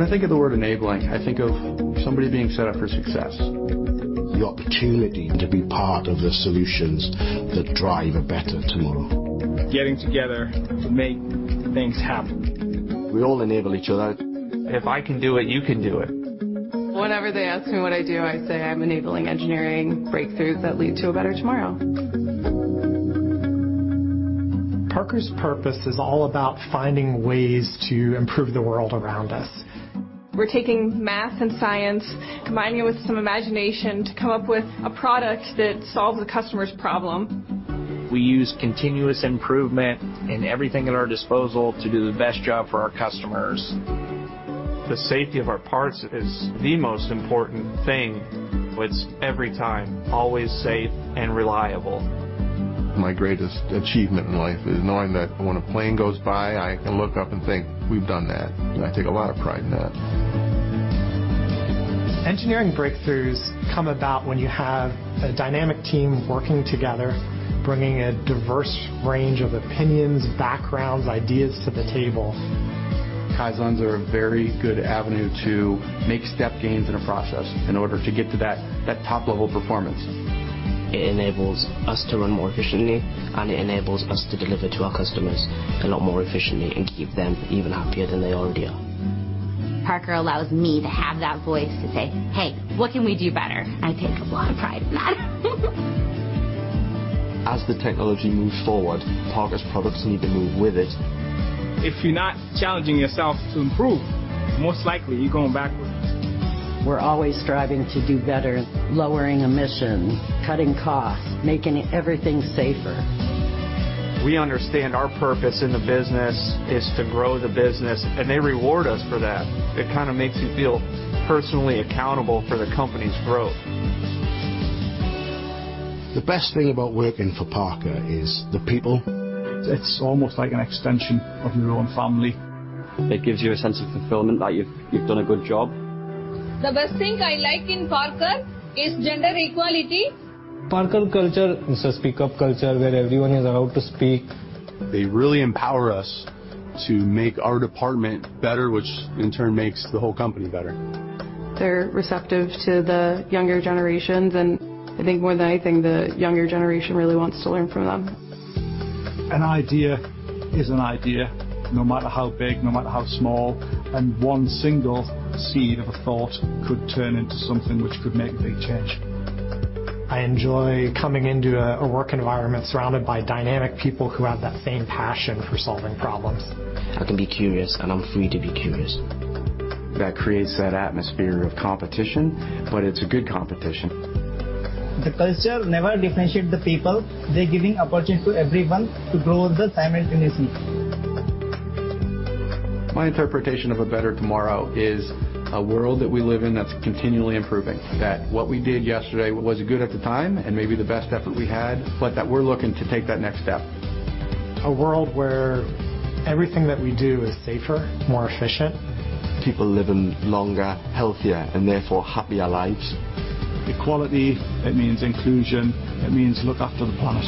When I think of the word enabling, I think of somebody being set up for success. The opportunity to be part of the solutions that drive a better tomorrow. Getting together to make things happen. We all enable each other. If I can do it, you can do it. Whenever they ask me what I do, I say I'm enabling engineering breakthroughs that lead to a better tomorrow. Parker's purpose is all about finding ways to improve the world around us. We're taking math and science, combining it with some imagination to come up with a product that solves a customer's problem. We use continuous improvement and everything at our disposal to do the best job for our customers. The safety of our parts is the most important thing. It's every time, always safe and reliable. My greatest achievement in life is knowing that when a plane goes by, I can look up and think, "We've done that." I take a lot of pride in that. Engineering breakthroughs come about when you have a dynamic team working together, bringing a diverse range of opinions, backgrounds, ideas to the table. Kaizens are a very good avenue to make step gains in a process in order to get to that top level performance. It enables us to run more efficiently, and it enables us to deliver to our customers a lot more efficiently and keep them even happier than they already are. Parker allows me to have that voice to say, "Hey, what can we do better?" I take a lot of pride in that. As the technology moves forward, Parker's products need to move with it. If you're not challenging yourself to improve, most likely you're going backwards. We're always striving to do better, lowering emissions, cutting costs, making everything safer. We understand our purpose in the business is to grow the business, and they reward us for that. It kind of makes you feel personally accountable for the company's growth. The best thing about working for Parker is the people. It's almost like an extension of your own family. It gives you a sense of fulfillment that you've done a good job. The best thing I like in Parker is gender equality. Parker culture is a speak-up culture where everyone is allowed to speak. They really empower us to make our department better, which in turn makes the whole company better. They're receptive to the younger generations, and I think more than anything, the younger generation really wants to learn from them. An idea is an idea, no matter how big, no matter how small. One single seed of a thought could turn into something which could make a big change. I enjoy coming into a work environment surrounded by dynamic people who have that same passion for solving problems. I can be curious, and I'm free to be curious. That creates that atmosphere of competition, but it's a good competition. The culture never differentiates the people. They're giving opportunities to everyone to grow simultaneously. My interpretation of a better tomorrow is a world that we live in that's continually improving. That what we did yesterday was good at the time and maybe the best effort we had, but that we're looking to take that next step. A world where everything that we do is safer, more efficient. People living longer, healthier, and therefore happier lives. Equality, it means inclusion, it means look after the planet.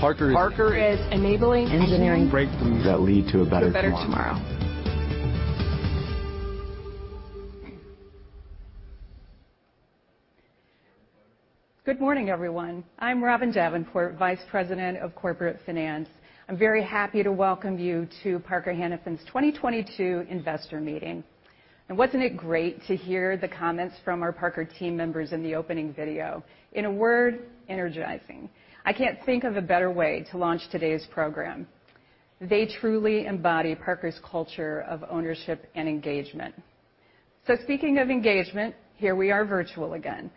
Parker is Parker is enabling. Engineering- Breakthroughs- That leads to a better tomorrow. To a better tomorrow. Good morning, everyone. I'm Robin Davenport, Vice President of Corporate Finance. I'm very happy to welcome you to Parker-Hannifin's 2022 Investor Meeting. Wasn't it great to hear the comments from our Parker team members in the opening video? In a word, energizing. I can't think of a better way to launch today's program. They truly embody Parker's culture of ownership and engagement. Speaking of engagement, here we are virtual again.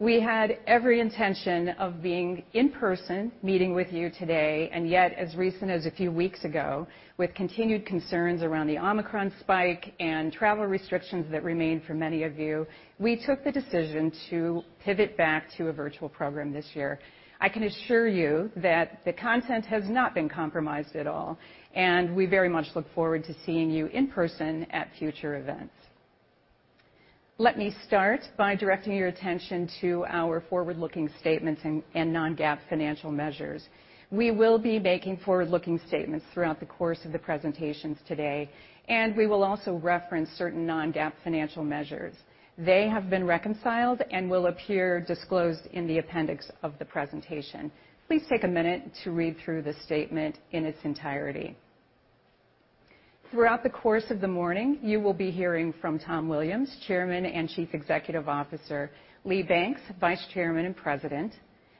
We had every intention of being in person meeting with you today, and yet, as recent as a few weeks ago, with continued concerns around the Omicron spike and travel restrictions that remain for many of you, we took the decision to pivot back to a virtual program this year. I can assure you that the content has not been compromised at all, and we very much look forward to seeing you in person at future events. Let me start by directing your attention to our forward-looking statements and non-GAAP financial measures. We will be making forward-looking statements throughout the course of the presentations today, and we will also reference certain non-GAAP financial measures. They have been reconciled and will appear disclosed in the appendix of the presentation. Please take a minute to read through the statement in its entirety. Throughout the course of the morning, you will be hearing from Tom Williams, Chairman and Chief Executive Officer, Lee Banks, Vice Chairman and President,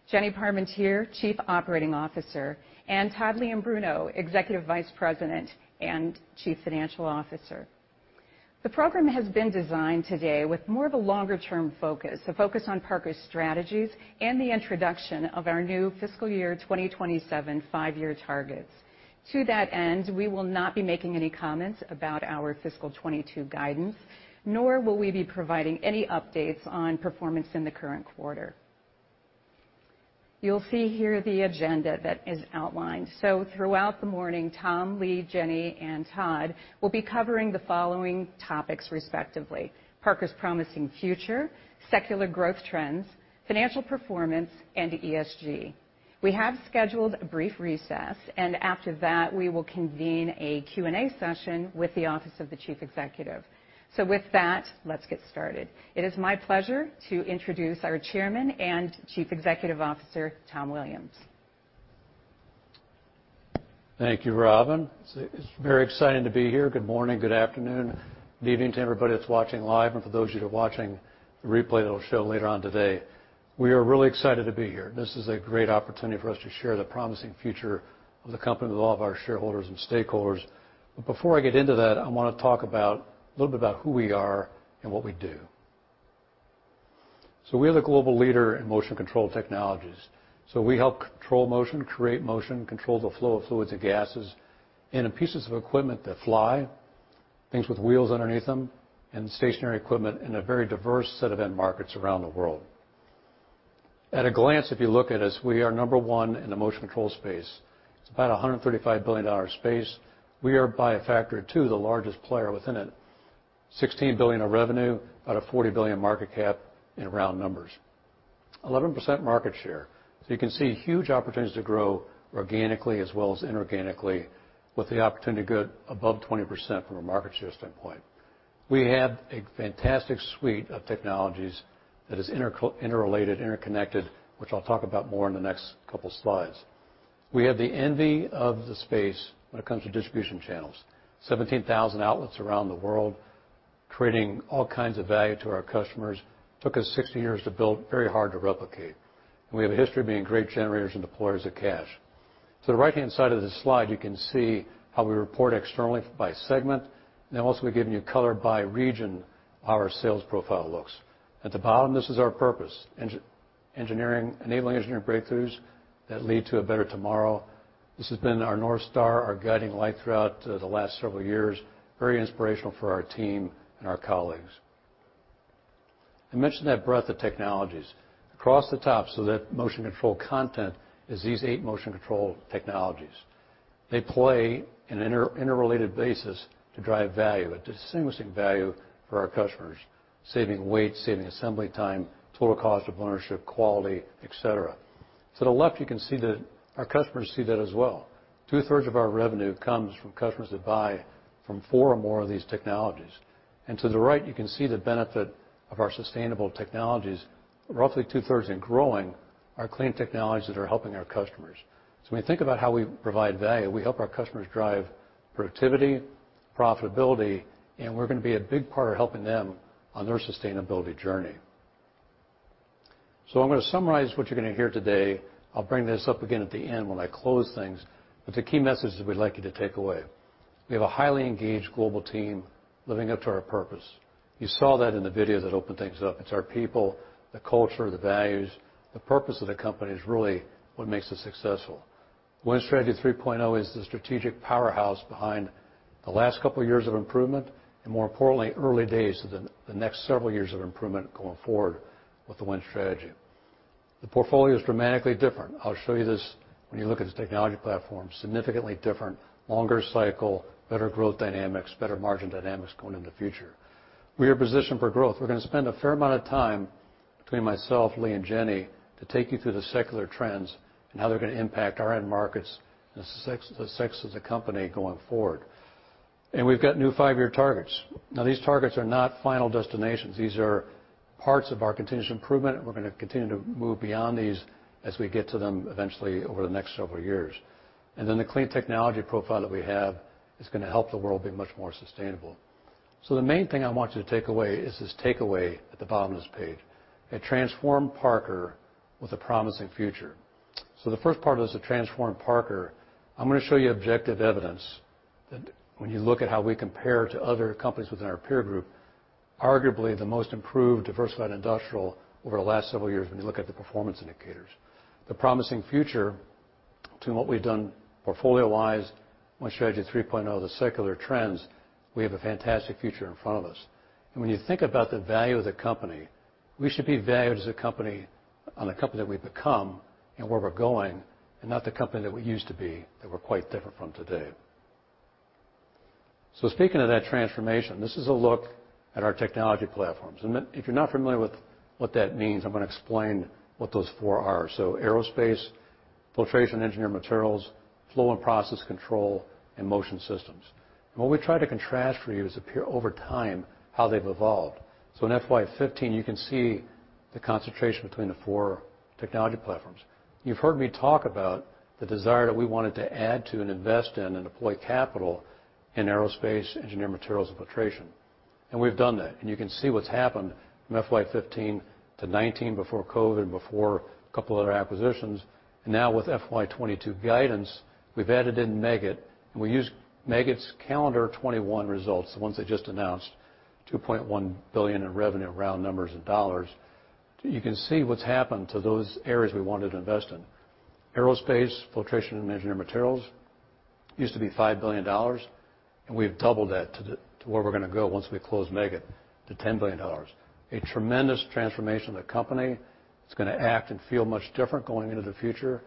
Jennifer Parmentier, Chief Operating Officer, and Todd Leombruno, Executive Vice President and Chief Financial Officer. The program has been designed today with more of a longer-term focus, a focus on Parker's strategies and the introduction of our new fiscal year 2027 five-year targets. To that end, we will not be making any comments about our fiscal 2022 guidance, nor will we be providing any updates on performance in the current quarter. You'll see here the agenda that is outlined. Throughout the morning, Tom, Lee, Jenny, and Todd will be covering the following topics respectively: Parker's promising future, secular growth trends, financial performance, and ESG. We have scheduled a brief recess, and after that, we will convene a Q&A session with the office of the chief executive. With that, let's get started. It is my pleasure to introduce our Chairman and Chief Executive Officer, Tom Williams. Thank you, Robin. It's very exciting to be here. Good morning, good afternoon, good evening to everybody that's watching live, and for those of you that are watching the replay that'll show later on today. We are really excited to be here. This is a great opportunity for us to share the promising future of the company with all of our shareholders and stakeholders. Before I get into that, I wanna talk about a little bit about who we are and what we do. We are the global leader in motion control technologies. We help control motion, create motion, control the flow of fluids and gases, and in pieces of equipment that fly, things with wheels underneath them, and stationary equipment in a very diverse set of end markets around the world. At a glance, if you look at us, we are number one in the motion control space. It's about a $135 billion space. We are, by a factor of two, the largest player within it. $16 billion of revenue, about a $40 billion market cap in round numbers. 11% market share. You can see huge opportunities to grow organically as well as inorganically with the opportunity to go above 20% from a market share standpoint. We have a fantastic suite of technologies that is interrelated, interconnected, which I'll talk about more in the next couple slides. We have the envy of the space when it comes to distribution channels. 17,000 outlets around the world creating all kinds of value to our customers. Took us 60 years to build, very hard to replicate. We have a history of being great generators and deployers of cash. To the right-hand side of this slide, you can see how we report externally by segment. Now also, we've given you color by region, how our sales profile looks. At the bottom, this is our purpose: enabling engineering breakthroughs that lead to a better tomorrow. This has been our North Star, our guiding light throughout the last several years. Very inspirational for our team and our colleagues. I mentioned that breadth of technologies. Across the top, so that motion control content is these eight motion control technologies. They play in an interrelated basis to drive value, a distinguishing value for our customers, saving weight, saving assembly time, total cost of ownership, quality, et cetera. To the left, you can see that our customers see that as well. 2/3 of our revenue comes from customers that buy from four or more of these technologies. To the right, you can see the benefit of our sustainable technologies. Roughly 2/3 and growing are clean technologies that are helping our customers. When you think about how we provide value, we help our customers drive productivity, profitability, and we're gonna be a big part of helping them on their sustainability journey. I'm gonna summarize what you're gonna hear today. I'll bring this up again at the end when I close things. The key message is we'd like you to take away. We have a highly engaged global team living up to our purpose. You saw that in the video that opened things up. It's our people, the culture, the values. The purpose of the company is really what makes us successful. Win Strategy 3.0 is the strategic powerhouse behind the last couple years of improvement, and more importantly, early days to the next several years of improvement going forward with the Win Strategy. The portfolio is dramatically different. I'll show you this when you look at the technology platform. Significantly different, longer cycle, better growth dynamics, better margin dynamics going in the future. We are positioned for growth. We're gonna spend a fair amount of time between myself, Lee, and Jenny to take you through the secular trends and how they're gonna impact our end markets and the success of the company going forward. We've got new five-year targets. Now, these targets are not final destinations. These are parts of our continuous improvement, and we're gonna continue to move beyond these as we get to them eventually over the next several years. The clean technology profile that we have is gonna help the world be much more sustainable. The main thing I want you to take away is this takeaway at the bottom of this page, a transformed Parker with a promising future. The first part of this, a transformed Parker, I'm gonna show you objective evidence that when you look at how we compare to other companies within our peer group, arguably the most improved diversified industrial over the last several years when you look at the performance indicators. The promising future between what we've done portfolio-wise, Win Strategy 3.0, the secular trends, we have a fantastic future in front of us. When you think about the value of the company, we should be valued as a company on the company that we've become and where we're going, and not the company that we used to be, that we're quite different from today. Speaking of that transformation, this is a look at our technology platforms. Then if you're not familiar with what that means, I'm gonna explain what those four are. Aerospace, filtration, engineered materials, flow and process control, and motion systems. What we try to contrast for you is up here over time how they've evolved. In FY 2015, you can see the concentration between the four technology platforms. You've heard me talk about the desire that we wanted to add to and invest in and deploy capital in aerospace, engineered materials, and filtration. We've done that. You can see what's happened from FY 2015 to 2019 before COVID, before a couple other acquisitions. Now with FY 2022 guidance, we've added in Meggitt, and we use Meggitt's calendar 2021 results, the ones they just announced, $2.1 billion in revenue, round numbers in dollars. You can see what's happened to those areas we wanted to invest in. Aerospace, filtration, and engineered materials used to be $5 billion, and we've doubled that to where we're gonna go once we close Meggitt to $10 billion. A tremendous transformation of the company. It's gonna act and feel much different going into the future.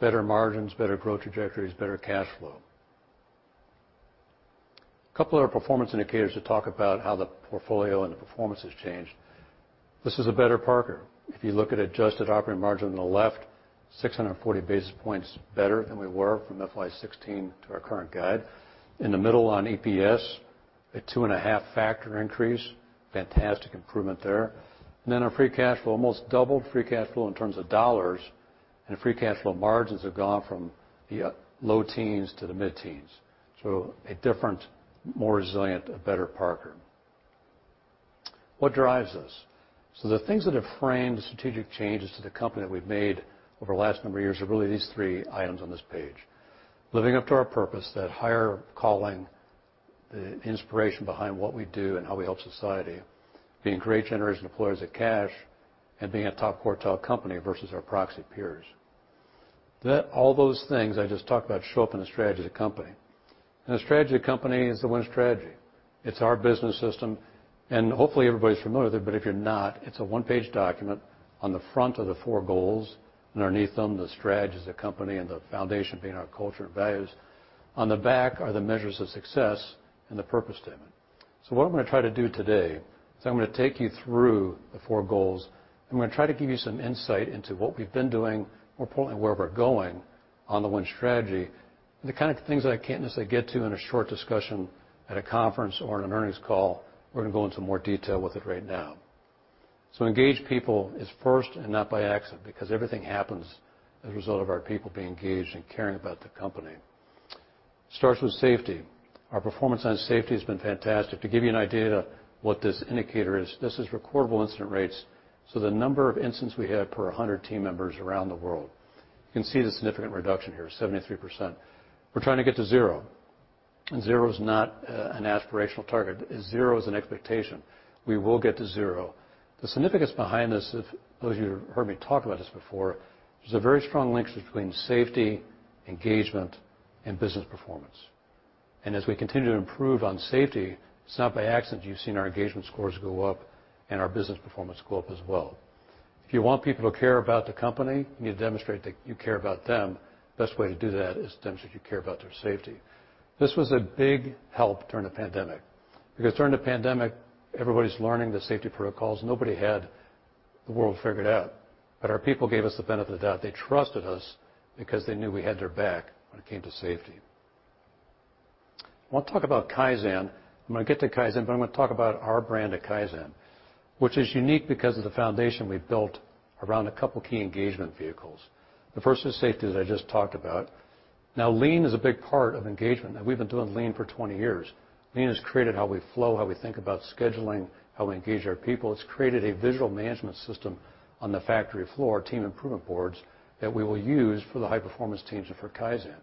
Better margins, better growth trajectories, better cash flow. A couple of our performance indicators to talk about how the portfolio and the performance has changed. This is a better Parker. If you look at adjusted operating margin on the left, 640 basis points better than we were from FY 2016 to our current guide. In the middle on EPS, a 2.5% factor increase. Fantastic improvement there. Then our free cash flow, almost doubled free cash flow in terms of dollars. Free cash flow margins have gone from the low teens to the mid-teens. A different, more resilient, a better Parker. What drives us? The things that have framed the strategic changes to the company that we've made over the last number of years are really these three items on this page. Living up to our purpose, that higher calling, the inspiration behind what we do and how we help society. Being great generators and deployers of cash, and being a top quartile company versus our proxy peers. That all those things I just talked about show up in the strategy of the company. The strategy of the company is the Win Strategy. It's our business system. Hopefully, everybody's familiar with it, but if you're not, it's a one-page document. On the front are the four goals. Underneath them, the strategy as a company and the foundation being our culture and values. On the back are the measures of success and the purpose statement. What I'm gonna try to do today is I'm gonna take you through the four goals, and I'm gonna try to give you some insight into what we've been doing, more importantly, where we're going on the Win Strategy. The kind of things I can't necessarily get to in a short discussion at a conference or in an earnings call, we're gonna go into more detail with it right now. Engage people is first and not by accident, because everything happens as a result of our people being engaged and caring about the company. Starts with safety. Our performance on safety has been fantastic. To give you an idea what this indicator is, this is recordable incident rates, so the number of incidents we have per 100 team members around the world. You can see the significant reduction here, 73%. We're trying to get to zero, and zero is not an aspirational target. Zero is an expectation. We will get to zero. The significance behind this, if those of you who've heard me talk about this before, there's a very strong link between safety, engagement, and business performance. As we continue to improve on safety, it's not by accident you've seen our engagement scores go up and our business performance go up as well. If you want people to care about the company, you need to demonstrate that you care about them. Best way to do that is demonstrate you care about their safety. This was a big help during the pandemic because during the pandemic, everybody's learning the safety protocols. Nobody had the world figured out, but our people gave us the benefit of the doubt. They trusted us because they knew we had their back when it came to safety. I wanna talk about Kaizen. I'm gonna get to Kaizen, but I'm gonna talk about our brand of Kaizen, which is unique because of the foundation we've built around a couple key engagement vehicles. The first is safety, as I just talked about. Now, Lean is a big part of engagement, and we've been doing Lean for 20 years. Lean has created how we flow, how we think about scheduling, how we engage our people. It's created a visual management system on the factory floor, team improvement boards, that we will use for the high-performance teams and for Kaizen.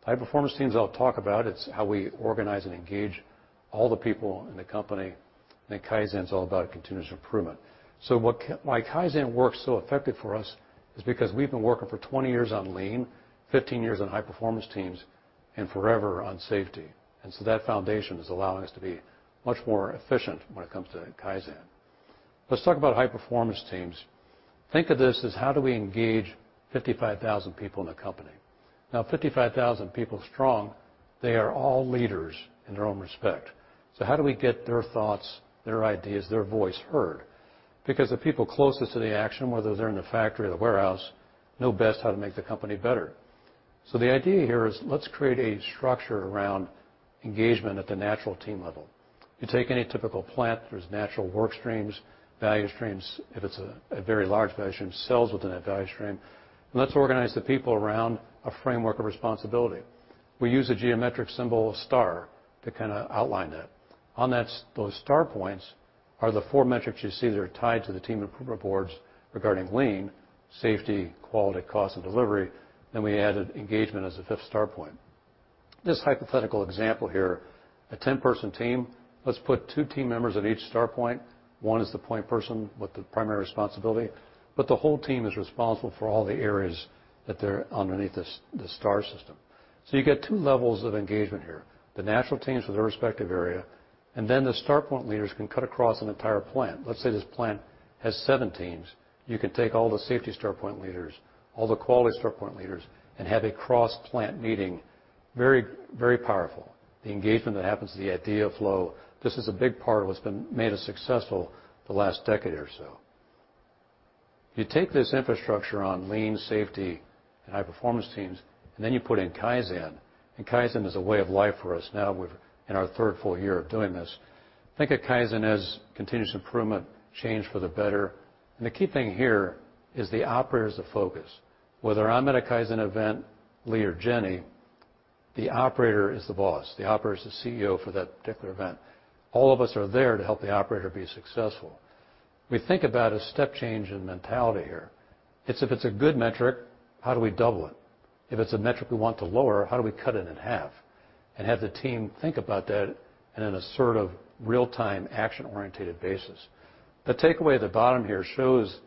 The high-performance teams I'll talk about, it's how we organize and engage all the people in the company, and Kaizen's all about continuous improvement. Why Kaizen works so effective for us is because we've been working for 20 years on Lean, 15 years on high-performance teams, and forever on safety. That foundation is allowing us to be much more efficient when it comes to Kaizen. Let's talk about high-performance teams. Think of this as how do we engage 55,000 people in the company. Now, 55,000 people strong, they are all leaders in their own respect. How do we get their thoughts, their ideas, their voice heard? Because the people closest to the action, whether they're in the factory or the warehouse, know best how to make the company better. The idea here is let's create a structure around engagement at the natural team level. You take any typical plant, there's natural work streams, value streams, if it's a very large value stream, cells within that value stream, and let's organize the people around a framework of responsibility. We use a geometric symbol, a star, to kinda outline that. On those star points are the four metrics you see that are tied to the team improvement boards regarding Lean, safety, quality, cost, and delivery, then we added engagement as a fifth star point. This hypothetical example here, a 10-person team. Let's put two team members at each star point. One is the point person with the primary responsibility, but the whole team is responsible for all the areas that they're underneath the star system. You get two levels of engagement here, the natural teams with their respective area, and then the star point leaders can cut across an entire plant. Let's say this plant has seven teams. You can take all the safety star point leaders, all the quality star point leaders, and have a cross-plant meeting. Very, very powerful. The engagement that happens, the idea of flow, this is a big part of what's made us successful the last decade or so. You take this infrastructure on Lean, safety, and high-performance teams, and then you put in Kaizen, and Kaizen is a way of life for us now. We're in our third full year of doing this. Think of Kaizen as continuous improvement, change for the better. The key thing here is the operator is the focus. Whether I'm at a Kaizen event, Lee or Jenny, the operator is the boss. The operator is the CEO for that particular event. All of us are there to help the operator be successful. We think about a step change in mentality here. It's if it's a good metric, how do we double it? If it's a metric we want to lower, how do we cut it in half? Have the team think about that in a sort of real-time action-oriented basis. The takeaway at the bottom here shows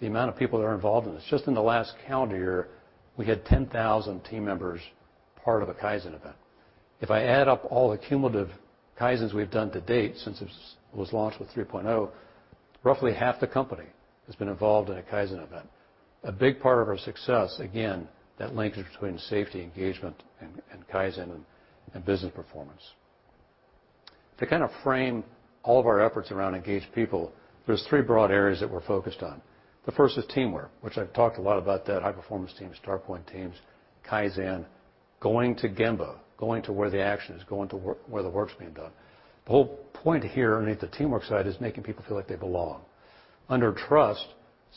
the amount of people that are involved in this. Just in the last calendar year, we had 10,000 team members part of a Kaizen event. If I add up all the cumulative Kaizens we've done to date since it was launched with 3.0, roughly half the company has been involved in a Kaizen event. A big part of our success, again, that linkage between safety, engagement, and Kaizen and business performance. To kind of frame all of our efforts around engaged people, there's three broad areas that we're focused on. The first is teamwork, which I've talked a lot about that, high-performance teams, star point teams, Kaizen, going to Gemba, going to where the action is, going to work where the work's being done. The whole point here underneath the teamwork side is making people feel like they belong. Under trust,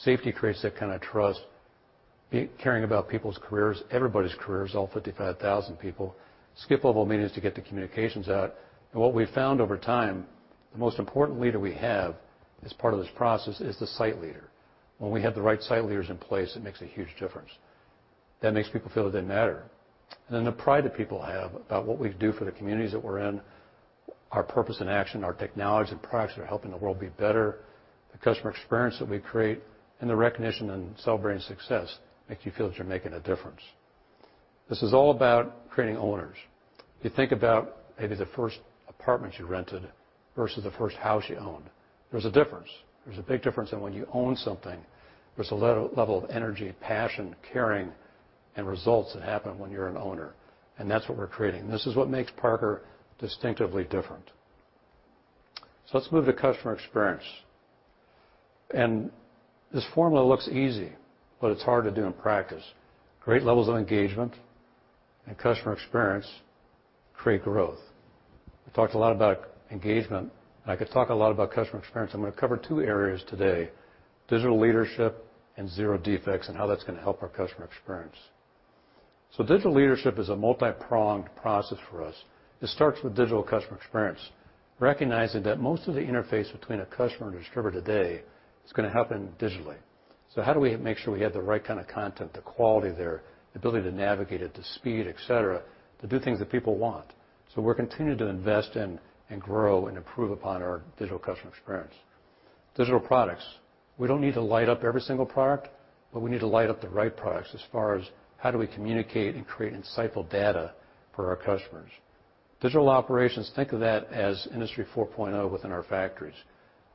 safety creates that kind of trust. Caring about people's careers, everybody's careers, all 55,000 people. Skip-level meetings to get the communications out. What we've found over time, the most important leader we have as part of this process is the site leader. When we have the right site leaders in place, it makes a huge difference. That makes people feel that they matter. The pride that people have about what we do for the communities that we're in, our purpose in action, our technologies and products that are helping the world be better, the customer experience that we create, and the recognition and celebrating success makes you feel that you're making a difference. This is all about creating owners. If you think about maybe the first apartment you rented versus the first house you owned, there's a difference. There's a big difference in when you own something. There's a level of energy, passion, caring, and results that happen when you're an owner, and that's what we're creating. This is what makes Parker distinctively different. Let's move to customer experience. This formula looks easy, but it's hard to do in practice. Great levels of engagement and customer experience create growth. We talked a lot about engagement, and I could talk a lot about customer experience. I'm gonna cover two areas today, digital leadership and Zero Defects and how that's gonna help our customer experience. Digital leadership is a multipronged process for us. It starts with digital customer experience, recognizing that most of the interface between a customer and distributor today is gonna happen digitally. How do we make sure we have the right kind of content, the quality there, the ability to navigate it, the speed, et cetera, to do things that people want? We're continuing to invest in and grow and improve upon our digital customer experience. Digital products. We don't need to light up every single product, but we need to light up the right products as far as how do we communicate and create insightful data for our customers. Digital operations, think of that as Industry 4.0 within our factories,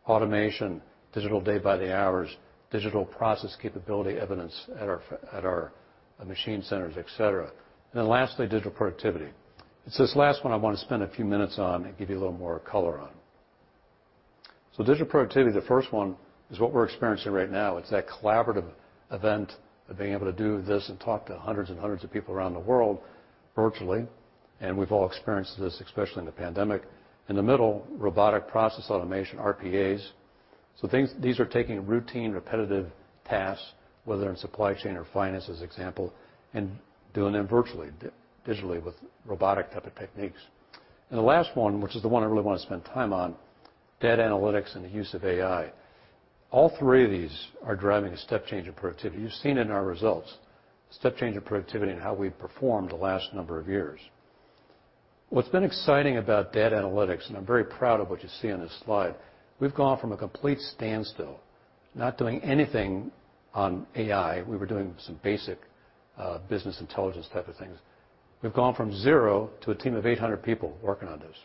automation, digital day by the hours, digital process capability evidence at our machine centers, et cetera. Lastly, digital productivity. It's this last one I wanna spend a few minutes on and give you a little more color on. Digital productivity, the first one, is what we're experiencing right now. It's that collaborative event of being able to do this and talk to hundreds and hundreds of people around the world virtually, and we've all experienced this, especially in the pandemic. In the middle, robotic process automation, RPAs. Things, these are taking routine, repetitive tasks, whether in supply chain or finance, as example, and doing them virtually, digitally with robotic type of techniques. The last one, which is the one I really wanna spend time on, data analytics and the use of AI. All three of these are driving a step change in productivity. You've seen it in our results, step change in productivity and how we've performed the last number of years. What's been exciting about data analytics, and I'm very proud of what you see on this slide, we've gone from a complete standstill, not doing anything on AI, we were doing some basic, business intelligence type of things. We've gone from zero to a team of 800 people working on this.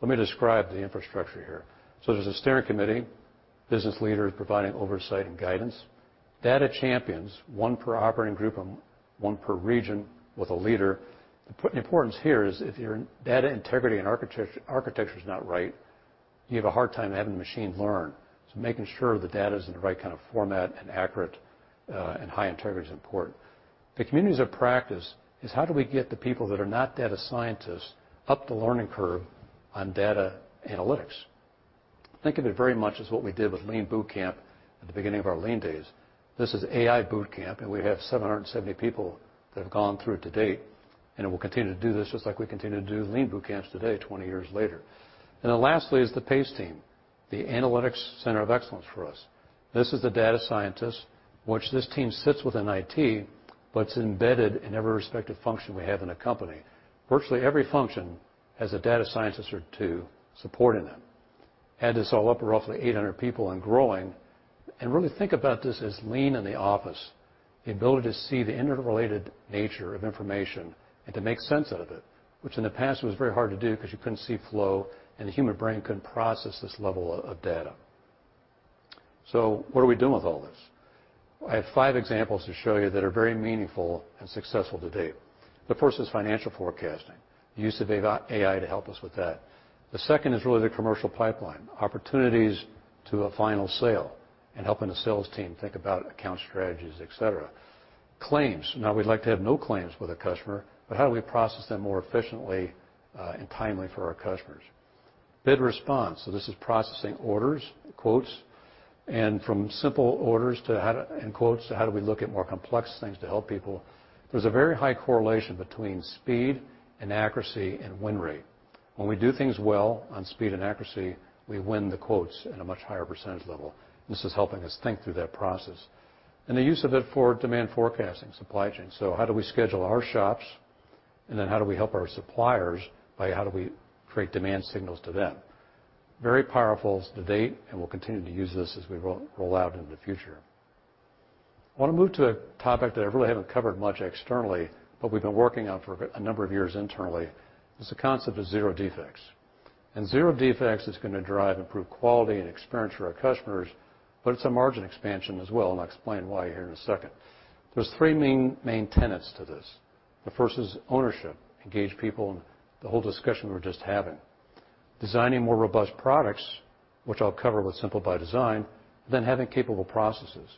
Let me describe the infrastructure here. There's a steering committee, business leaders providing oversight and guidance. Data champions, one per operating group and one per region with a leader. The importance here is if your data integrity and architecture's not right, you have a hard time having the machine learn, so making sure the data's in the right kind of format and accurate, and high integrity is important. The communities of practice is how do we get the people that are not data scientists up the learning curve on data analytics? Think of it very much as what we did with Lean Bootcamp at the beginning of our Lean days. This is AI Bootcamp, and we have 770 people that have gone through it to date, and it will continue to do this just like we continue to do Lean Bootcamps today, 20 years later. Lastly is the PACE team, the analytics center of excellence for us. This is the data scientists, which this team sits within IT, but it's embedded in every respective function we have in the company. Virtually every function has a data scientist or two supporting them. Add this all up, we're roughly 800 people and growing. Really think about this as Lean in the office, the ability to see the interrelated nature of information and to make sense out of it, which in the past was very hard to do because you couldn't see flow, and the human brain couldn't process this level of data. What are we doing with all this? I have five examples to show you that are very meaningful and successful to date. The first is financial forecasting, use of AI to help us with that. The second is really the commercial pipeline, opportunities to a final sale and helping the sales team think about account strategies, et cetera. Claims. Now we'd like to have no claims with a customer, but how do we process them more efficiently and timely for our customers? Bid response. This is processing orders, quotes, and from simple orders to how to and quotes, to how do we look at more complex things to help people. There's a very high correlation between speed and accuracy and win rate. When we do things well on speed and accuracy, we win the quotes at a much higher percentage level, and this is helping us think through that process. The use of it for demand forecasting, supply chain. How do we schedule our shops, and then how do we help our suppliers by how do we create demand signals to them? Very powerful to date, and we'll continue to use this as we roll out into the future. I wanna move to a topic that I really haven't covered much externally, but we've been working on for a number of years internally. It's the concept of Zero Defects. Zero Defects is going to drive improved quality and experience for our customers, but it's a margin expansion as well, and I'll explain why here in a second. There's three main tenets to this. The first is ownership, engage people, and the whole discussion we were just having. Designing more robust products, which I'll cover with Simple by Design, then having capable processes.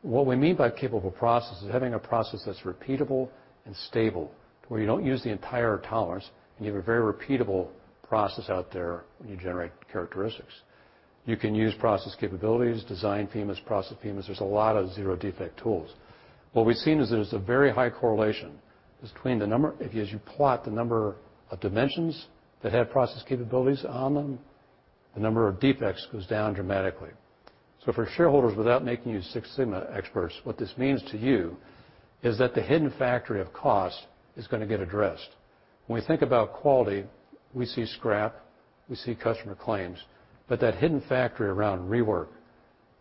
What we mean by capable process is having a process that's repeatable and stable, where you don't use the entire tolerance, and you have a very repeatable process out there when you generate characteristics. You can use process capabilities, design FMEAs, process FMEAs. There's a lot of Zero Defects tools. What we've seen is there's a very high correlation between the number, as you plot the number of dimensions that have process capabilities on them, the number of defects goes down dramatically. For shareholders, without making you Six Sigma experts, what this means to you is that the hidden factory of cost is gonna get addressed. When we think about quality, we see scrap, we see customer claims, but that hidden factory around rework,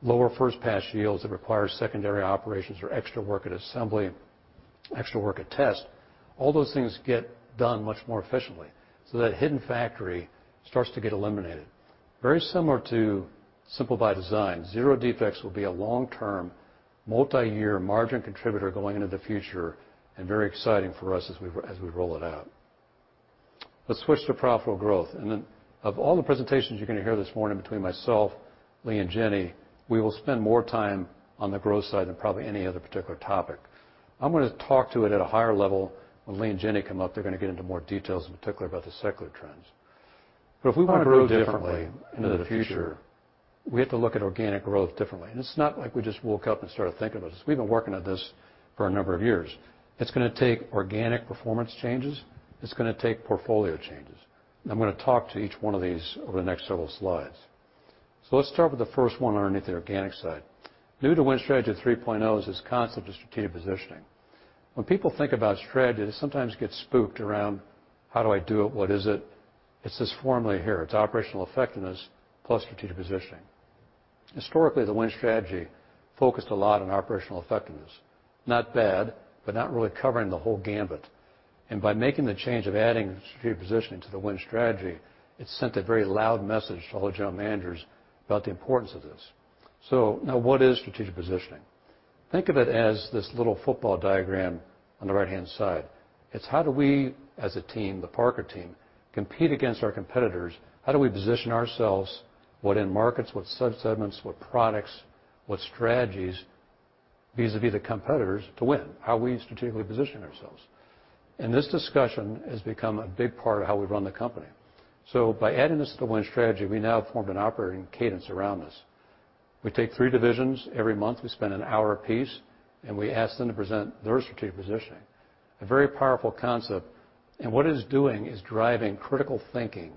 lower first pass yields that require secondary operations or extra work at assembly, extra work at test, all those things get done much more efficiently. That hidden factory starts to get eliminated. Very similar to Simple by Design, Zero Defects will be a long-term, multi-year margin contributor going into the future and very exciting for us as we roll it out. Let's switch to profitable growth. Of all the presentations you're gonna hear this morning between myself, Lee, and Jenny, we will spend more time on the growth side than probably any other particular topic. I'm gonna talk to it at a higher level. When Lee and Jenny come up, they're gonna get into more details, in particular about the secular trends. If we wanna grow differently into the future, we have to look at organic growth differently. It's not like we just woke up and started thinking about this. We've been working at this for a number of years. It's gonna take organic performance changes. It's gonna take portfolio changes. I'm gonna talk to each one of these over the next several slides. Let's start with the first one underneath the organic side. New to Win Strategy 3.0 is this concept of strategic positioning. When people think about strategy, they sometimes get spooked around how do I do it? What is it? It's this formula here. It's operational effectiveness plus strategic positioning. Historically, the Win Strategy focused a lot on operational effectiveness. Not bad, but not really covering the whole gamut. By making the change of adding strategic positioning to the Win Strategy, it sent a very loud message to all the general managers about the importance of this. Now what is strategic positioning? Think of it as this little football diagram on the right-hand side. It's how do we as a team, the Parker team, compete against our competitors? How do we position ourselves? What end markets, what sub-segments, what products, what strategies vis-à-vis the competitors to win? How we strategically position ourselves. This discussion has become a big part of how we run the company. By adding this to the Win Strategy, we now formed an operating cadence around this. We take three divisions every month, we spend an hour a piece, and we ask them to present their strategic positioning. A very powerful concept. What it's doing is driving critical thinking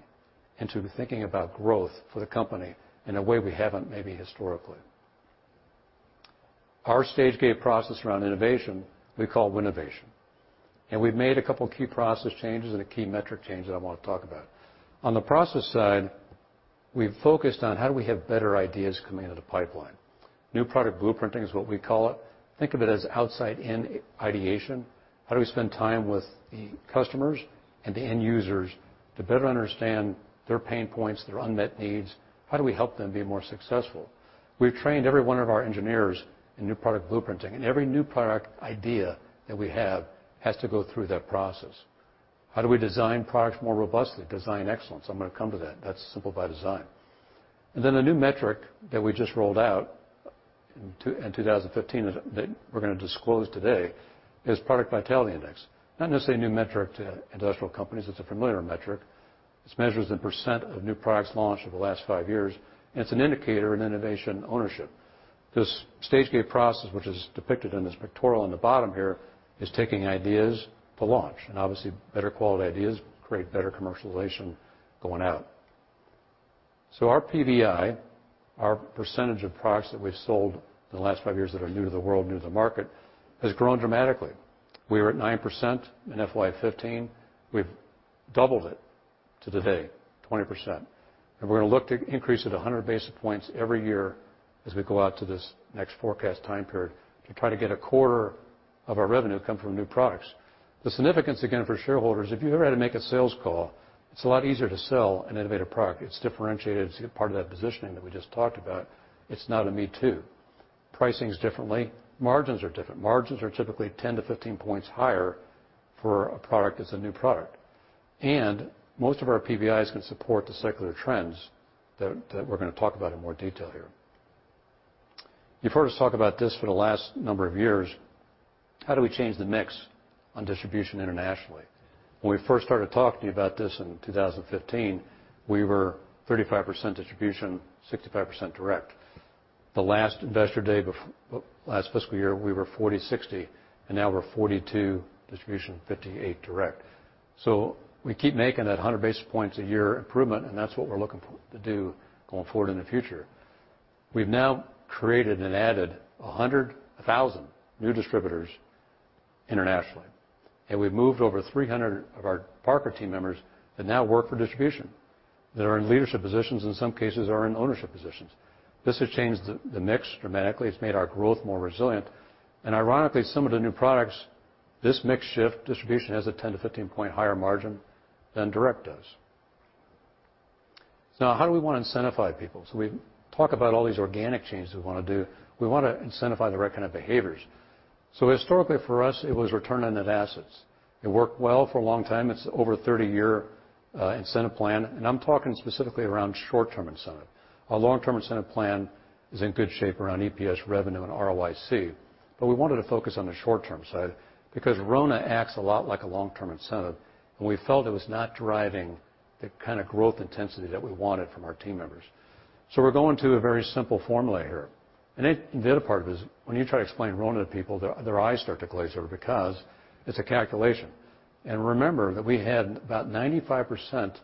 into thinking about growth for the company in a way we haven't maybe historically. Our stage gate process around innovation, we call Winovation. We've made a couple key process changes and a key metric change that I wanna talk about. On the process side, we've focused on how do we have better ideas coming into the pipeline. New product blueprinting is what we call it. Think of it as outside-in ideation. How do we spend time with the customers and the end users to better understand their pain points, their unmet needs? How do we help them be more successful? We've trained every one of our engineers in new product blueprinting, and every new product idea that we have has to go through that process. How do we design products more robustly? Design excellence. I'm gonna come to that. That's Simple by Design. A new metric that we just rolled out in 2015 that we're gonna disclose today is Product Vitality Index. Not necessarily a new metric to industrial companies, it's a familiar metric. This measures the percent of new products launched over the last five years, and it's an indicator in innovation ownership. This stage gate process, which is depicted in this pictorial on the bottom here, is taking ideas to launch. Obviously, better quality ideas create better commercialization going out. Our PVI, our percentage of products that we've sold in the last five years that are new to the world, new to the market, has grown dramatically. We were at 9% in FY 2015. We've doubled it to today, 20%. We're gonna look to increase it 100 basis points every year as we go out to this next forecast time period to try to get a quarter of our revenue come from new products. The significance again for shareholders, if you've ever had to make a sales call, it's a lot easier to sell an innovative product. It's differentiated. It's part of that positioning that we just talked about. It's not a me-too. Pricing's different. Margins are different. Margins are typically 10-15 points higher for a product that's a new product. Most of our PVIs can support the secular trends that we're gonna talk about in more detail here. You've heard us talk about this for the last number of years. How do we change the mix on distribution internationally? When we first started talking to you about this in 2015, we were 35% distribution, 65% direct. The last investor day last fiscal year, we were 40%, 60%, and now we're 42% distribution, 58% direct. We keep making that 100 basis points a year improvement, and that's what we're looking for to do going forward in the future. We've now created and added a thousand new distributors internationally. We've moved over 300 of our Parker team members that now work for distribution, that are in leadership positions, in some cases are in ownership positions. This has changed the mix dramatically. It's made our growth more resilient. Ironically, this mix shift distribution has a 10-15 point higher margin than direct does. Now, how do we wanna incentivize people? We talk about all these organic changes we wanna do. We wanna incentivize the right kind of behaviors. Historically, for us, it was return on net assets. It worked well for a long time. It's over a 30-year incentive plan, and I'm talking specifically around short-term incentive. Our long-term incentive plan is in good shape around EPS revenue and ROIC, but we wanted to focus on the short-term side because RONA acts a lot like a long-term incentive, and we felt it was not driving the kind of growth intensity that we wanted from our team members. We're going to a very simple formula here. The other part of it is when you try to explain RONA to people, their eyes start to glaze over because it's a calculation. Remember that we had about 95%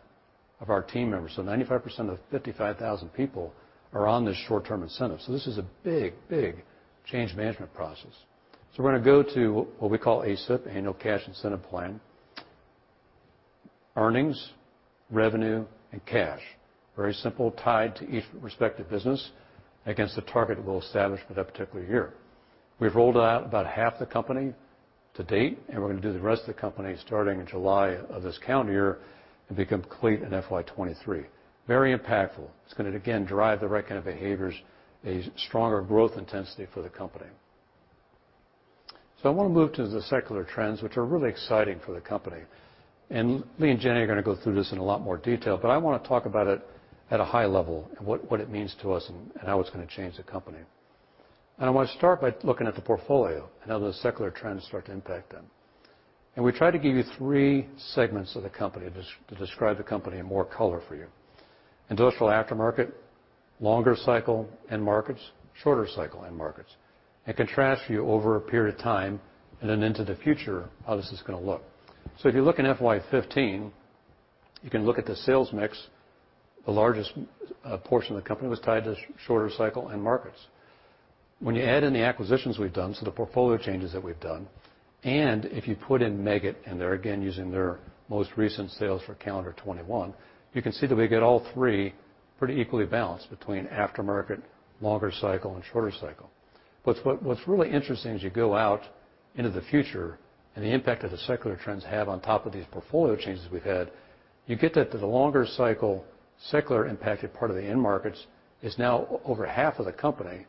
of our team members, so 95% of 55,000 people are on this short-term incentive. This is a big, big change management process. We're gonna go to what we call ACIP, annual cash incentive plan. Earnings, revenue, and cash, very simple, tied to each respective business against the target we'll establish for that particular year. We've rolled out about half the company to date, and we're gonna do the rest of the company starting in July of this calendar year and be complete in FY 2023. Very impactful. It's gonna, again, drive the right kind of behaviors, a stronger growth intensity for the company. I wanna move to the secular trends, which are really exciting for the company. Lee and Jenny are gonna go through this in a lot more detail, but I wanna talk about it at a high level and what it means to us and how it's gonna change the company. I wanna start by looking at the portfolio and how the secular trends start to impact them. We try to give you three segments of the company to describe the company in more color for you. Industrial aftermarket, longer cycle end markets, shorter cycle end markets. Contrast for you over a period of time and then into the future how this is gonna look. If you look in FY 2015, you can look at the sales mix. The largest portion of the company was tied to shorter cycle end markets. When you add in the acquisitions we've done, so the portfolio changes that we've done, and if you put in Meggitt, and they're, again, using their most recent sales for calendar 2021, you can see that we get all three pretty equally balanced between aftermarket, longer cycle, and shorter cycle. What's really interesting as you go out into the future and the impact that the secular trends have on top of these portfolio changes we've had, you get that the longer cycle secular impacted part of the end markets is now over half of the company.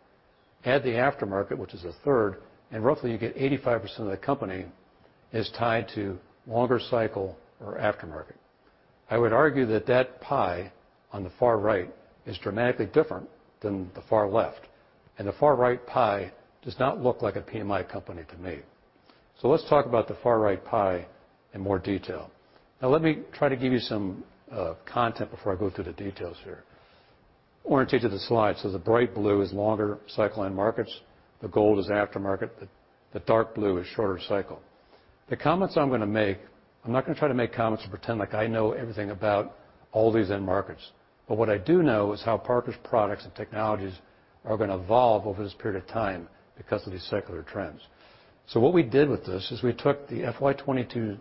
Add the aftermarket, which is 1/3, and roughly you get 85% of the company is tied to longer cycle or aftermarket. I would argue that pie on the far right is dramatically different than the far left, and the far right pie does not look like a PMI company to me. Let's talk about the far right pie in more detail. Now let me try to give you some content before I go through the details here. Orient you to the slide. The bright blue is longer cycle end markets. The gold is aftermarket. The dark blue is shorter cycle. The comments I'm gonna make, I'm not gonna try to make comments to pretend like I know everything about all these end markets, but what I do know is how Parker's products and technologies are gonna evolve over this period of time because of these secular trends. What we did with this is we took the FY 2022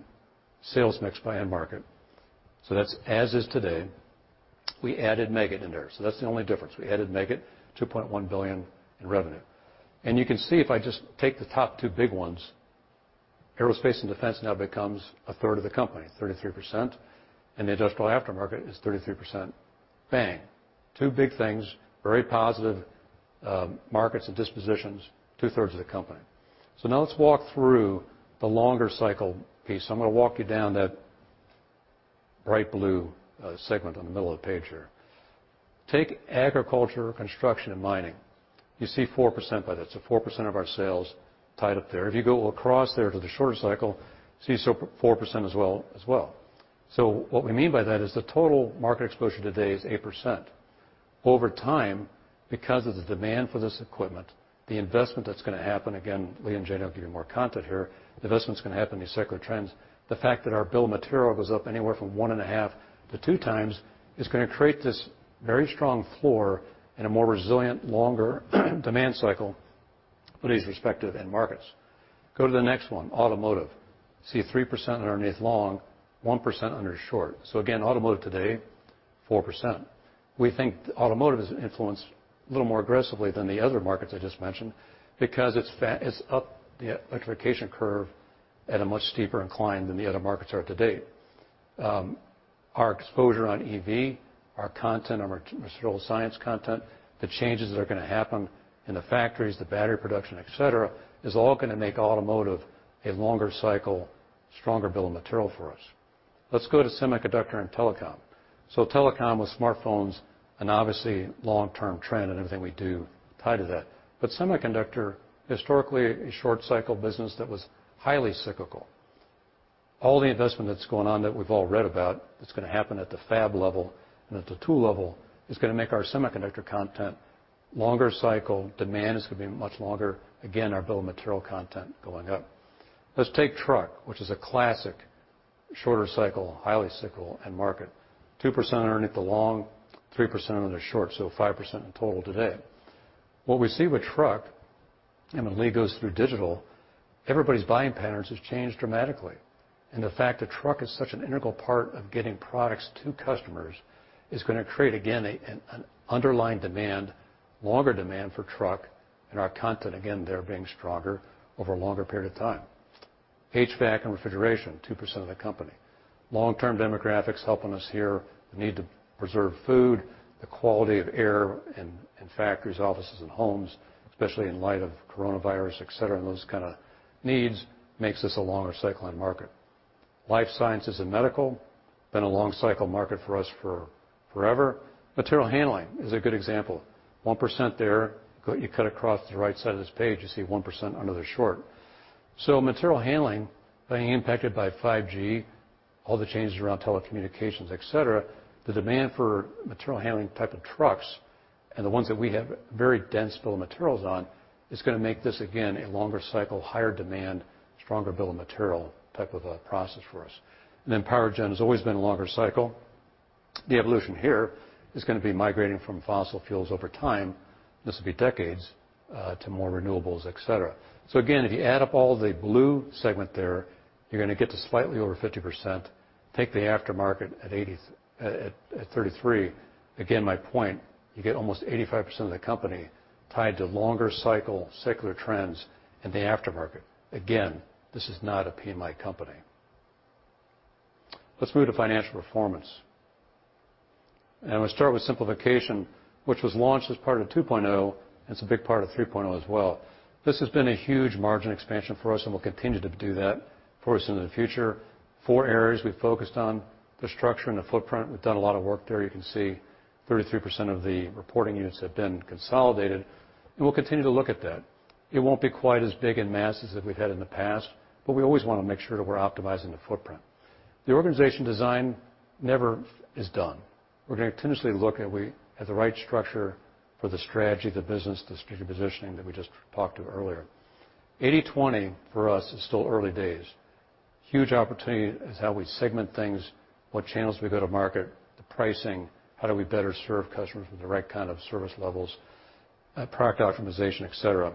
sales mix by end market, so that's as is today. We added Meggitt in there, so that's the only difference. We added Meggitt, $2.1 billion in revenue. You can see if I just take the top two big ones, Aerospace and Defense now becomes 1/3 of the company, 33%, and the industrial aftermarket is 33%. Bang. Two big things, very positive, markets and dispositions, 2/3 of the company. Now let's walk through the longer cycle piece. I'm gonna walk you down that bright blue segment on the middle of the page here. Take agriculture, construction, and mining. You see 4% by that, so 4% of our sales tied up there. If you go across there to the shorter cycle, see so 4% as well. What we mean by that is the total market exposure today is 8%. Over time, because of the demand for this equipment, the investment that's gonna happen, again, Lee and Jenny will give you more content here, the investment's gonna happen in these secular trends. The fact that our bill of material goes up anywhere from 1.5x-2x is gonna create this very strong floor and a more resilient, longer demand cycle for these respective end markets. Go to the next one, automotive. See 3% underneath long, 1% under short. Again, automotive today, 4%. We think automotive is influenced a little more aggressively than the other markets I just mentioned because it's up the electrification curve at a much steeper incline than the other markets are to date. Our exposure on EV, our content, our material science content, the changes that are gonna happen in the factories, the battery production, et cetera, is all gonna make automotive a longer cycle, stronger bill of material for us. Let's go to semiconductor and telecom. Telecom with smartphones, and obviously, long-term trend and everything we do tied to that. But semiconductor, historically a short-cycle business that was highly cyclical. All the investment that's going on that we've all read about that's gonna happen at the fab level and at the tool level is gonna make our semiconductor content longer cycle. Demand is gonna be much longer. Again, our bill of material content going up. Let's take truck, which is a classic shorter cycle, highly cyclical end market. 2% underneath the long, 3% under the short, so 5% in total today. What we see with truck, and when Lee goes through digital, everybody's buying patterns has changed dramatically. The fact that truck is such an integral part of getting products to customers is gonna create, again, an underlying demand, longer demand for truck and our content, again, there being stronger over a longer period of time. HVAC and refrigeration, 2% of the company. Long-term demographics helping us here. The need to preserve food, the quality of air in factories, offices, and homes, especially in light of coronavirus, et cetera, and those kinda needs makes this a longer cycle on market. Life sciences and medical have been a long cycle market for us forever. Material handling is a good example. 1% there. You cut across to the right side of this page, you see 1% under the short. So material handling being impacted by 5G, all the changes around telecommunications, et cetera, the demand for material handling type of trucks and the ones that we have very dense bill of materials on, is gonna make this, again, a longer cycle, higher demand, stronger bill of material type of a process for us. Power gen has always been a longer cycle. The evolution here is gonna be migrating from fossil fuels over time, this will be decades to more renewables, etc. So again, if you add up all the blue segment there, you're gonna get to slightly over 50%. Take the aftermarket at 33%. Again, my point, you get almost 85% of the company tied to longer cycle secular trends in the aftermarket. Again, this is not a PMI company. Let's move to financial performance. I'm gonna start with simplification, which was launched as part of 2.0, and it's a big part of 3.0 as well. This has been a huge margin expansion for us, and we'll continue to do that for us into the future. Four areas we've focused on. The structure and the footprint, we've done a lot of work there. You can see 33% of the reporting units have been consolidated, and we'll continue to look at that. It won't be quite as big in masses that we've had in the past, but we always wanna make sure that we're optimizing the footprint. The organization design never is done. We're gonna continuously look if we have the right structure for the strategy, the business, the strategic positioning that we just talked about earlier. 80/20 for us is still early days. Huge opportunity is how we segment things, what channels we go to market, the pricing, how do we better serve customers with the right kind of service levels, product optimization, et cetera.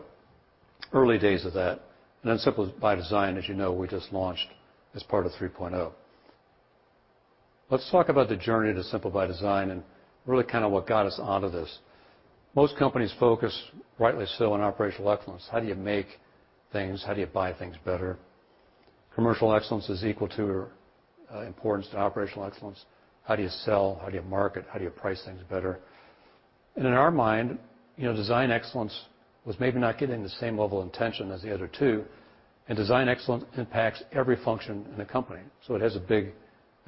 Early days of that. Then Simple by Design, as you know, we just launched as part of 3.0. Let's talk about the journey to Simple by Design, and really kinda what got us onto this. Most companies focus, rightly so, on operational excellence. How do you make things? How do you buy things better? Commercial excellence is equal to or importance to operational excellence. How do you sell? How do you market? How do you price things better? In our mind, you know, design excellence was maybe not getting the same level intention as the other two, and design excellence impacts every function in the company, so it has a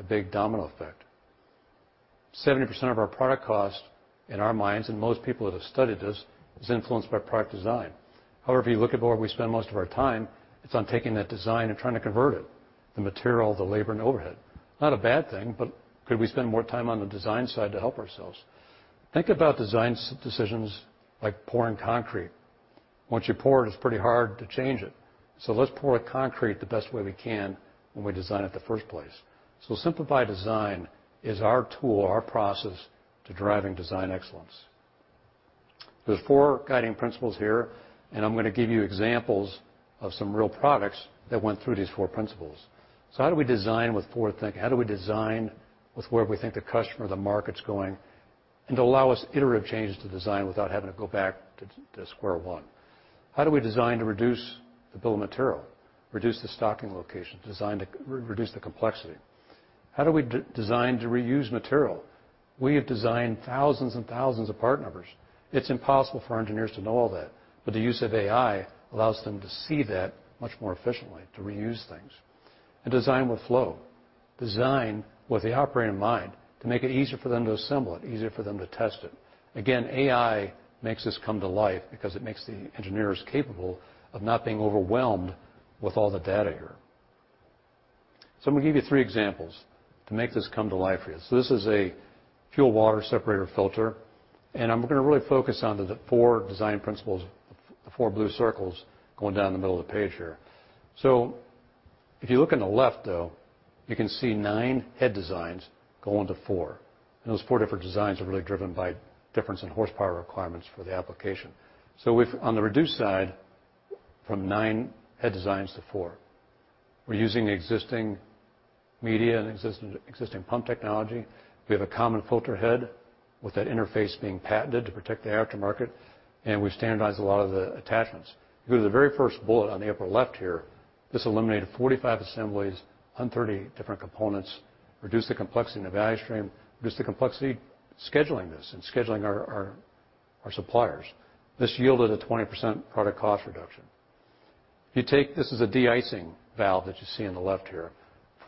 big domino effect. 70% of our product cost, in our minds, and most people that have studied this, is influenced by product design. However, you look at where we spend most of our time, it's on taking that design and trying to convert it, the material, the labor, and overhead. Not a bad thing, but could we spend more time on the design side to help ourselves? Think about design decisions like pouring concrete. Once you pour it's pretty hard to change it. Let's pour the concrete the best way we can when we design it in the first place. Simple by Design is our tool, our process, to driving design excellence. There are four guiding principles here, and I'm gonna give you examples of some real products that went through these four principles. How do we design with forward thinking? How do we design with where we think the customer or the market's going, and to allow us iterative changes to design without having to go back to square one? How do we design to reduce the bill of material, reduce the stocking location, design to reduce the complexity? How do we design to reuse material? We have designed thousands and thousands of part numbers. It's impossible for our engineers to know all that. The use of AI allows them to see that much more efficiently to reuse things, design with flow, design with the operator in mind to make it easier for them to assemble it, easier for them to test it. Again, AI makes this come to life because it makes the engineers capable of not being overwhelmed with all the data here. I'm gonna give you three examples to make this come to life for you. This is a fuel water separator filter. I'm gonna really focus on the four design principles, the four blue circles going down the middle of the page here. If you look on the left though, you can see nine head designs go into four. Those four different designs are really driven by difference in horsepower requirements for the application. We've on the reduce side, from nine head designs to four. We're using existing media and existing pump technology. We have a common filter head with that interface being patented to protect the aftermarket, and we've standardized a lot of the attachments. If you go to the very first bullet on the upper left here, this eliminated 45 assemblies on 30 different components, reduced the complexity in the value stream, reduced the complexity scheduling this and scheduling our suppliers. This yielded a 20% product cost reduction. If you take. This is a de-icing valve that you see on the left here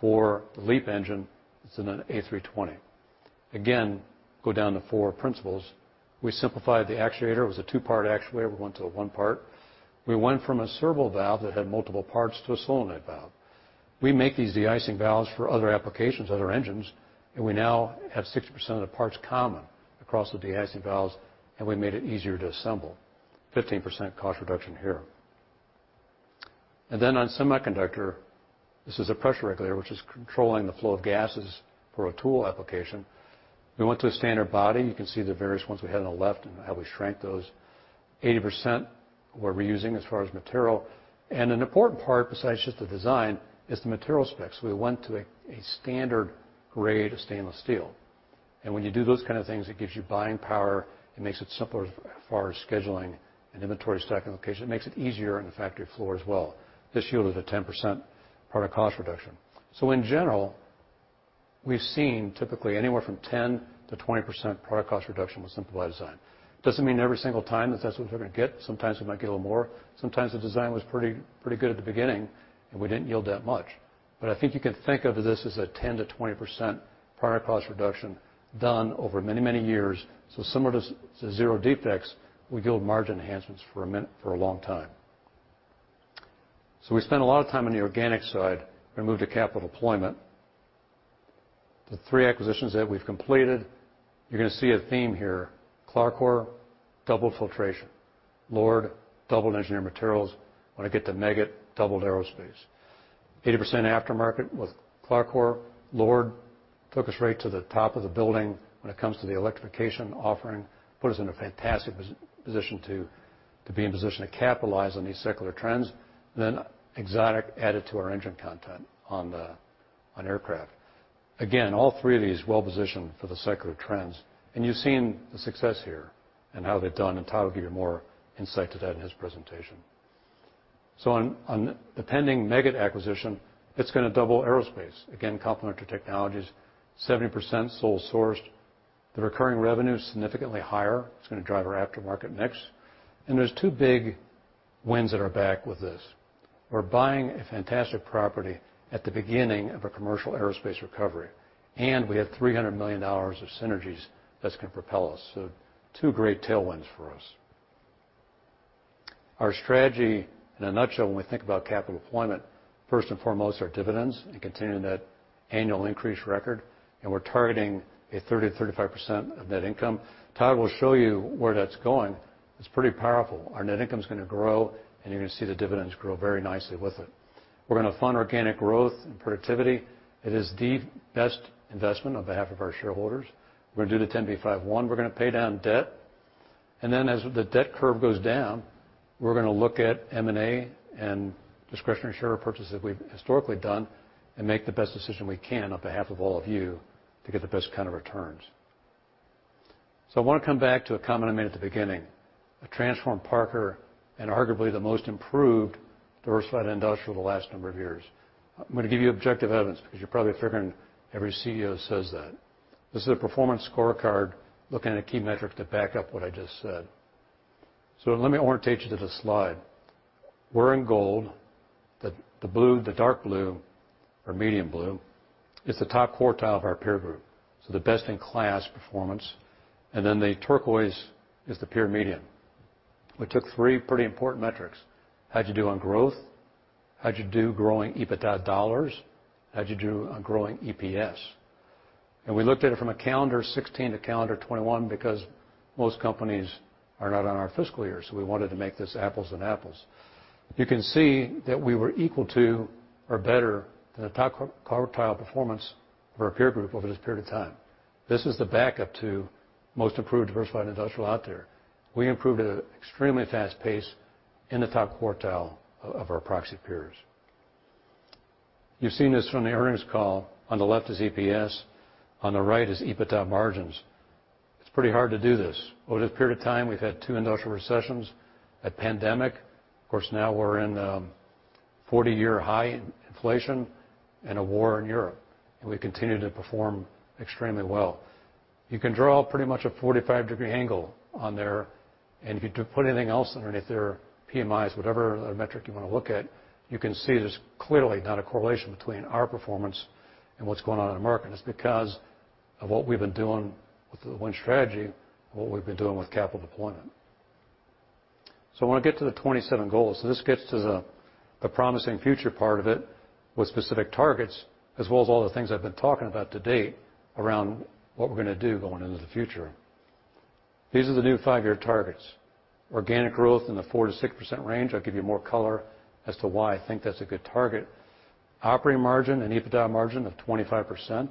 for the LEAP engine. It's in an A320. Again, go down to four principles. We simplified the actuator. It was a two-part actuator. We went to a one part. We went from a servo valve that had multiple parts to a solenoid valve. We make these de-icing valves for other applications, other engines, and we now have 60% of the parts common across the de-icing valves, and we made it easier to assemble. 15% cost reduction here. Then on semiconductor, this is a pressure regulator which is controlling the flow of gases for a tool application. We went to a standard body. You can see the various ones we had on the left and how we shrank those. 80% what we're using as far as material. An important part, besides just the design, is the material specs. We went to a standard grade of stainless steel. When you do those kind of things, it gives you buying power. It makes it simpler as far as scheduling and inventory stock location. It makes it easier on the factory floor as well. This yielded a 10% product cost reduction. In general, we've seen typically anywhere from 10%-20% product cost reduction with simplified design. Doesn't mean every single time that that's what we're gonna get. Sometimes we might get a little more. Sometimes the design was pretty good at the beginning, and we didn't yield that much. But I think you can think of this as a 10%-20% product cost reduction done over many, many years. Similar to Zero Defects, we yield margin enhancements for a long time. We spent a lot of time on the organic side. We move to capital deployment. The three acquisitions that we've completed, you're gonna see a theme here. CLARCOR, doubled filtration. LORD, doubled engineered materials. When I get to Meggitt, doubled aerospace. 80% aftermarket with CLARCOR. LORD took us right to the top of the building when it comes to the electrification offering, put us in a fantastic position to be in position to capitalize on these secular trends. Then Exotic Metals Forming added to our engine content on the aircraft. Again, all three of these well positioned for the secular trends. You've seen the success here and how they've done, and Todd will give you more insight to that in his presentation. On the pending Meggitt acquisition, it's gonna double Aerospace. Again, complementary technologies, 70% sole sourced. The recurring revenue is significantly higher. It's gonna drive our aftermarket mix. There's two big wins that are backed with this. We're buying a fantastic property at the beginning of a commercial aerospace recovery, and we have $300 million of synergies that's gonna propel us. Two great tailwinds for us. Our strategy in a nutshell, when we think about capital deployment, first and foremost, our dividends and continuing that annual increase record, and we're targeting a 30%-35% of net income. Todd will show you where that's going. It's pretty powerful. Our net income's gonna grow, and you're gonna see the dividends grow very nicely with it. We're gonna fund organic growth and productivity. It is the best investment on behalf of our shareholders. We're gonna do the 10b5-1. We're gonna pay down debt. As the debt curve goes down, we're gonna look at M&A and discretionary share purchases we've historically done and make the best decision we can on behalf of all of you to get the best kind of returns. I wanna come back to a comment I made at the beginning. A transformed Parker, and arguably the most improved diversified industrial the last number of years. I'm gonna give you objective evidence because you're probably figuring every CEO says that. This is a performance scorecard looking at a key metric to back up what I just said. Let me orientate you to the slide. We're in gold. The blue, the dark blue or medium blue is the top quartile of our peer group, so the best-in-class performance. The turquoise is the peer median. We took three pretty important metrics: How'd you do on growth, how'd you do growing EBITDA dollars, how'd you do on growing EPS? We looked at it from a calendar 2016 to calendar 2021 because most companies are not on our fiscal year, so we wanted to make this apples and apples. You can see that we were equal to or better than the top quartile performance of our peer group over this period of time. This is the backup to most improved diversified industrial out there. We improved at an extremely fast pace in the top quartile of our proxy peers. You've seen this from the earnings call. On the left is EPS, on the right is EBITDA margins. It's pretty hard to do this. Over this period of time, we've had two industrial recessions, a pandemic. Of course, now we're in 40-year high inflation and a war in Europe, and we continue to perform extremely well. You can draw pretty much a 45-degree angle on there, and if you put anything else underneath there, PMIs, whatever other metric you wanna look at, you can see there's clearly not a correlation between our performance and what's going on in the market, and it's because of what we've been doing with the Win Strategy and what we've been doing with capital deployment. I wanna get to the 2027 goals. This gets to the promising future part of it with specific targets as well as all the things I've been talking about to date around what we're gonna do going into the future. These are the new five-year targets. Organic growth in the 4%-6% range. I'll give you more color as to why I think that's a good target. Operating margin and EBITDA margin of 25%,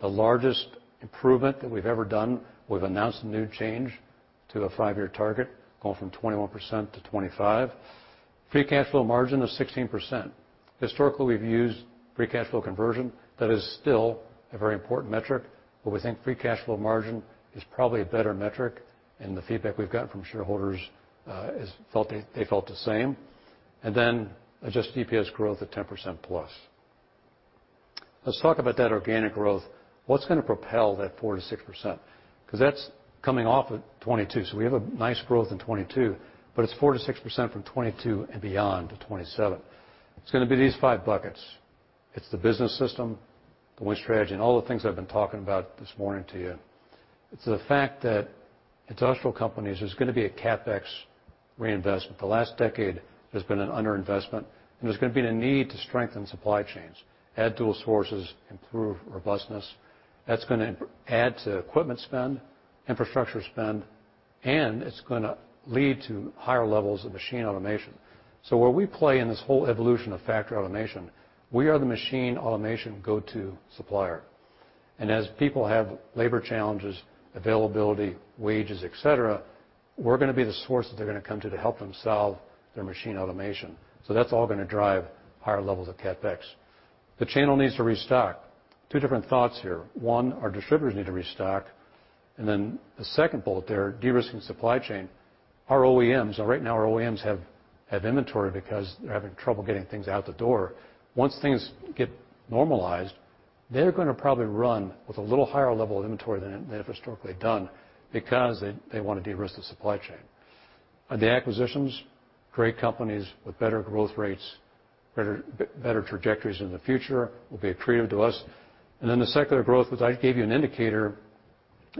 the largest improvement that we've ever done. We've announced a new change to a five-year target, going from 21%-25%. Free cash flow margin of 16%. Historically, we've used free cash flow conversion. That is still a very important metric, but we think free cash flow margin is probably a better metric, and the feedback we've got from shareholders is they felt the same. Adjusted EPS growth of 10%+. Let's talk about that organic growth. What's gonna propel that 4%-6%? 'Cause that's coming off of 2022, so we have a nice growth in 2022, but it's 4%-6% from 2022 and beyond to 2027. It's gonna be these five buckets. It's the business system, the Win Strategy, and all the things I've been talking about this morning to you. It's the fact that industrial companies, there's gonna be a CapEx reinvestment. The last decade, there's been an underinvestment, and there's gonna be the need to strengthen supply chains, add dual sources, improve robustness. That's gonna add to equipment spend, infrastructure spend, and it's gonna lead to higher levels of machine automation. Where we play in this whole evolution of factory automation, we are the machine automation go-to supplier. As people have labor challenges, availability, wages, et cetera, we're gonna be the source that they're gonna come to help them solve their machine automation. That's all gonna drive higher levels of CapEx. The channel needs to restock. Two different thoughts here. One, our distributors need to restock. Then the second bullet there, de-risking supply chain. Our OEMs. Right now, our OEMs have inventory because they're having trouble getting things out the door. Once things get normalized, they're gonna probably run with a little higher level of inventory than they have historically done because they wanna de-risk the supply chain. The acquisitions, great companies with better growth rates, better trajectories in the future, will be accretive to us. Then the secular growth, which I gave you an indicator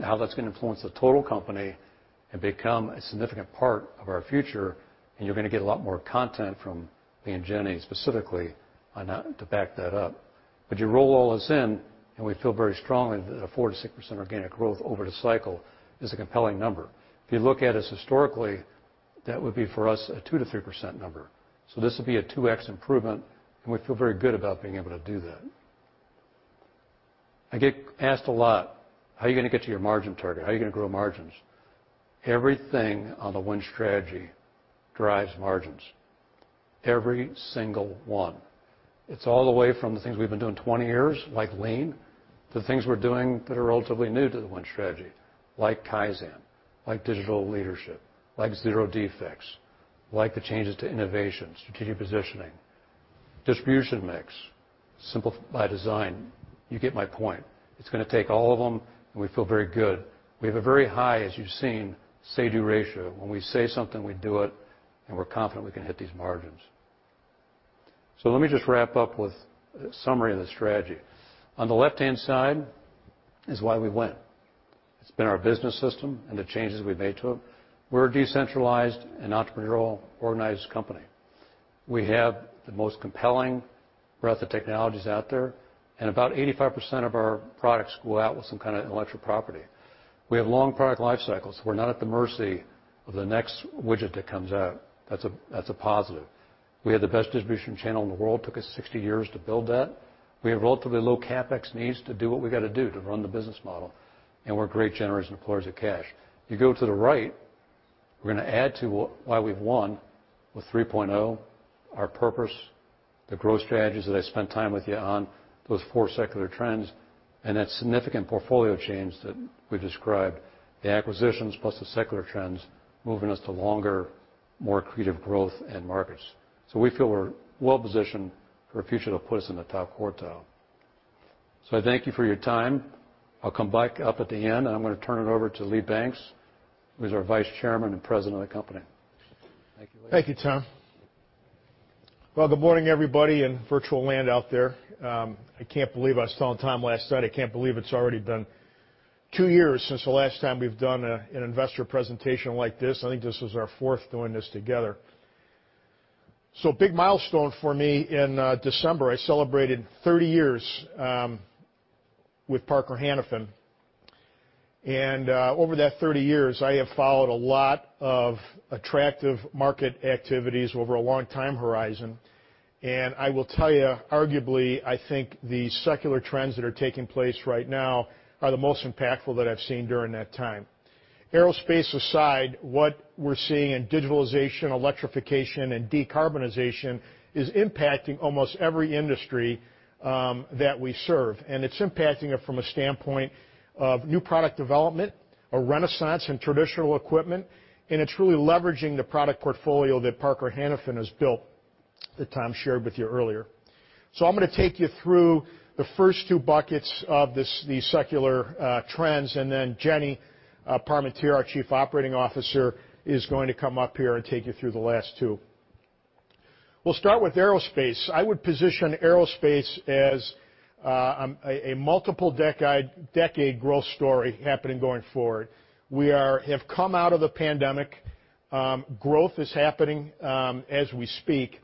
how that's gonna influence the total company and become a significant part of our future, and you're gonna get a lot more content from me and Jenny specifically on that to back that up. You roll all this in, and we feel very strongly that 4%-6% organic growth over the cycle is a compelling number. If you look at us historically, that would be, for us, a 2%-3% number. This would be a 2x improvement, and we feel very good about being able to do that. I get asked a lot, "How are you gonna get to your margin target? How are you gonna grow margins?" Everything on the Win Strategy drives margins. Every single one. It's all the way from the things we've been doing 20 years, like Lean, to things we're doing that are relatively new to the Win Strategy, like Kaizen, like digital leadership, like Zero Defects, like the changes to innovation, strategic positioning, distribution mix, Simple by Design. You get my point. It's gonna take all of them, and we feel very good. We have a very high, as you've seen, say-do ratio. When we say something, we do it, and we're confident we can hit these margins. Let me just wrap up with a summary of the strategy. On the left-hand side is why we win. It's been our business system and the changes we've made to it. We're a decentralized and entrepreneurial organized company. We have the most compelling breadth of technologies out there, and about 85% of our products go out with some kind of intellectual property. We have long product life cycles. We're not at the mercy of the next widget that comes out. That's a positive. We have the best distribution channel in the world. Took us 60 years to build that. We have relatively low CapEx needs to do what we gotta do to run the business model, and we're great generators and deployers of cash. You go to the right, we're gonna add to why we've won with 3.0, our purpose, the growth strategies that I spent time with you on, those four secular trends, and that significant portfolio change that we described, the acquisitions plus the secular trends moving us to longer, more accretive growth and markets. We feel we're well positioned for a future that'll put us in the top quartile. I thank you for your time. I'll come back up at the end, and I'm gonna turn it over to Lee Banks, who's our Vice Chairman and President of the company. Thank you, Lee. Thank you, Tom. Well, good morning, everybody in virtual land out there. I can't believe I was still on time last night. I can't believe it's already been two years since the last time we've done an Investor Presentation like this. I think this is our fourth doing this together. Big milestone for me in December. I celebrated 30 years with Parker-Hannifin. Over that 30 years, I have followed a lot of attractive market activities over a long time horizon. I will tell you, arguably, I think the secular trends that are taking place right now are the most impactful that I've seen during that time. Aerospace aside, what we're seeing in digitalization, electrification, and decarbonization is impacting almost every industry that we serve, and it's impacting it from a standpoint of new product development, a renaissance in traditional equipment, and it's really leveraging the product portfolio that Parker-Hannifin has built, that Tom shared with you earlier. I'm gonna take you through the first two buckets of this, these secular trends, and then Jenny Parmentier, our Chief Operating Officer, is going to come up here and take you through the last two. We'll start with aerospace. I would position aerospace as a multiple decade growth story happening going forward. We have come out of the pandemic. Growth is happening as we speak.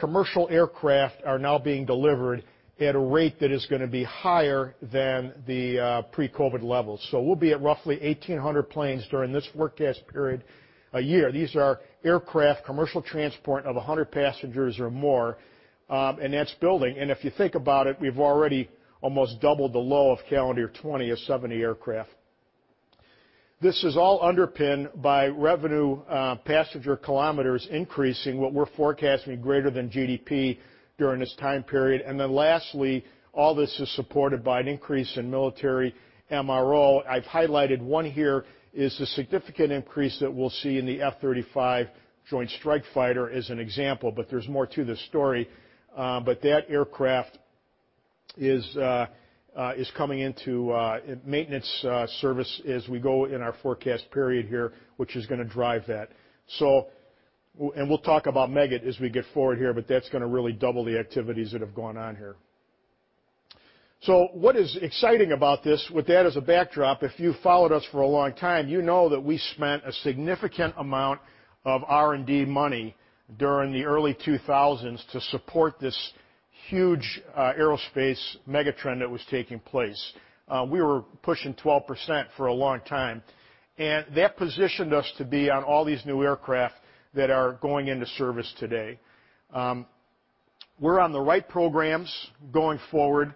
Commercial aircraft are now being delivered at a rate that is gonna be higher than the pre-COVID levels. We'll be at roughly 1,800 planes during this forecast period a year. These are aircraft commercial transport of 100 passengers or more, and that's building. If you think about it, we've already almost doubled the low of calendar 2020 of 70 aircraft. This is all underpinned by revenue passenger kilometers increasing, what we're forecasting greater than GDP during this time period. Lastly, all this is supported by an increase in military MRO. I've highlighted one here, is the significant increase that we'll see in the F-35 joint strike fighter as an example, but there's more to the story. That aircraft is coming into maintenance service as we go in our forecast period here, which is gonna drive that. We'll talk about Meggitt as we go forward here, but that's gonna really double the activities that have gone on here. What is exciting about this, with that as a backdrop, if you've followed us for a long time, you know that we spent a significant amount of R&D money during the early 2000s to support this huge aerospace megatrend that was taking place. We were pushing 12% for a long time. That positioned us to be on all these new aircraft that are going into service today. We're on the right programs going forward.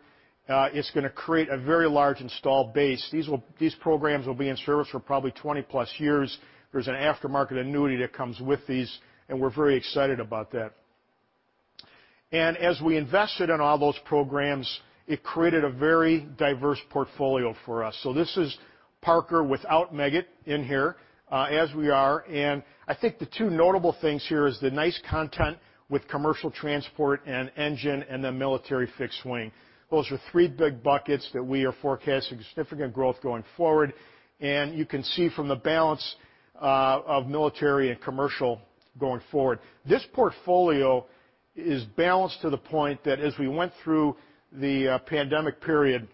It's gonna create a very large installed base. These programs will be in service for probably 20+ years. There's an aftermarket annuity that comes with these, and we're very excited about that. As we invested in all those programs, it created a very diverse portfolio for us. This is Parker without Meggitt in here, as we are. I think the two notable things here is the nice content with commercial transport and engine and the military fixed wing. Those are three big buckets that we are forecasting significant growth going forward, and you can see from the balance, of military and commercial going forward. This portfolio is balanced to the point that as we went through the pandemic period,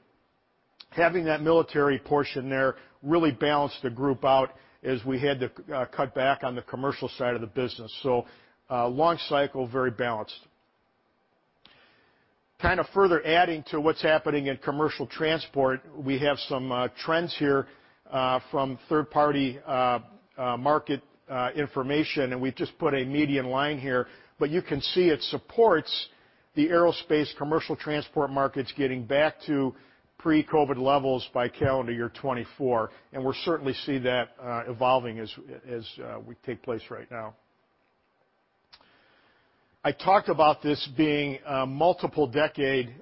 having that military portion there really balanced the group out as we had to cut back on the commercial side of the business. Long cycle, very balanced. Kind of further adding to what's happening in commercial transport, we have some trends here from third-party market information, and we've just put a median line here, but you can see it supports the aerospace commercial transport markets getting back to pre-COVID levels by calendar year 2024, and we're certainly see that evolving as we take place right now. I talked about this being a multiple decade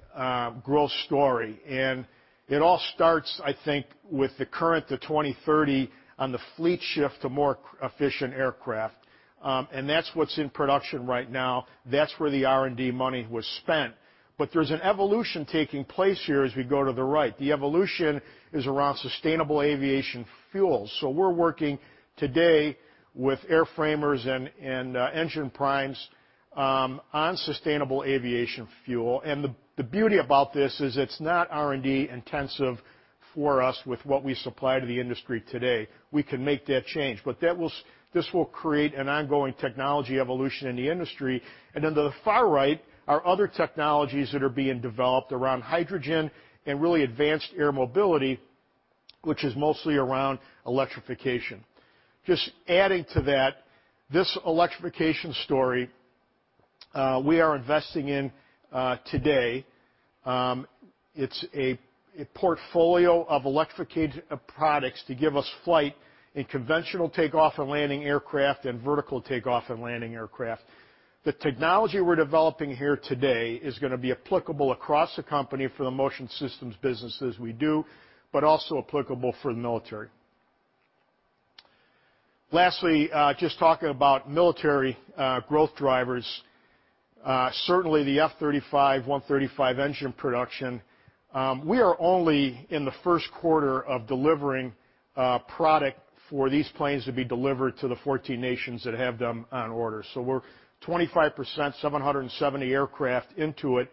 growth story, and it all starts, I think, with the current to 2030 on the fleet shift to more efficient aircraft, and that's what's in production right now. That's where the R&D money was spent. But there's an evolution taking place here as we go to the right. The evolution is around sustainable aviation fuel. So we're working today with Airframers and engine primes on sustainable aviation fuel. The beauty about this is it's not R&D intensive for us with what we supply to the industry today. We can make that change, but this will create an ongoing technology evolution in the industry. To the far right are other technologies that are being developed around hydrogen and really advanced air mobility, which is mostly around electrification. Just adding to that, this electrification story, we are investing in today. It's a portfolio of electrified products to give us flight in conventional takeoff and landing aircraft and vertical takeoff and landing aircraft. The technology we're developing here today is gonna be applicable across the company for the motion systems businesses we do, but also applicable for the military. Lastly, just talking about military growth drivers. Certainly the F-35 F135 engine production, we are only in the first quarter of delivering product for these planes to be delivered to the 14 nations that have them on order. We're 25%, 770 aircraft into it.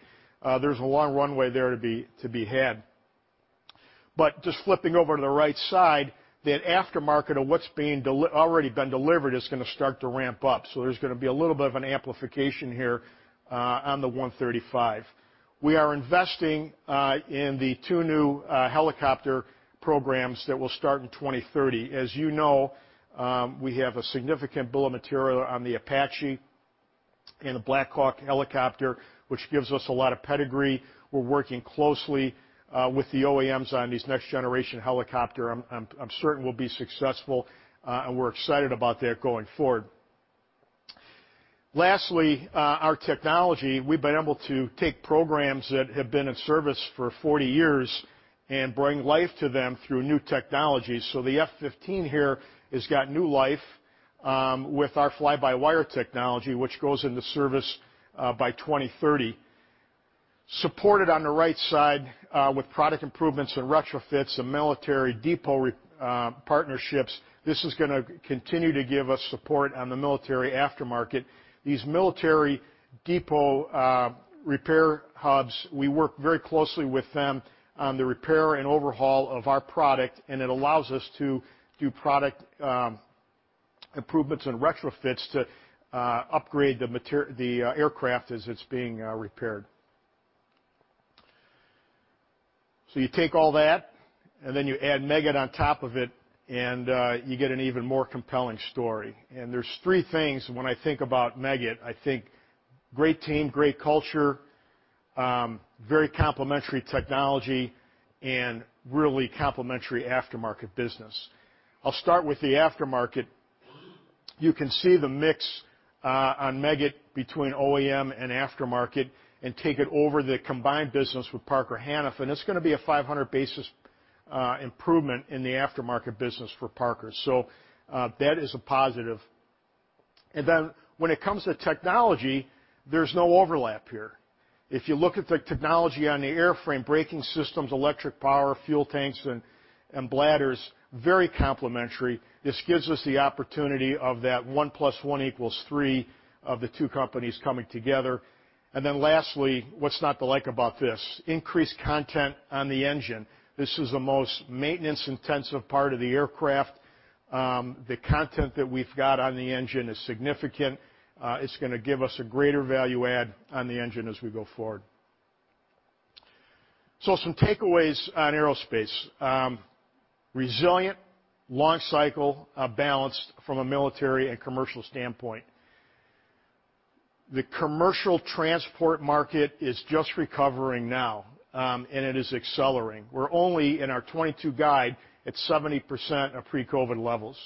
There's a long runway there to be had. Just flipping over to the right side, that aftermarket of what's already been delivered is gonna start to ramp up. There's gonna be a little bit of an amplification here on the F135. We are investing in the two new helicopter programs that will start in 2030. As you know, we have a significant bill of material on the Apache and the Black Hawk helicopter, which gives us a lot of pedigree. We're working closely with the OEMs on these next generation helicopter. I'm certain we'll be successful, and we're excited about that going forward. Lastly, our technology, we've been able to take programs that have been in service for 40 years and bring life to them through new technology. The F-15 here has got new life with our fly-by-wire technology, which goes into service by 2030. Supported on the right side with product improvements and retrofits and military depot repair partnerships, this is gonna continue to give us support on the military aftermarket. These military depot repair hubs, we work very closely with them on the repair and overhaul of our product, and it allows us to do product improvements and retrofits to upgrade the aircraft as it's being repaired. You take all that, and then you add Meggitt on top of it, and you get an even more compelling story. There's three things when I think about Meggitt. I think great team, great culture, very complementary technology, and really complementary aftermarket business. I'll start with the aftermarket. You can see the mix on Meggitt between OEM and aftermarket and take it over the combined business with Parker Hannifin. It's gonna be a 500-basis improvement in the aftermarket business for Parker. That is a positive. Then when it comes to technology, there's no overlap here. If you look at the technology on the airframe, braking systems, electric power, fuel tanks, and bladders, very complementary. This gives us the opportunity of that one plus one equals three of the two companies coming together. Lastly, what's not to like about this? Increased content on the engine. This is the most maintenance-intensive part of the aircraft. The content that we've got on the engine is significant. It's gonna give us a greater value add on the engine as we go forward. Some takeaways on aerospace. Resilient launch cycle, balanced from a military and commercial standpoint. The commercial transport market is just recovering now, and it is accelerating. We're only in our 2022 guide at 70% of pre-COVID levels.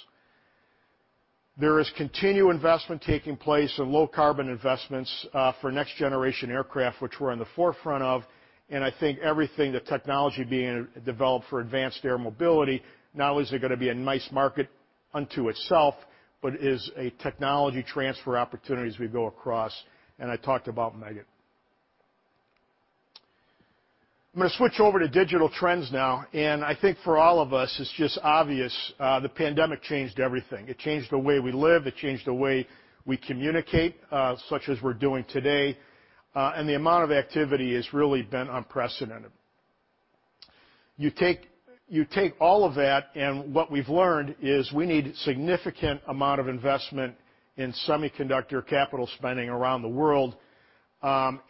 There is continued investment taking place in low carbon investments, for next generation aircraft, which we're on the forefront of, and I think everything, the technology being developed for advanced air mobility, not only is it gonna be a nice market unto itself, but is a technology transfer opportunity as we go across, and I talked about Meggitt. I'm gonna switch over to digital trends now. I think for all of us it's just obvious, the pandemic changed everything. It changed the way we live, it changed the way we communicate, such as we're doing today, and the amount of activity has really been unprecedented. You take all of that, and what we've learned is we need a significant amount of investment in semiconductor capital spending around the world,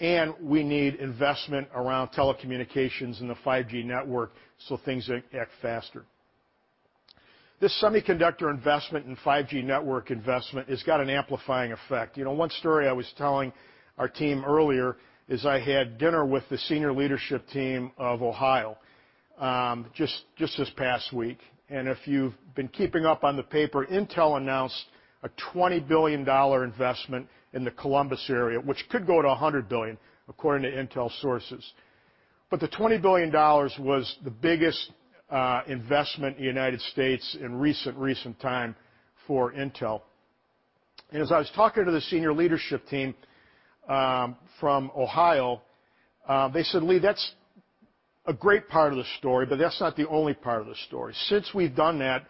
and we need investment around telecommunications and the 5G network so things act faster. This semiconductor investment and 5G network investment has got an amplifying effect. You know, one story I was telling our team earlier is I had dinner with the senior leadership team of Ohio, just this past week. If you've been keeping up on the paper, Intel announced a $20 billion investment in the Columbus area, which could go to $100 billion, according to Intel sources. The $20 billion was the biggest investment in the United States in recent time for Intel. As I was talking to the senior leadership team from Ohio, they said, "Lee, that's a great part of the story, but that's not the only part of the story. Since we've done that,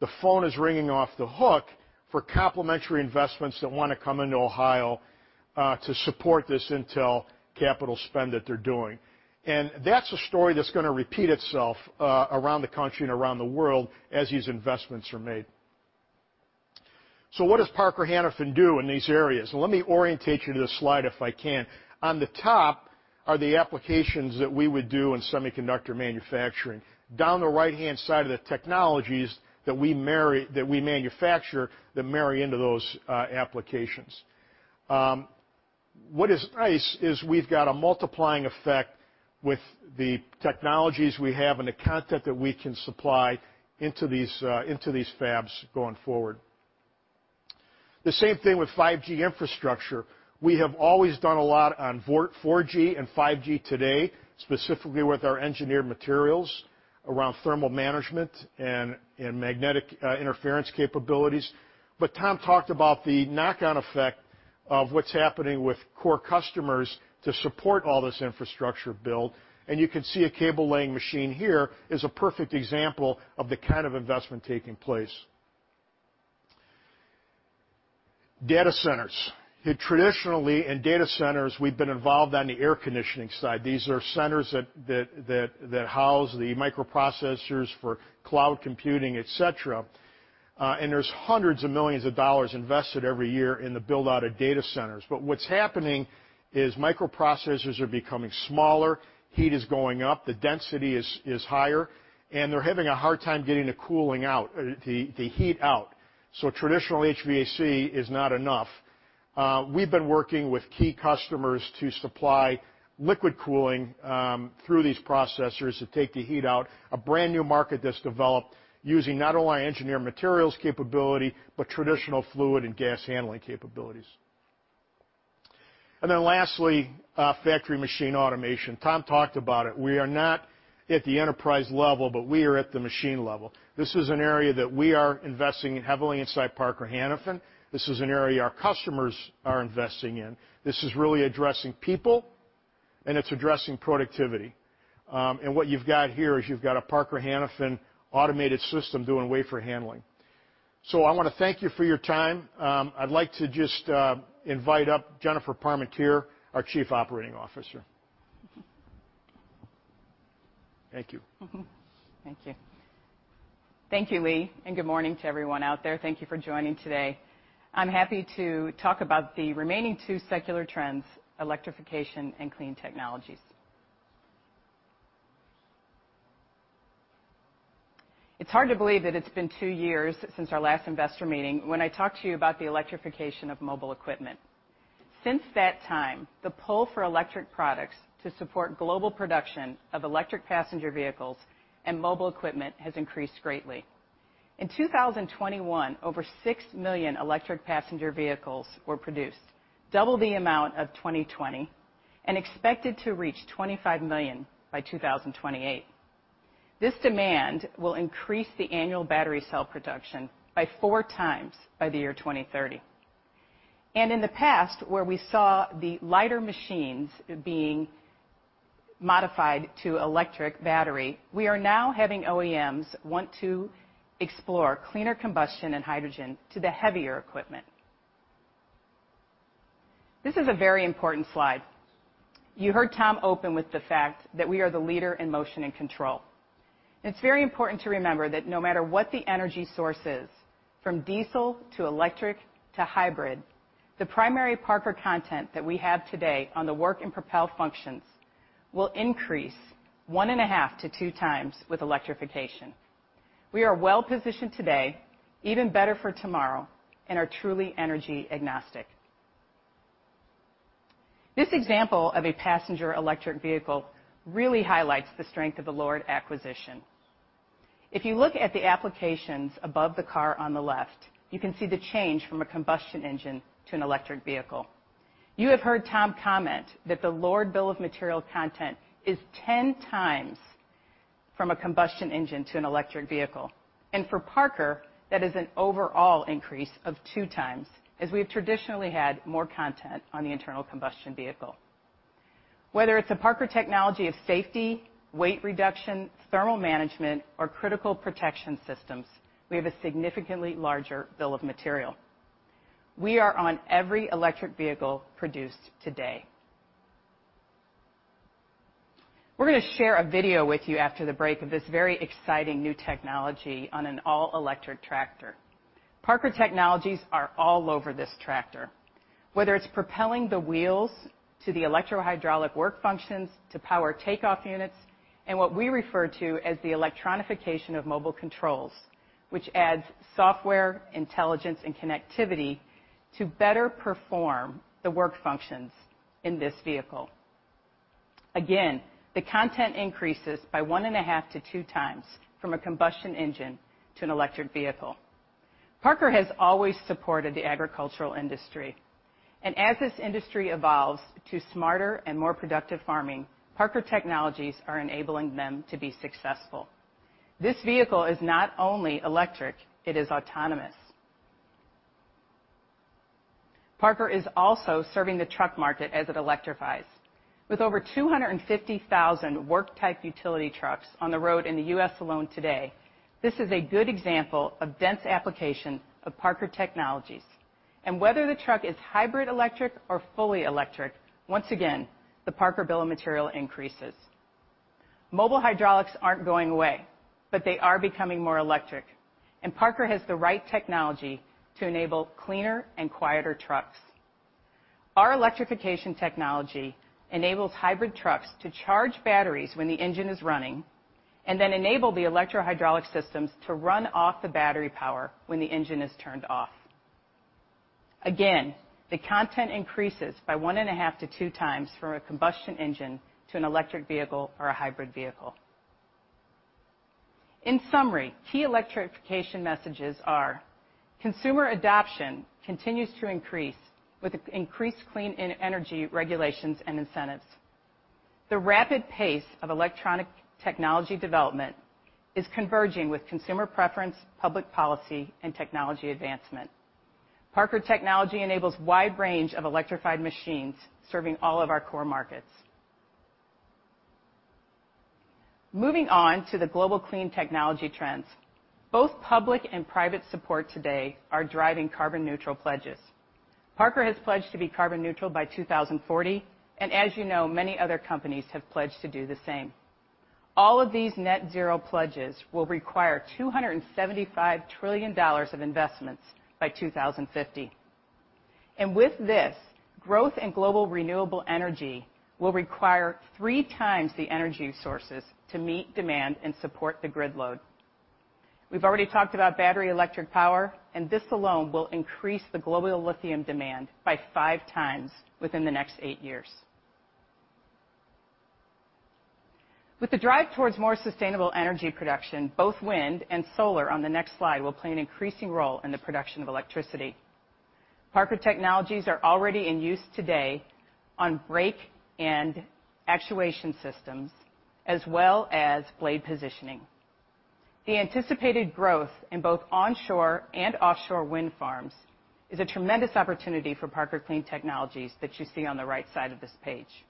the phone is ringing off the hook for complementary investments that wanna come into Ohio to support this Intel capital spend that they're doing." That's a story that's gonna repeat itself around the country and around the world as these investments are made. What does Parker Hannifin do in these areas? Let me orientate you to the slide if I can. On the top are the applications that we would do in semiconductor manufacturing. Down the right-hand side are the technologies that we manufacture that marry into those applications. What is nice is we've got a multiplying effect with the technologies we have and the content that we can supply into these fabs going forward. The same thing with 5G infrastructure. We have always done a lot on 4G and 5G today, specifically with our engineered materials around thermal management and magnetic interference capabilities. Tom talked about the knock-on effect of what's happening with core customers to support all this infrastructure build. You can see a cable laying machine here is a perfect example of the kind of investment taking place. Data centers. Traditionally in data centers we've been involved on the air conditioning side. These are centers that house the microprocessors for cloud computing, et cetera, and there's hundreds of millions of dollars invested every year in the build-out of data centers. What's happening is microprocessors are becoming smaller, heat is going up, the density is higher, and they're having a hard time getting the cooling out, the heat out. Traditional HVAC is not enough. We've been working with key customers to supply liquid cooling through these processors to take the heat out. A brand-new market that's developed using not only engineered materials capability, but traditional fluid and gas handling capabilities. Lastly, factory machine automation. Tom talked about it. We are not at the enterprise level, but we are at the machine level. This is an area that we are investing in heavily inside Parker-Hannifin. This is an area our customers are investing in. This is really addressing people and it's addressing productivity. What you've got here is you've got a Parker-Hannifin automated system doing wafer handling. I wanna thank you for your time. I'd like to just invite up Jennifer Parmentier, our Chief Operating Officer. Thank you. Thank you. Thank you, Lee, and good morning to everyone out there. Thank you for joining today. I'm happy to talk about the remaining two secular trends, electrification and clean technologies. It's hard to believe that it's been two years since our last investor meeting when I talked to you about the electrification of mobile equipment. Since that time, the pull for electric products to support global production of electric passenger vehicles and mobile equipment has increased greatly. In 2021, over 6 million electric passenger vehicles were produced, double the amount of 2020, and expected to reach 25 million by 2028. This demand will increase the annual battery cell production by 4x by the year 2030. In the past, where we saw the lighter machines being modified to electric battery, we are now having OEMs want to explore cleaner combustion and hydrogen to the heavier equipment. This is a very important slide. You heard Tom open with the fact that we are the leader in motion and control. It's very important to remember that no matter what the energy source is, from diesel to electric to hybrid, the primary Parker content that we have today on the work and propel functions will increase 1.5x-2x with electrification. We are well-positioned today, even better for tomorrow, and are truly energy agnostic. This example of a passenger electric vehicle really highlights the strength of the LORD acquisition. If you look at the applications above the car on the left, you can see the change from a combustion engine to an electric vehicle. You have heard Tom comment that the LORD bill of material content is 10x from a combustion engine to an electric vehicle. For Parker, that is an overall increase of 2x, as we've traditionally had more content on the internal combustion vehicle. Whether it's a Parker technology of safety, weight reduction, thermal management, or critical protection systems, we have a significantly larger bill of material. We are on every electric vehicle produced today. We're gonna share a video with you after the break of this very exciting new technology on an all-electric tractor. Parker technologies are all over this tractor. Whether it's propelling the wheels to the electrohydraulic work functions, to power takeoff units, and what we refer to as the electronification of mobile controls, which adds software, intelligence, and connectivity to better perform the work functions in this vehicle. Again, the content increases by 1.5x-2x from a combustion engine to an electric vehicle. Parker has always supported the agricultural industry, and as this industry evolves to smarter and more productive farming, Parker technologies are enabling them to be successful. This vehicle is not only electric, it is autonomous. Parker is also serving the truck market as it electrifies. With over 250,000 work-type utility trucks on the road in the U.S. alone today, this is a good example of dense application of Parker technologies. Whether the truck is hybrid electric or fully electric, once again, the Parker bill of material increases. Mobile hydraulics aren't going away, but they are becoming more electric, and Parker has the right technology to enable cleaner and quieter trucks. Our electrification technology enables hybrid trucks to charge batteries when the engine is running, and then enable the electrohydraulic systems to run off the battery power when the engine is turned off. Again, the content increases by 1.5x-2x from a combustion engine to an electric vehicle or a hybrid vehicle. In summary, key electrification messages are consumer adoption continues to increase with increased clean energy regulations and incentives. The rapid pace of electronic technology development is converging with consumer preference, public policy, and technology advancement. Parker technology enables wide range of electrified machines serving all of our core markets. Moving on to the global clean technology trends. Both public and private support today are driving carbon neutral pledges. Parker has pledged to be carbon neutral by 2040, and as you know, many other companies have pledged to do the same. All of these net zero pledges will require $275 trillion of investments by 2050. With this, growth in global renewable energy will require 3x the energy sources to meet demand and support the grid load. We've already talked about battery electric power, and this alone will increase the global lithium demand by 5x within the next eight years. With the drive towards more sustainable energy production, both wind and solar on the next slide will play an increasing role in the production of electricity. Parker technologies are already in use today on brake and actuation systems as well as blade positioning. The anticipated growth in both onshore and offshore wind farms is a tremendous opportunity for Parker clean technologies that you see on the right side of this page.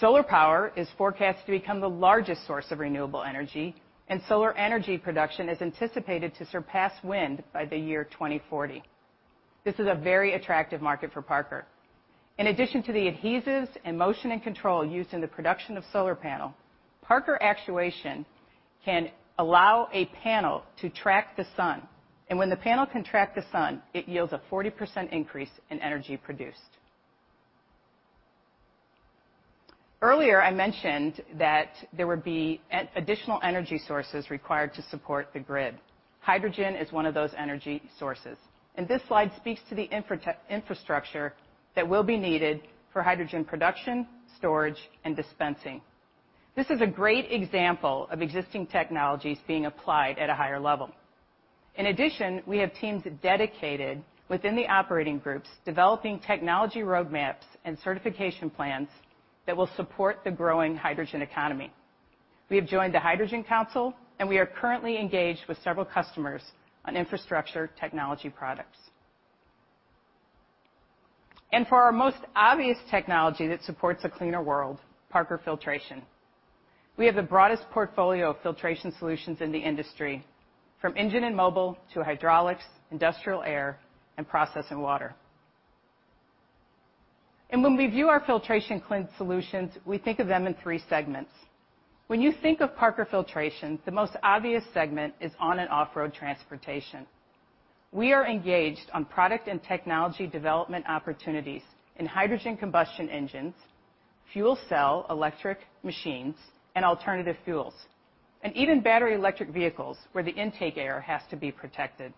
Solar power is forecast to become the largest source of renewable energy, and solar energy production is anticipated to surpass wind by the year 2040. This is a very attractive market for Parker. In addition to the adhesives and motion and control used in the production of solar panel, Parker actuation can allow a panel to track the sun, and when the panel can track the sun, it yields a 40% increase in energy produced. Earlier, I mentioned that there would be additional energy sources required to support the grid. Hydrogen is one of those energy sources, and this slide speaks to the infrastructure that will be needed for hydrogen production, storage, and dispensing. This is a great example of existing technologies being applied at a higher level. In addition, we have teams dedicated within the operating groups developing technology roadmaps and certification plans that will support the growing hydrogen economy. We have joined the Hydrogen Council, and we are currently engaged with several customers on infrastructure technology products. For our most obvious technology that supports a cleaner world, Parker Filtration. We have the broadest portfolio of filtration solutions in the industry, from engine and mobile to hydraulics, industrial air, and process and water. When we view our filtration clean solutions, we think of them in three segments. When you think of Parker Filtration, the most obvious segment is on and off-road transportation. We are engaged on product and technology development opportunities in hydrogen combustion engines, fuel cell, electric machines, and alternative fuels, and even battery electric vehicles where the intake air has to be protected.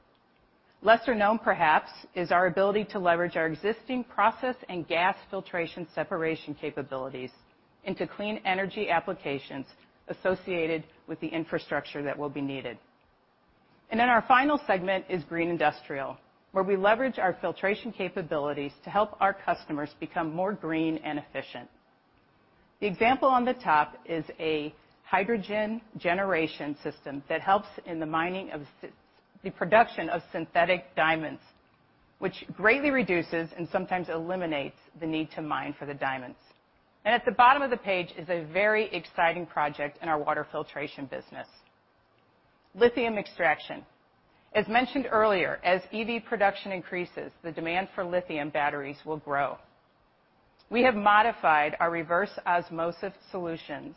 Lesser known perhaps, is our ability to leverage our existing process and gas filtration separation capabilities into clean energy applications associated with the infrastructure that will be needed. Then our final segment is green industrial, where we leverage our filtration capabilities to help our customers become more green and efficient. The example on the top is a hydrogen generation system that helps in the production of synthetic diamonds, which greatly reduces and sometimes eliminates the need to mine for the diamonds. At the bottom of the page is a very exciting project in our water filtration business, lithium extraction. As mentioned earlier, as EV production increases, the demand for lithium batteries will grow. We have modified our reverse osmosis solutions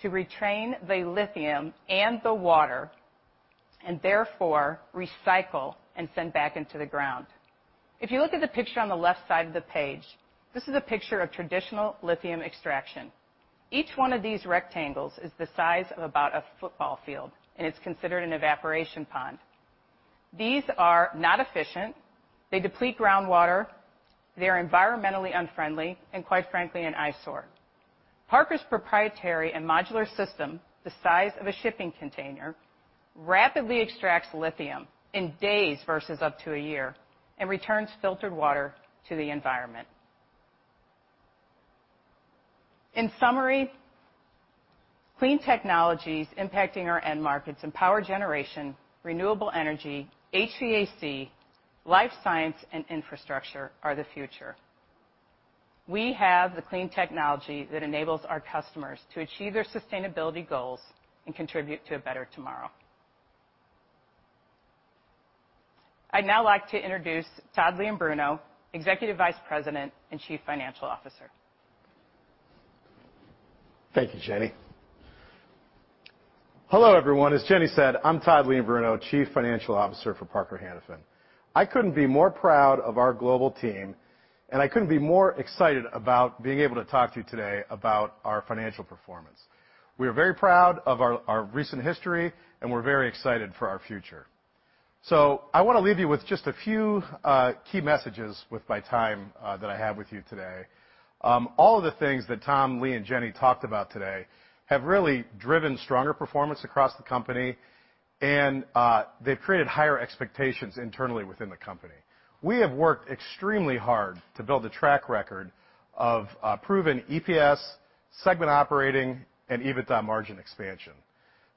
to retain the lithium in the water, and therefore recycle and send back into the ground. If you look at the picture on the left side of the page, this is a picture of traditional lithium extraction. Each one of these rectangles is the size of about a football field, and it's considered an evaporation pond. These are not efficient. They deplete groundwater. They're environmentally unfriendly, and quite frankly, an eyesore. Parker's proprietary and modular system, the size of a shipping container, rapidly extracts lithium in days versus up to a year and returns filtered water to the environment. In summary, clean technologies impacting our end markets in power generation, renewable energy, HVAC, life science, and infrastructure are the future. We have the clean technology that enables our customers to achieve their sustainability goals and contribute to a better tomorrow. I'd now like to introduce Todd Leombruno, Executive Vice President and Chief Financial Officer. Thank you, Jenny. Hello, everyone. As Jenny said, I'm Todd Leombruno, Chief Financial Officer for Parker-Hannifin. I couldn't be more proud of our global team, and I couldn't be more excited about being able to talk to you today about our financial performance. We are very proud of our recent history, and we're very excited for our future. I wanna leave you with just a few key messages with my time that I have with you today. All of the things that Tom, Lee, and Jenny talked about today have really driven stronger performance across the company and they've created higher expectations internally within the company. We have worked extremely hard to build a track record of proven EPS, segment operating, and EBITDA margin expansion.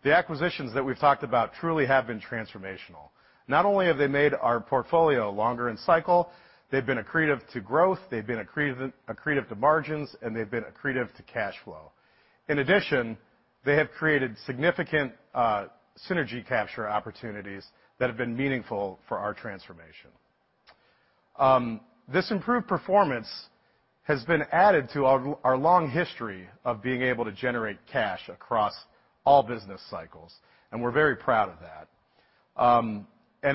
The acquisitions that we've talked about truly have been transformational. Not only have they made our portfolio longer in cycle, they've been accretive to growth, they've been accretive to margins, and they've been accretive to cash flow. In addition, they have created significant synergy capture opportunities that have been meaningful for our transformation. This improved performance has been added to our long history of being able to generate cash across all business cycles, and we're very proud of that.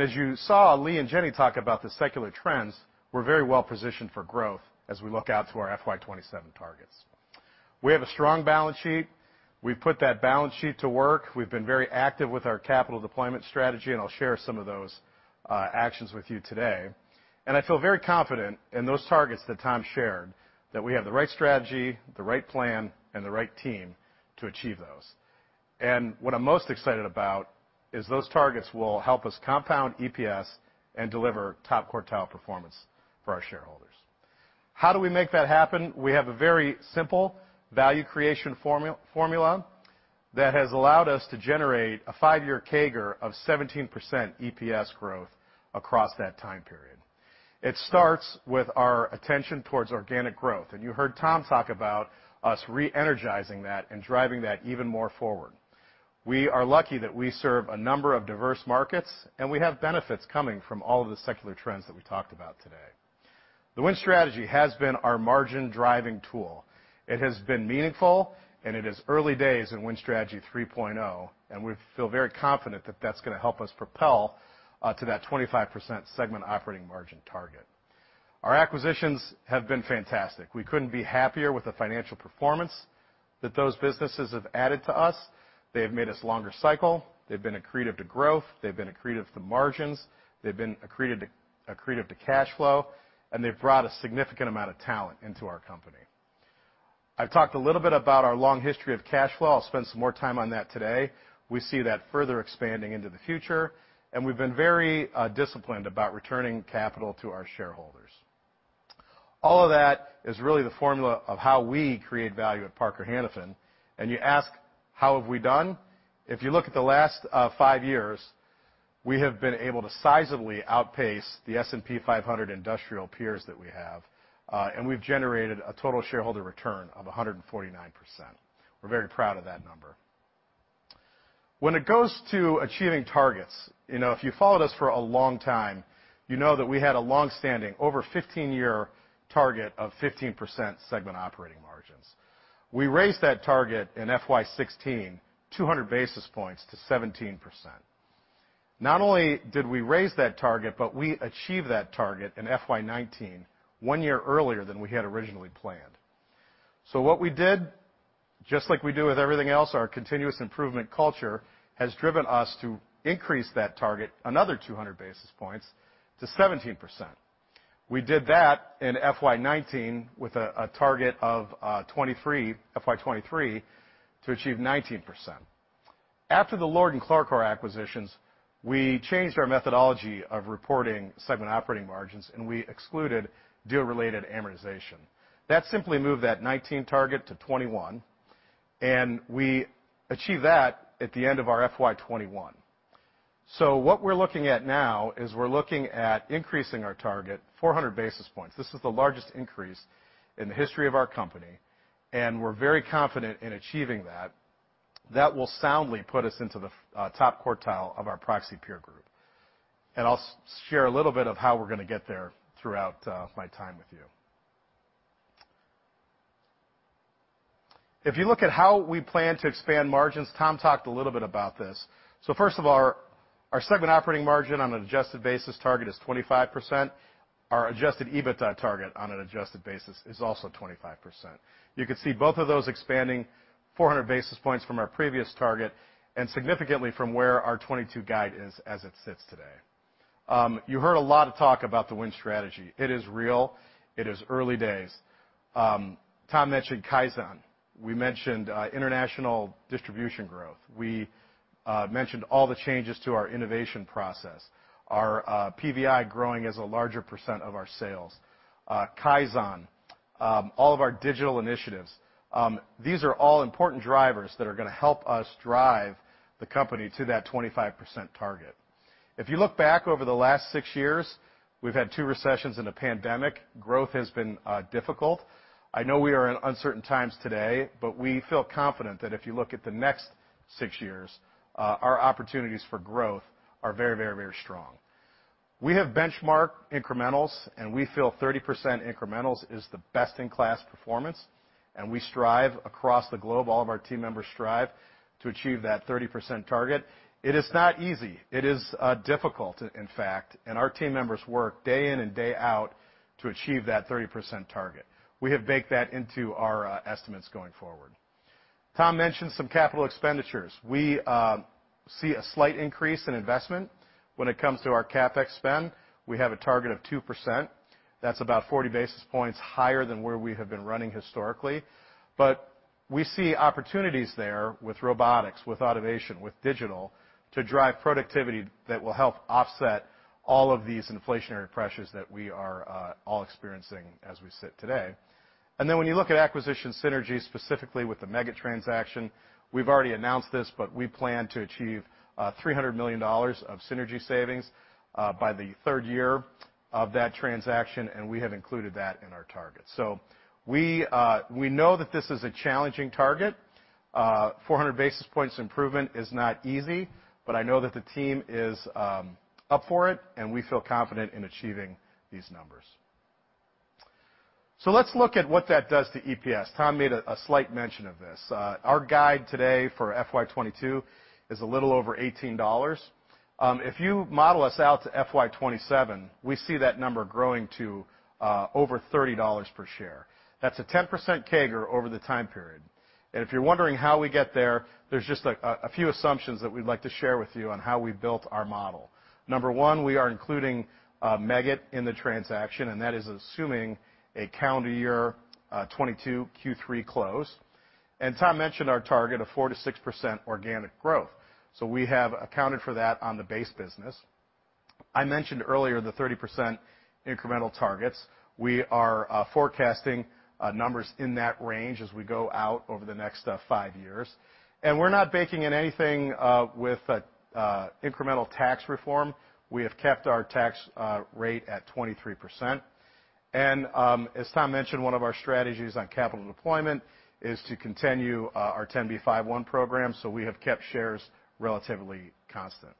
As you saw Lee and Jenny talk about the secular trends, we're very well positioned for growth as we look out to our FY 2027 targets. We have a strong balance sheet. We've put that balance sheet to work. We've been very active with our capital deployment strategy, and I'll share some of those actions with you today. I feel very confident in those targets that Tom shared, that we have the right strategy, the right plan, and the right team to achieve those. What I'm most excited about is those targets will help us compound EPS and deliver top quartile performance for our shareholders. How do we make that happen? We have a very simple value creation formula that has allowed us to generate a five-year CAGR of 17% EPS growth across that time period. It starts with our attention towards organic growth, and you heard Tom talk about us re-energizing that and driving that even more forward. We are lucky that we serve a number of diverse markets, and we have benefits coming from all of the secular trends that we talked about today. The Win Strategy has been our margin-driving tool. It has been meaningful, and it is early days in Win Strategy 3.0, and we feel very confident that that's gonna help us propel to that 25% segment operating margin target. Our acquisitions have been fantastic. We couldn't be happier with the financial performance that those businesses have added to us. They have made us longer cycle. They've been accretive to growth. They've been accretive to margins. They've been accretive to cash flow, and they've brought a significant amount of talent into our company. I've talked a little bit about our long history of cash flow. I'll spend some more time on that today. We see that further expanding into the future, and we've been very disciplined about returning capital to our shareholders. All of that is really the formula of how we create value at Parker-Hannifin, and you ask, how have we done? If you look at the last five years, we have been able to sizably outpace the S&P 500 industrial peers that we have, and we've generated a total shareholder return of 149%. We're very proud of that number. When it goes to achieving targets, you know, if you followed us for a long time, you know that we had a long-standing over 15-year target of 15% segment operating margins. We raised that target in FY 2016, 200 basis points to 17%. Not only did we raise that target, but we achieved that target in FY 2019, 1 year earlier than we had originally planned. What we did, just like we do with everything else, our continuous improvement culture has driven us to increase that target another 200 basis points to 17%. We did that in FY 2019 with a target of FY 2023 to achieve 19%. After the LORD and CLARCOR acquisitions, we changed our methodology of reporting segment operating margins, and we excluded deal-related amortization. That simply moved that 2019 target to 2021, and we achieved that at the end of our FY 2021. What we're looking at now is we're looking at increasing our target 400 basis points. This is the largest increase in the history of our company, and we're very confident in achieving that. That will soundly put us into the top quartile of our proxy peer group. I'll share a little bit of how we're gonna get there throughout my time with you. If you look at how we plan to expand margins, Tom talked a little bit about this. First of all, our segment operating margin on an adjusted basis target is 25%. Our adjusted EBITDA target on an adjusted basis is also 25%. You could see both of those expanding 400 basis points from our previous target and significantly from where our 2022 guide is as it sits today. You heard a lot of talk about the Win Strategy. It is real. It is early days. Tom mentioned Kaizen. We mentioned international distribution growth. We mentioned all the changes to our innovation process. Our PVI growing as a larger percent of our sales, Kaizen, all of our digital initiatives, these are all important drivers that are gonna help us drive the company to that 25% target. If you look back over the last six years, we've had two recessions and a pandemic. Growth has been difficult. I know we are in uncertain times today, but we feel confident that if you look at the next six years, our opportunities for growth are very, very, very strong. We have benchmark incrementals, and we feel 30% incrementals is the best-in-class performance, and we strive across the globe, all of our team members strive to achieve that 30% target. It is not easy. It is difficult, in fact, and our team members work day in and day out to achieve that 30% target. We have baked that into our estimates going forward. Tom mentioned some capital expenditures. We see a slight increase in investment when it comes to our CapEx spend. We have a target of 2%. That's about 40 basis points higher than where we have been running historically. We see opportunities there with robotics, with automation, with digital to drive productivity that will help offset all of these inflationary pressures that we are all experiencing as we sit today. When you look at acquisition synergies, specifically with the Meggitt transaction, we've already announced this, but we plan to achieve $300 million of synergy savings by the third year of that transaction, and we have included that in our target. We know that this is a challenging target. Four hundred basis points improvement is not easy, but I know that the team is up for it, and we feel confident in achieving these numbers. Let's look at what that does to EPS. Tom made a slight mention of this. Our guide today for FY 2022 is a little over $18. If you model us out to FY 2027, we see that number growing to over $30 per share. That's a 10% CAGR over the time period. If you're wondering how we get there's just a few assumptions that we'd like to share with you on how we built our model. Number one, we are including Meggitt in the transaction, and that is assuming a calendar year 2022 Q3 close. Tom mentioned our target of 4%-6% organic growth. We have accounted for that on the base business. I mentioned earlier the 30% incremental targets. We are forecasting numbers in that range as we go out over the next five years. We're not baking in anything with incremental tax reform. We have kept our tax rate at 23%. As Tom mentioned, one of our strategies on capital deployment is to continue our 10b5-1 program, so we have kept shares relatively constant.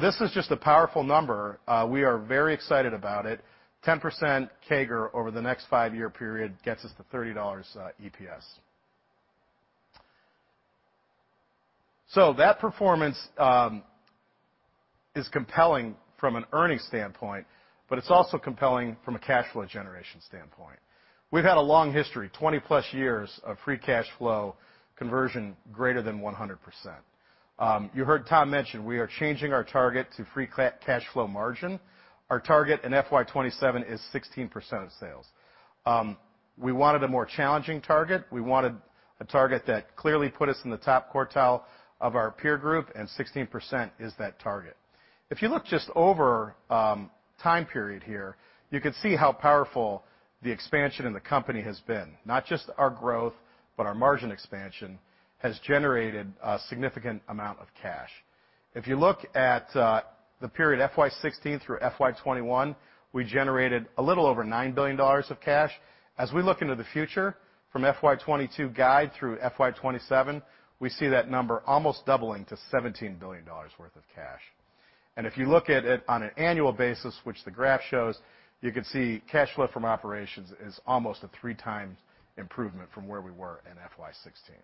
This is just a powerful number. We are very excited about it. 10% CAGR over the next five-year period gets us to $30 EPS. That performance is compelling from an earnings standpoint, but it's also compelling from a cash flow generation standpoint. We've had a long history, 20+ years of free cash flow conversion greater than 100%. You heard Tom mention we are changing our target to free cash flow margin. Our target in FY 2027 is 16% of sales. We wanted a more challenging target. We wanted a target that clearly put us in the top quartile of our peer group, and 16% is that target. If you look just over time period here, you can see how powerful the expansion in the company has been. Not just our growth, but our margin expansion has generated a significant amount of cash. If you look at the period FY 2016 through FY 2021, we generated a little over $9 billion of cash. As we look into the future from FY 2022 guide through FY 2027, we see that number almost doubling to $17 billion worth of cash. If you look at it on an annual basis, which the graph shows, you can see cash flow from operations is almost a 3x improvement from where we were in FY 2016.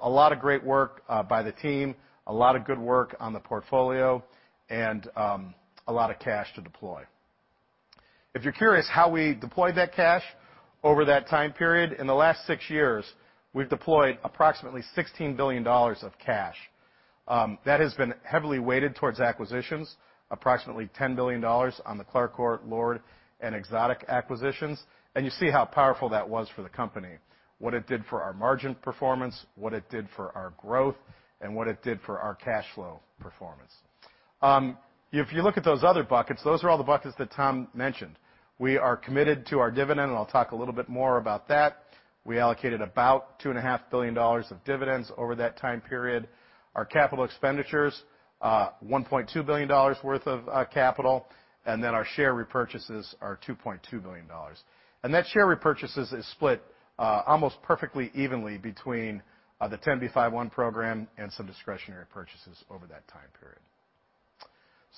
A lot of great work by the team, a lot of good work on the portfolio, and a lot of cash to deploy. If you're curious how we deployed that cash over that time period, in the last six years, we've deployed approximately $16 billion of cash. That has been heavily weighted towards acquisitions, approximately $10 billion on the CLARCOR, LORD, and Exotic Metals Forming acquisitions. You see how powerful that was for the company, what it did for our margin performance, what it did for our growth, and what it did for our cash flow performance. If you look at those other buckets, those are all the buckets that Tom mentioned. We are committed to our dividend, and I'll talk a little bit more about that. We allocated about $2.5 billion of dividends over that time period. Our capital expenditures, $1.2 billion worth of capital, and then our share repurchases are $2.2 billion. That share repurchase is split almost perfectly evenly between the 10b5-1 program and some discretionary purchases over that time period.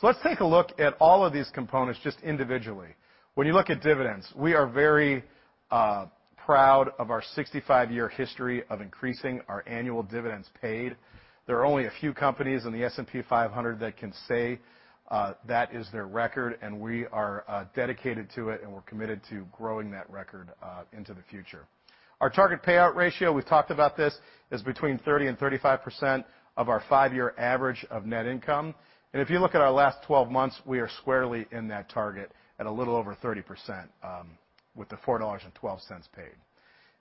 Let's take a look at all of these components just individually. When you look at dividends, we are very proud of our 65-year history of increasing our annual dividends paid. There are only a few companies in the S&P 500 that can say that is their record, and we are dedicated to it, and we're committed to growing that record into the future. Our target payout ratio, we've talked about this, is between 30%-35% of our five-year average of net income. If you look at our last 12 months, we are squarely in that target at a little over 30%, with the $4.12 paid.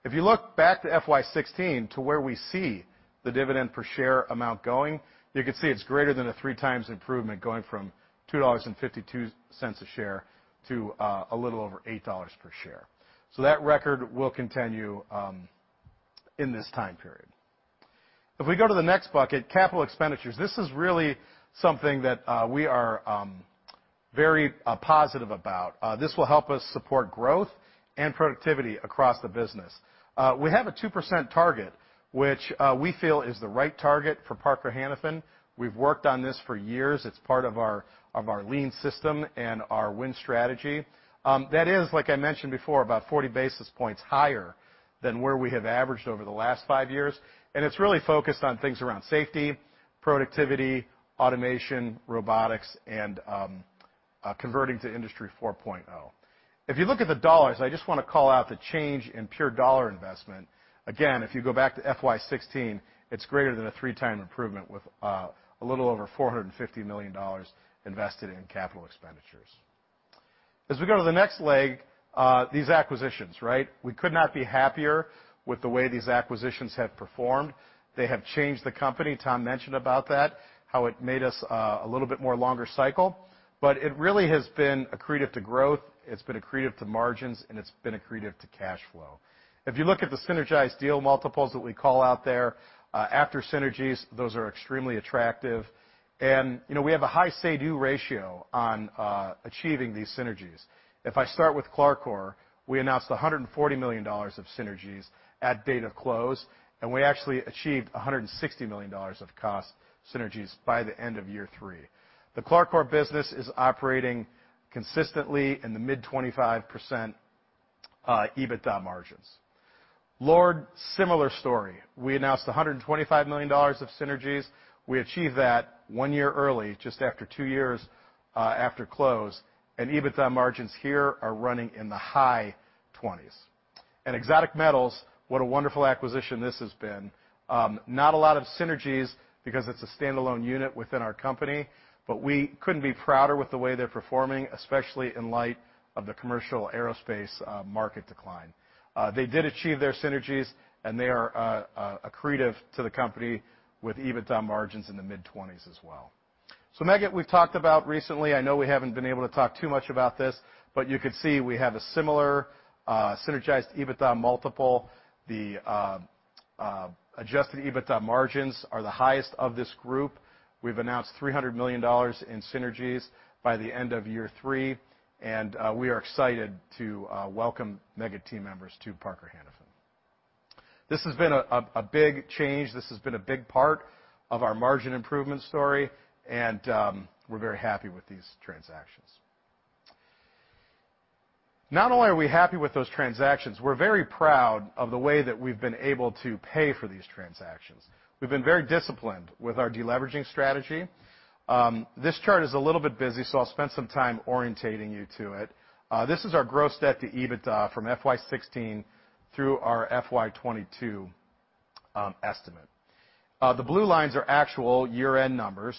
If you look back to FY 2016 to where we see the dividend per share amount going, you can see it's greater than a 3x improvement going from $2.52 a share to a little over $8 per share. That record will continue in this time period. If we go to the next bucket, capital expenditures. This is really something that we are very positive about. This will help us support growth and productivity across the business. We have a 2% target, which we feel is the right target for Parker-Hannifin. We've worked on this for years. It's part of our lean system and our Win Strategy. That is, like I mentioned before, about 40 basis points higher than where we have averaged over the last five years. It's really focused on things around safety, productivity, automation, robotics, and converting to Industry 4.0. If you look at the dollars, I just wanna call out the change in pure dollar investment. Again, if you go back to FY 2016, it's greater than a 3x improvement with a little over $450 million invested in capital expenditures. As we go to the next leg, these acquisitions, right? We could not be happier with the way these acquisitions have performed. They have changed the company. Tom mentioned about that, how it made us a little bit more longer cycle. It really has been accretive to growth, it's been accretive to margins, and it's been accretive to cash flow. If you look at the synergized deal multiples that we call out there, after synergies, those are extremely attractive. You know, we have a high say-do ratio on achieving these synergies. If I start with CLARCOR, we announced $140 million of synergies at date of close, and we actually achieved $160 million of cost synergies by the end of year three. The CLARCOR business is operating consistently in the mid-25% EBITDA margins. LORD, similar story. We announced $125 million of synergies. We achieved that one year early, just after two years after close. EBITDA margins here are running in the high 20s%. Exotic Metals Forming, what a wonderful acquisition this has been. Not a lot of synergies because it's a standalone unit within our company, but we couldn't be prouder with the way they're performing, especially in light of the commercial aerospace market decline. They did achieve their synergies, and they are accretive to the company with EBITDA margins in the mid-20s% as well. Meggitt we've talked about recently. I know we haven't been able to talk too much about this, but you could see we have a similar synergized EBITDA multiple. The adjusted EBITDA margins are the highest of this group. We've announced $300 million in synergies by the end of year three, and we are excited to welcome Meggitt team members to Parker-Hannifin. This has been a big change. This has been a big part of our margin improvement story, and we're very happy with these transactions. Not only are we happy with those transactions, we're very proud of the way that we've been able to pay for these transactions. We've been very disciplined with our deleveraging strategy. This chart is a little bit busy, so I'll spend some time orientating you to it. This is our gross debt to EBITDA from FY 2016 through our FY 2022 estimate. The blue lines are actual year-end numbers,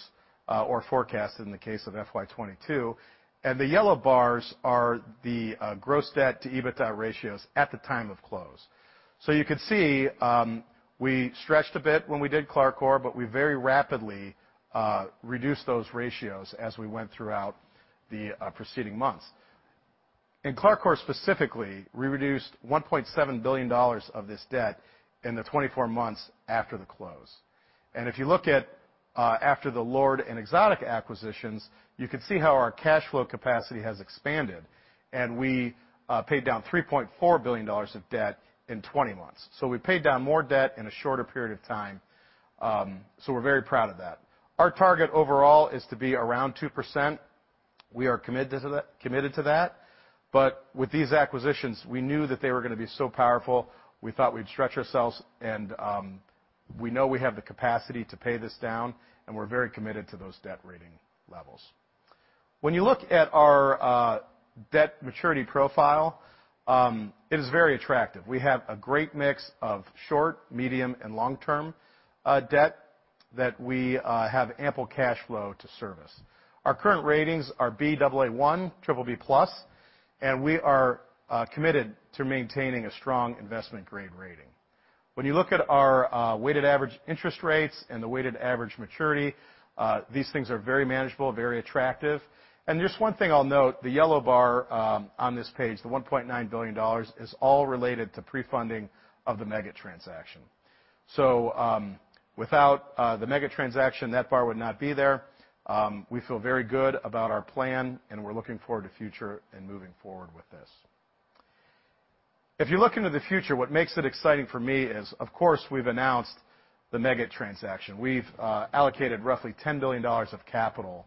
or forecast in the case of FY 2022, and the yellow bars are the gross debt to EBITDA ratios at the time of close. You can see we stretched a bit when we did CLARCOR, but we very rapidly reduced those ratios as we went throughout the preceding months. In CLARCOR specifically, we reduced $1.7 billion of this debt in the 24 months after the close. If you look at after the LORD and Exotic acquisitions, you can see how our cash flow capacity has expanded, and we paid down $3.4 billion of debt in 20 months. We paid down more debt in a shorter period of time, so we're very proud of that. Our target overall is to be around 2%. We are committed to that. With these acquisitions, we knew that they were going to be so powerful, we thought we'd stretch ourselves and we know we have the capacity to pay this down, and we're very committed to those debt rating levels. When you look at our debt maturity profile, it is very attractive. We have a great mix of short, medium, and long-term debt that we have ample cash flow to service. Our current ratings are Baa1 BBB+, and we are committed to maintaining a strong investment-grade rating. When you look at our weighted average interest rates and the weighted average maturity, these things are very manageable, very attractive. Just one thing I'll note, the yellow bar on this page, the $1.9 billion, is all related to prefunding of the Meggitt transaction. Without the Meggitt transaction, that bar would not be there. We feel very good about our plan, and we're looking forward to the future and moving forward with this. If you look into the future, what makes it exciting for me is, of course, we've announced the Meggitt transaction. We've allocated roughly $10 billion of capital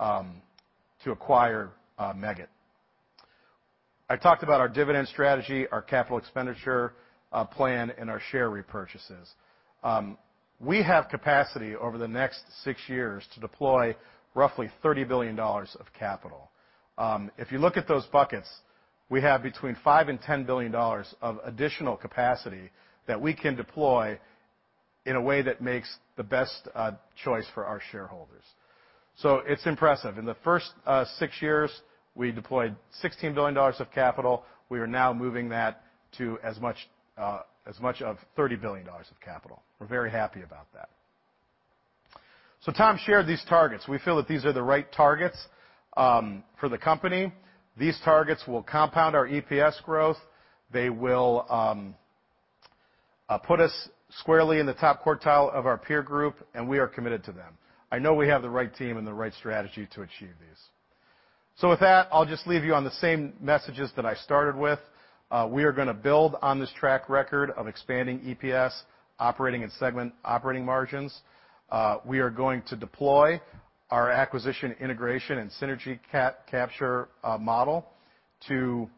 to acquire Meggitt. I talked about our dividend strategy, our capital expenditure plan, and our share repurchases. We have capacity over the next six years to deploy roughly $30 billion of capital. If you look at those buckets, we have between $5 billion and $10 billion of additional capacity that we can deploy in a way that makes the best choice for our shareholders. It's impressive. In the first six years, we deployed $16 billion of capital. We are now moving that to as much as $30 billion of capital. We're very happy about that. Tom shared these targets. We feel that these are the right targets for the company. These targets will compound our EPS growth. They will put us squarely in the top quartile of our peer group, and we are committed to them. I know we have the right team and the right strategy to achieve these. With that, I'll just leave you on the same messages that I started with. We are gonna build on this track record of expanding EPS operating and segment operating margins. We are going to deploy our acquisition, integration, and synergy capture model to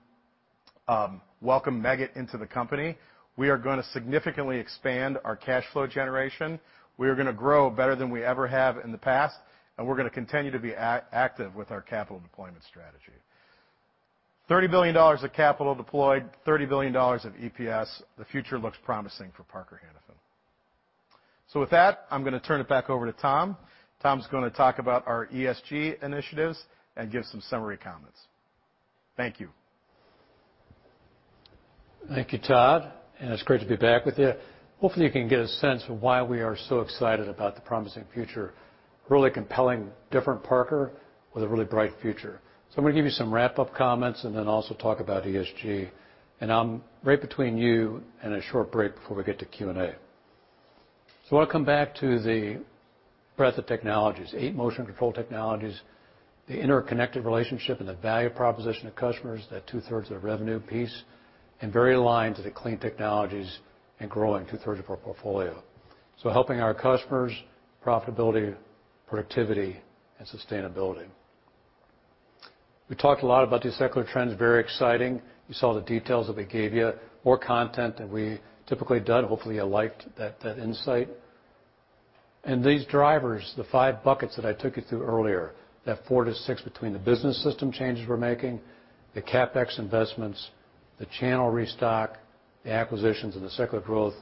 welcome Meggitt into the company. We are gonna significantly expand our cash flow generation. We are gonna grow better than we ever have in the past, and we're gonna continue to be active with our capital deployment strategy. $30 billion of capital deployed, $30 billion of EPS. The future looks promising for Parker Hannifin. With that, I'm gonna turn it back over to Tom. Tom's gonna talk about our ESG initiatives and give some summary comments. Thank you. Thank you, Todd, and it's great to be back with you. Hopefully, you can get a sense of why we are so excited about the promising future. Really compelling different Parker with a really bright future. I'm gonna give you some wrap-up comments and then also talk about ESG. I'm right between you and a short break before we get to Q&A. I'll come back to the breadth of technologies, eight motion control technologies, the interconnected relationship and the value proposition of customers, that 2/3 of the revenue piece, and very aligned to the clean technologies and growing 2/3 of our portfolio. Helping our customers, profitability, productivity, and sustainability. We talked a lot about these secular trends, very exciting. You saw the details that we gave you, more content than we typically do. Hopefully, you liked that insight. These drivers, the five buckets that I took you through earlier, that 4%-6% between the business system changes we're making, the CapEx investments, the channel restock, the acquisitions, and the secular growth,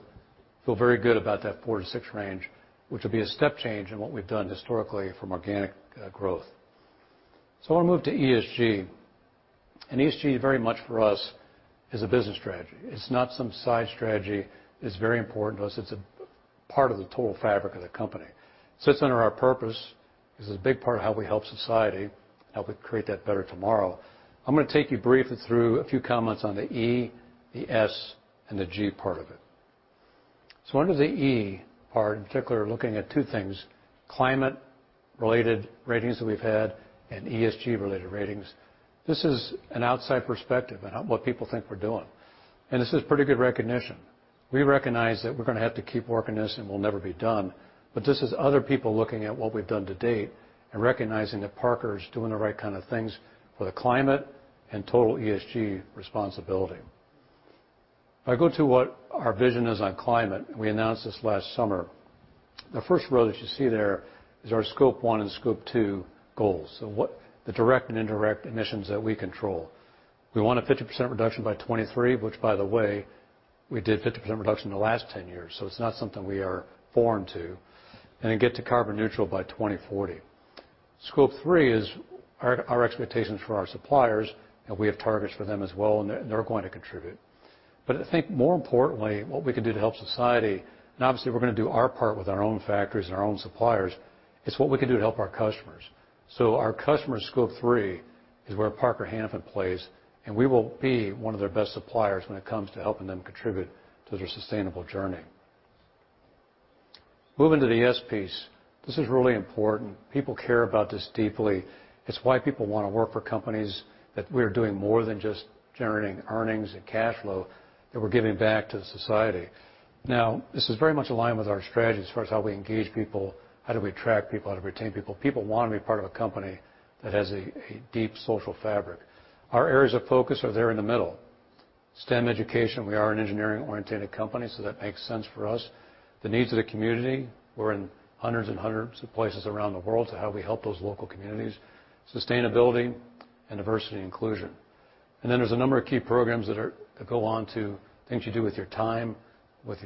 feel very good about that 4%-6% range, which will be a step change in what we've done historically from organic growth. I want to move to ESG. ESG very much for us is a business strategy. It's not some side strategy. It's very important to us. It's a part of the total fabric of the company. Sits under our purpose. This is a big part of how we help society, how we create that better tomorrow. I'm gonna take you briefly through a few comments on the E, the S, and the G part of it. Under the E part, in particular, looking at two things, climate-related ratings that we've had and ESG-related ratings. This is an outside perspective on what people think we're doing. This is pretty good recognition. We recognize that we're gonna have to keep working this, and we'll never be done. This is other people looking at what we've done to date and recognizing that Parker is doing the right kind of things for the climate and total ESG responsibility. If I go to what our vision is on climate, and we announced this last summer, the first row that you see there is our Scope 1 and Scope 2 goals, the direct and indirect emissions that we control. We want a 50% reduction by 2023, which, by the way, we did 50% reduction in the last 10 years, so it's not something we are foreign to, and then get to carbon neutral by 2040. Scope 3 is our expectations for our suppliers, and we have targets for them as well, and they're going to contribute. I think more importantly, what we can do to help society, and obviously, we're gonna do our part with our own factories and our own suppliers, is what we can do to help our customers. So our customers' Scope 3 is where Parker-Hannifin plays, and we will be one of their best suppliers when it comes to helping them contribute to their sustainable journey. Moving to the S piece. This is really important. People care about this deeply. It's why people wanna work for companies that we're doing more than just generating earnings and cash flow, that we're giving back to the society. Now, this is very much in line with our strategy as far as how we engage people, how do we attract people, how to retain people. People wanna be part of a company that has a deep social fabric. Our areas of focus are there in the middle. STEM education, we are an engineering-oriented company, so that makes sense for us. The needs of the community, we're in hundreds and hundreds of places around the world, so how we help those local communities. Sustainability and diversity and inclusion. There's a number of key programs that go on to things you do with your time, with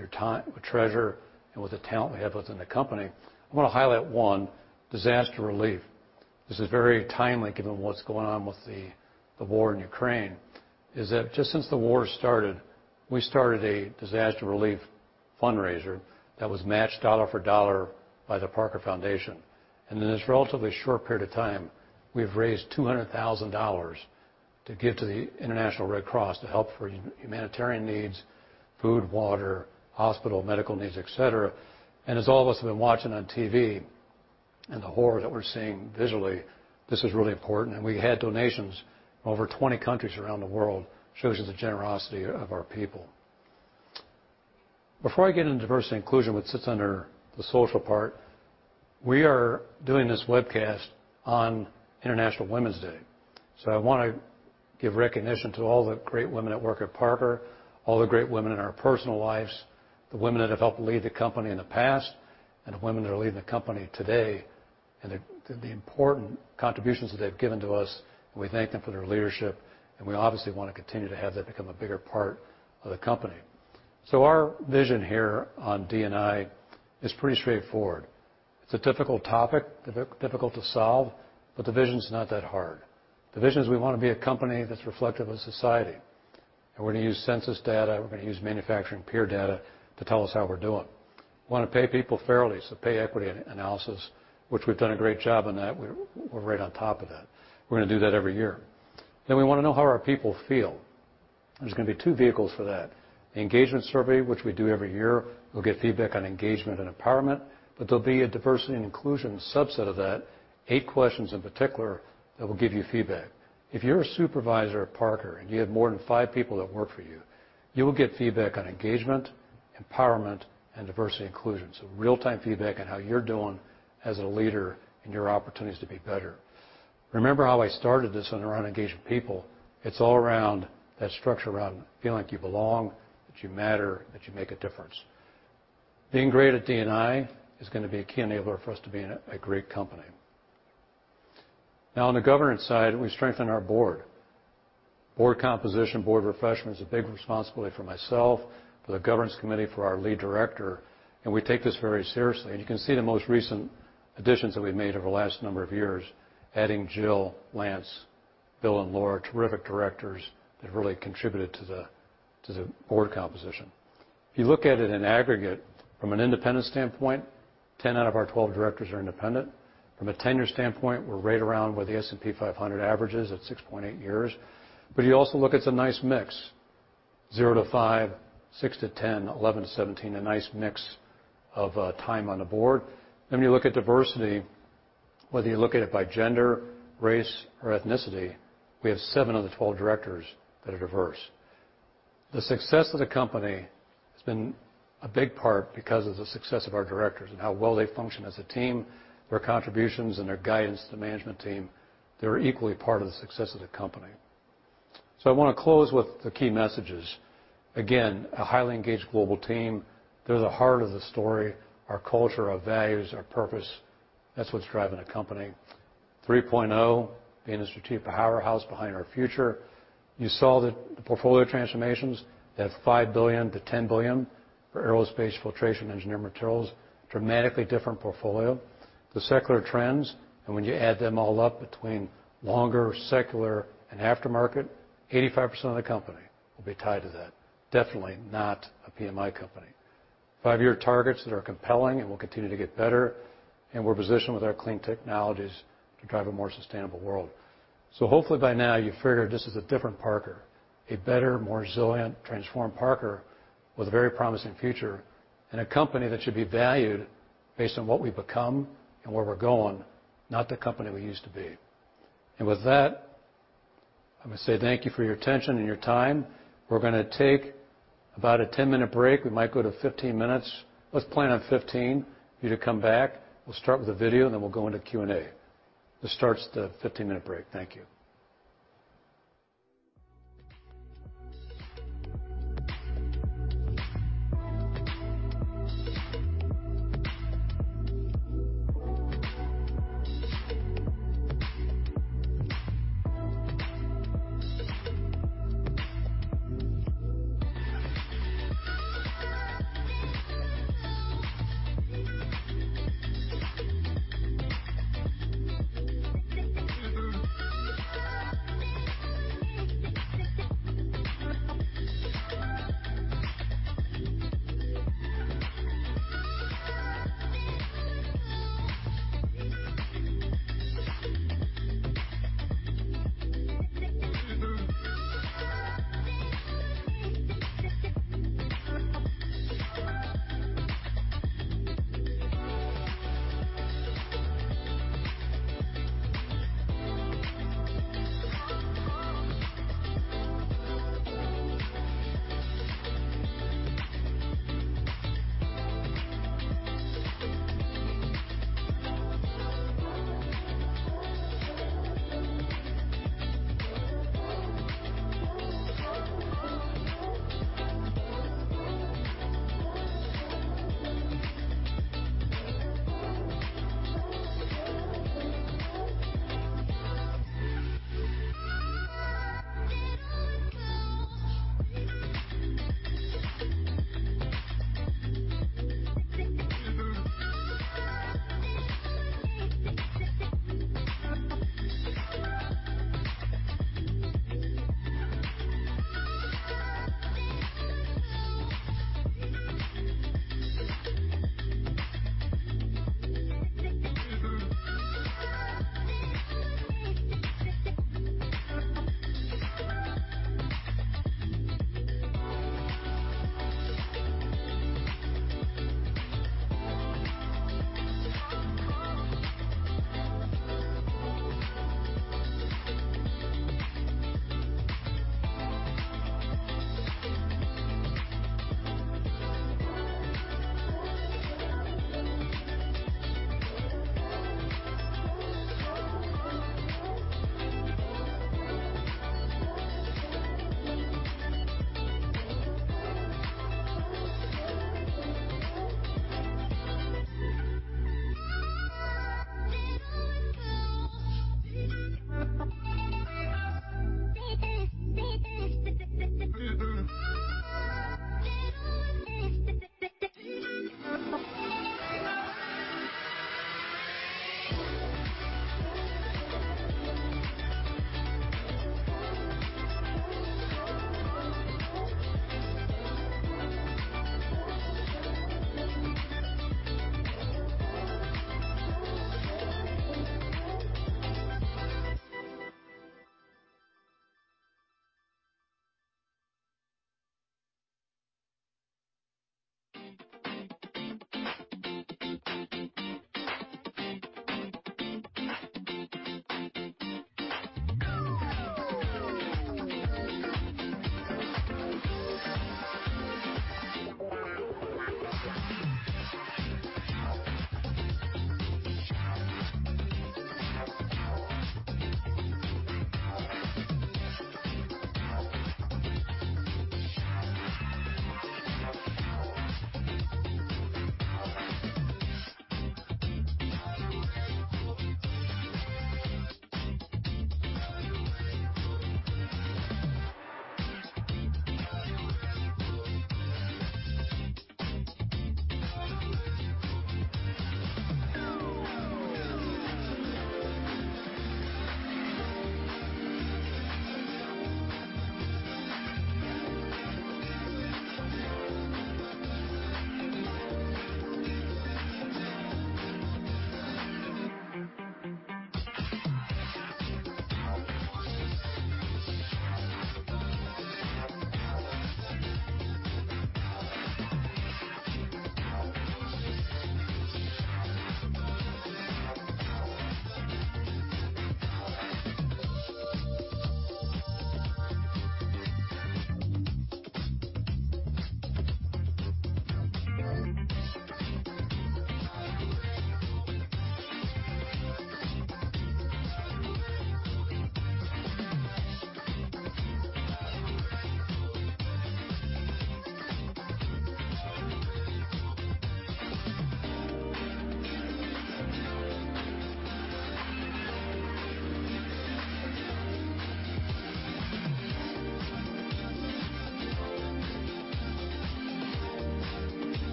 treasure, and with the talent we have within the company. I wanna highlight one, disaster relief. This is very timely given what's going on with the war in Ukraine. Just since the war started, we started a disaster relief fundraiser that was matched dollar for dollar by the Parker Foundation. In this relatively short period of time, we've raised $200,000 to give to the International Red Cross to help for humanitarian needs, food, water, hospital, medical needs, et cetera. As all of us have been watching on TV, and the horror that we're seeing visually, this is really important, and we had donations from over 20 countries around the world. Shows you the generosity of our people. Before I get into diversity and inclusion, which sits under the social part, we are doing this webcast on International Women's Day. I wanna give recognition to all the great women that work at Parker, all the great women in our personal lives, the women that have helped lead the company in the past, and the women that are leading the company today, and the important contributions that they've given to us, and we thank them for their leadership, and we obviously wanna continue to have that become a bigger part of the company. Our vision here on D&I is pretty straightforward. It's a difficult topic, difficult to solve, but the vision's not that hard. The vision is we wanna be a company that's reflective of society, and we're gonna use census data, we're gonna use manufacturing peer data to tell us how we're doing. We wanna pay people fairly, so pay equity analysis, which we've done a great job on that. We're right on top of that. We're gonna do that every year. We wanna know how our people feel. There's gonna be two vehicles for that. The engagement survey, which we do every year. We'll get feedback on engagement and empowerment, but there'll be a diversity and inclusion subset of that, eight questions in particular that will give you feedback. If you're a supervisor at Parker, and you have more than five people that work for you will get feedback on engagement, empowerment, and diversity and inclusion, so real-time feedback on how you're doing as a leader and your opportunities to be better. Remember how I started this one around engaging people. It's all around that structure around feeling like you belong, that you matter, that you make a difference. Being great at D&I is gonna be a key enabler for us to being a great company. Now on the governance side, we strengthened our board. Board composition, board refreshment is a big responsibility for myself, for the governance committee, for our lead director, and we take this very seriously. You can see the most recent additions that we've made over the last number of years, adding Jill, Lance, Bill, and Laura, terrific directors that have really contributed to the board composition. If you look at it in aggregate from an independent standpoint, 10/12 directors are independent. From a tenure standpoint, we're right around where the S&P 500 average is at 6.8 years. You also look, it's a nice mix. 0-5 years, 6-10 years, 11-17 years, a nice mix of time on the board. When you look at diversity, whether you look at it by gender, race, or ethnicity, we have seven of the 12 directors that are diverse. The success of the company has been a big part because of the success of our directors and how well they function as a team, their contributions and their guidance to the management team. They're equally part of the success of the company. I wanna close with the key messages. Again, a highly engaged global team. They're the heart of the story, our culture, our values, our purpose. That's what's driving the company. 3.0 being a strategic powerhouse behind our future. You saw the portfolio transformations, that $5 billion-$10 billion for Aerospace, Filtration, Engineered Materials, dramatically different portfolio. The secular trends, and when you add them all up between longer secular and aftermarket, 85% of the company will be tied to that. Definitely not a PMI company. five-year targets that are compelling and will continue to get better, and we're positioned with our clean technologies to drive a more sustainable world. Hopefully by now you've figured this is a different Parker, a better, more resilient, transformed Parker with a very promising future, and a company that should be valued based on what we've become and where we're going, not the company we used to be. With that, I'm gonna say thank you for your attention and your time. We're gonna take about a 10-minute break. We might go to 15 minutes. Let's plan on 15 for you to come back. We'll start with a video, and then we'll go into Q&A. This starts the 15-minute break. Thank you.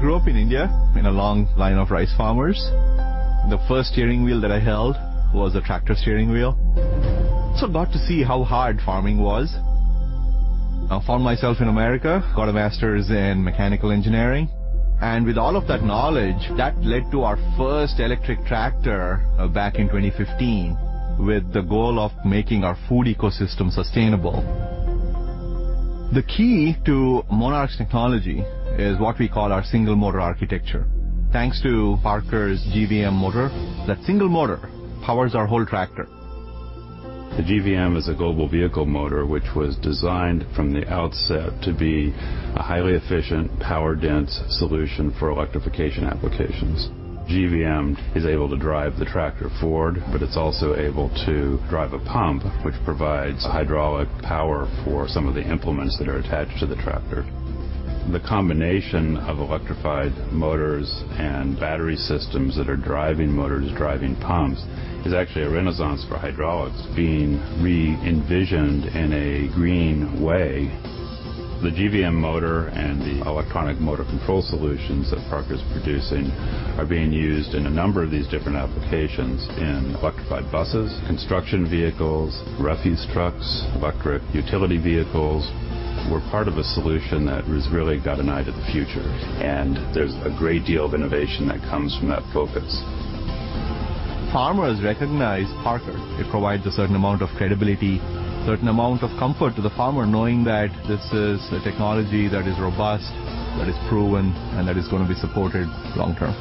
I grew up in India in a long line of rice farmers. The first steering wheel that I held was a tractor steering wheel, so I got to see how hard farming was. I found myself in America, got a master's in mechanical engineering, and with all of that knowledge, that led to our first electric tractor back in 2015, with the goal of making our food ecosystem sustainable. The key to Monarch's technology is what we call our single motor architecture. Thanks to Parker's GVM motor, that single motor powers our whole tractor. The GVM is a global vehicle motor, which was designed from the outset to be a highly efficient power dense solution for electrification applications. GVM is able to drive the tractor forward, but it's also able to drive a pump, which provides hydraulic power for some of the implements that are attached to the tractor. The combination of electrified motors and battery systems that are driving motors, driving pumps, is actually a renaissance for hydraulics being re-envisioned in a green way. The GVM motor and the electronic motor control solutions that Parker's producing are being used in a number of these different applications in electrified buses, construction vehicles, refuse trucks, electric utility vehicles. We're part of a solution that has really got an eye to the future, and there's a great deal of innovation that comes from that focus. Farmers recognize Parker. It provides a certain amount of credibility, certain amount of comfort to the farmer knowing that this is a technology that is robust, that is proven, and that is going to be supported long term.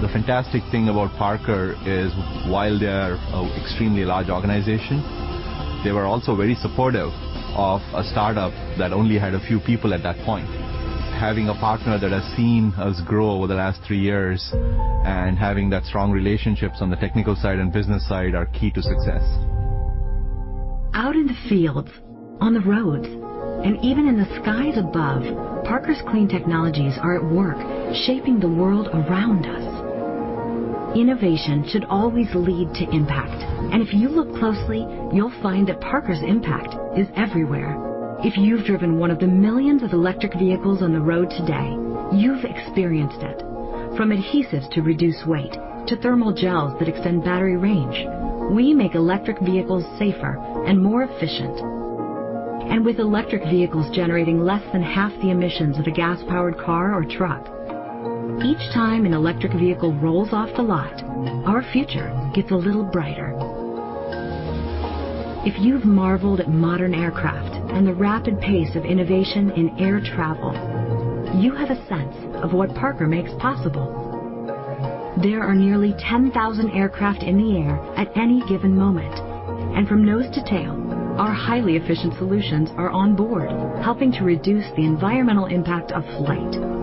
The fantastic thing about Parker is, while they're extremely large organization, they were also very supportive of a startup that only had a few people at that point. Having a partner that has seen us grow over the last three years and having that strong relationships on the technical side and business side are key to success. Out in the fields, on the roads, and even in the skies above, Parker's clean technologies are at work shaping the world around us. Innovation should always lead to impact, and if you look closely, you'll find that Parker's impact is everywhere. If you've driven one of the millions of electric vehicles on the road today, you've experienced it. From adhesives to reduce weight to thermal gels that extend battery range, we make electric vehicles safer and more efficient. With electric vehicles generating less than half the emissions of a gas-powered car or truck, each time an electric vehicle rolls off the lot, our future gets a little brighter. If you've marveled at modern aircraft and the rapid pace of innovation in air travel, you have a sense of what Parker makes possible. There are nearly 10,000 aircraft in the air at any given moment. From nose to tail, our highly efficient solutions are on board, helping to reduce the environmental impact of flight.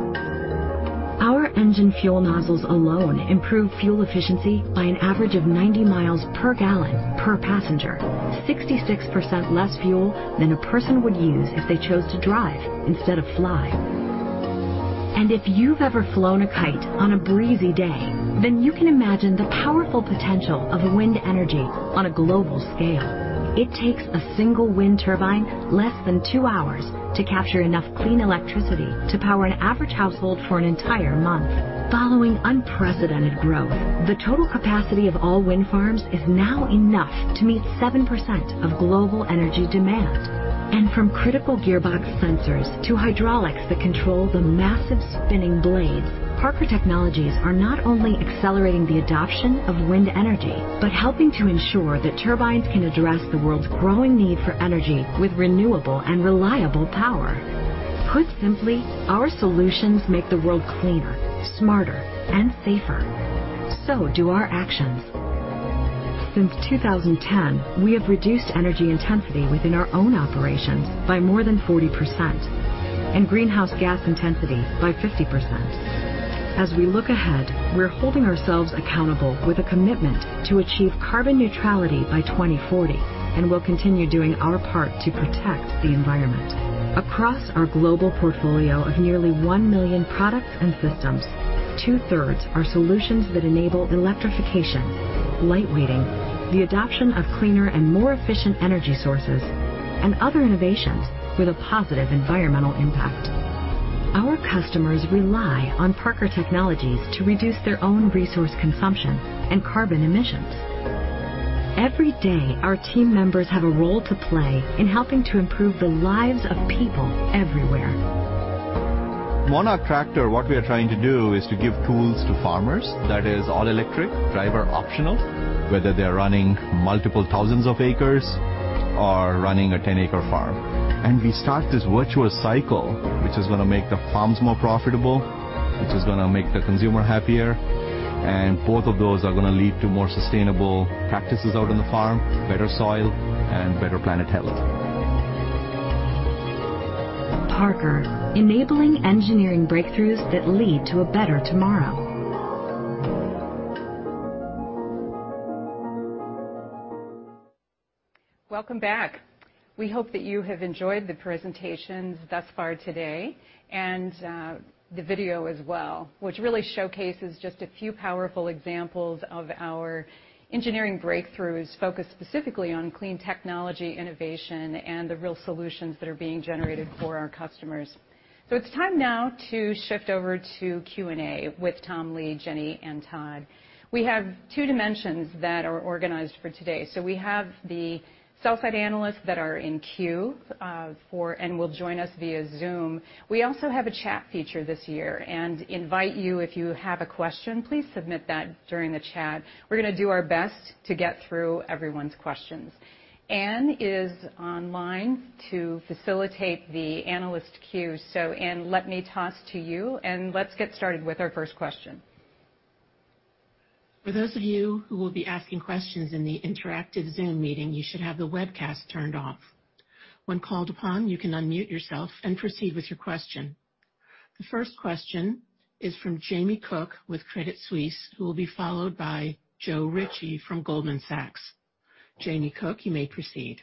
Our engine fuel nozzles alone improve fuel efficiency by an average of 90 MPG per passenger, 66% less fuel than a person would use if they chose to drive instead of fly. If you've ever flown a kite on a breezy day, then you can imagine the powerful potential of wind energy on a global scale. It takes a single wind turbine less than two hours to capture enough clean electricity to power an average household for an entire month. Following unprecedented growth, the total capacity of all wind farms is now enough to meet 7% of global energy demand. From critical gearbox sensors to hydraulics that control the massive spinning blades, Parker technologies are not only accelerating the adoption of wind energy, but helping to ensure that turbines can address the world's growing need for energy with renewable and reliable power. Put simply, our solutions make the world cleaner, smarter, and safer. Do our actions. Since 2010, we have reduced energy intensity within our own operations by more than 40% and greenhouse gas intensity by 50%. As we look ahead, we're holding ourselves accountable with a commitment to achieve carbon neutrality by 2040, and we'll continue doing our part to protect the environment. Across our global portfolio of nearly 1 million products and systems, 2/3 are solutions that enable electrification, lightweighting, the adoption of cleaner and more efficient energy sources, and other innovations with a positive environmental impact. Our customers rely on Parker technologies to reduce their own resource consumption and carbon emissions. Every day, our team members have a role to play in helping to improve the lives of people everywhere. Monarch Tractor, what we are trying to do is to give tools to farmers that is all electric, driver optional, whether they're running multiple thousands of acres or running a 10-acre farm. We start this virtuous cycle, which is gonna make the farms more profitable, which is gonna make the consumer happier. Both of those are gonna lead to more sustainable practices out on the farm, better soil, and better planet health. Parker, enabling engineering breakthroughs that lead to a better tomorrow. Welcome back. We hope that you have enjoyed the presentations thus far today and the video as well, which really showcases just a few powerful examples of our engineering breakthroughs focused specifically on clean technology innovation and the real solutions that are being generated for our customers. It's time now to shift over to Q&A with Tom, Lee, Jenny, and Todd. We have two dimensions that are organized for today. We have the sell-side analysts that are in queue for and will join us via Zoom. We also have a chat feature this year and invite you, if you have a question, please submit that during the chat. We're gonna do our best to get through everyone's questions. Anne is online to facilitate the analyst queue. Anne, let me toss to you, and let's get started with our first question. For those of you who will be asking questions in the interactive Zoom meeting, you should have the webcast turned off. When called upon, you can unmute yourself and proceed with your question. The first question is from Jamie Cook with Credit Suisse, who will be followed by Joe Ritchie from Goldman Sachs. Jamie Cook, you may proceed.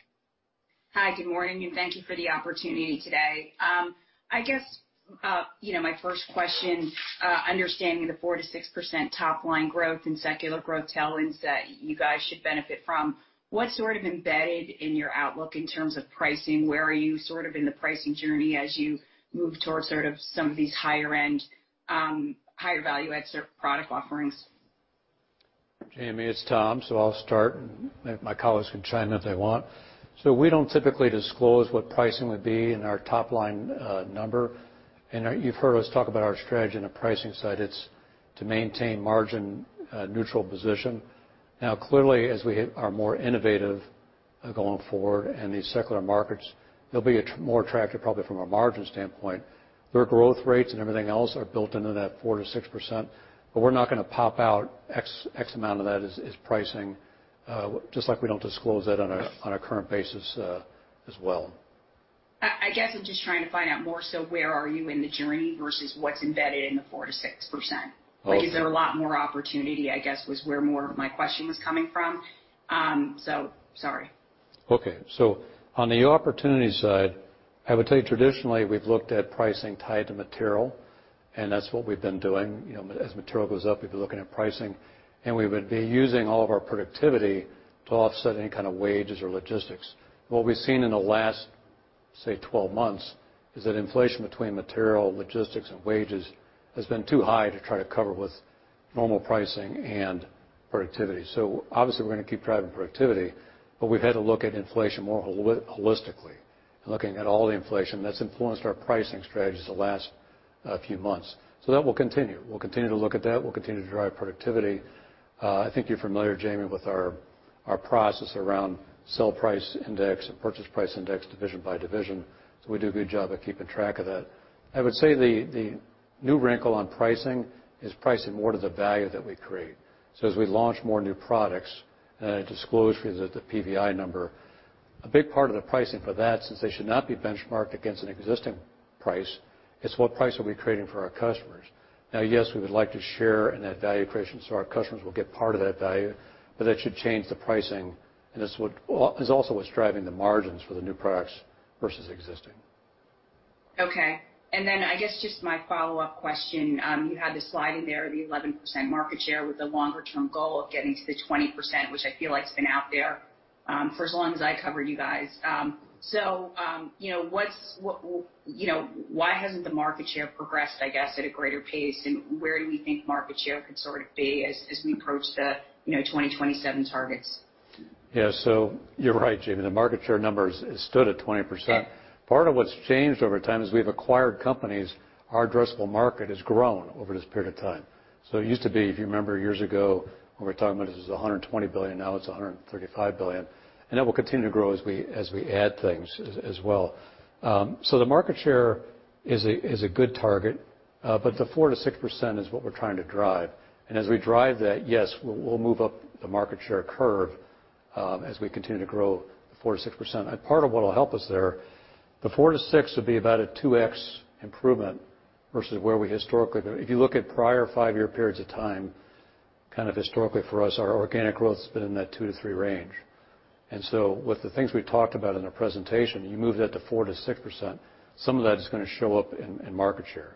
Hi, good morning, and thank you for the opportunity today. I guess, you know, my first question, understanding the 4%-6% top line growth and secular growth tailwinds that you guys should benefit from, what's sort of embedded in your outlook in terms of pricing? Where are you sort of in the pricing journey as you move towards sort of some of these higher-end, higher value add product offerings? Jamie, it's Tom. I'll start. My colleagues can chime in if they want. We don't typically disclose what pricing would be in our top line number. You've heard us talk about our strategy on the pricing side. It's to maintain margin neutral position. Now, clearly, as we are more innovative going forward in these secular markets, they'll be more attractive, probably from a margin standpoint. Their growth rates and everything else are built into that 4%-6%, but we're not gonna pop out X amount of that as pricing, just like we don't disclose that on a current basis as well. I guess I'm just trying to find out more so where are you in the journey versus what's embedded in the 4%-6%. Okay. Like, is there a lot more opportunity, I guess, was where more of my question was coming from. Sorry. Okay. On the opportunity side, I would tell you traditionally, we've looked at pricing tied to material, and that's what we've been doing. You know, as material goes up, we've been looking at pricing, and we would be using all of our productivity to offset any kind of wages or logistics. What we've seen in the last, say, 12 months is that inflation between material, logistics, and wages has been too high to try to cover with normal pricing and productivity. Obviously, we're going to keep driving productivity, but we've had to look at inflation more holistically, looking at all the inflation that's influenced our pricing strategies the last few months. That will continue. We'll continue to look at that. We'll continue to drive productivity. I think you're familiar, Jamie, with our process around selling price index and purchase price index division by division. We do a good job of keeping track of that. I would say the new wrinkle on pricing is pricing more to the value that we create. As we launch more new products, disclosure is at the PVI number. A big part of the pricing for that, since they should not be benchmarked against an existing price, is what price are we creating for our customers. Now, yes, we would like to share in that value creation, so our customers will get part of that value, but that should change the pricing. It's also what's driving the margins for the new products versus existing. Okay. I guess just my follow-up question. You had the slide in there, the 11% market share with the longer-term goal of getting to the 20%, which I feel like has been out there for as long as I covered you guys. So, you know, what's you know, why hasn't the market share progressed, I guess, at a greater pace? Where do we think market share could sort of be as we approach the 2027 targets? Yeah. You're right, Jamie. The market share numbers stood at 20%. Part of what's changed over time is we've acquired companies. Our addressable market has grown over this period of time. It used to be, if you remember years ago, when we're talking about this, it was $120 billion, now it's $135 billion, and that will continue to grow as we add things as well. The market share is a good target, but the 4%-6% is what we're trying to drive. As we drive that, yes, we'll move up the market share curve, as we continue to grow the 4%-6%. Part of what'll help us there, the 4%-6% would be about a 2x improvement versus where we historically. If you look at prior five-year periods of time, kind of historically for us, our organic growth has been in that 2%-3% range. With the things we talked about in our presentation, you move that to 4%-6%, some of that is gonna show up in market share.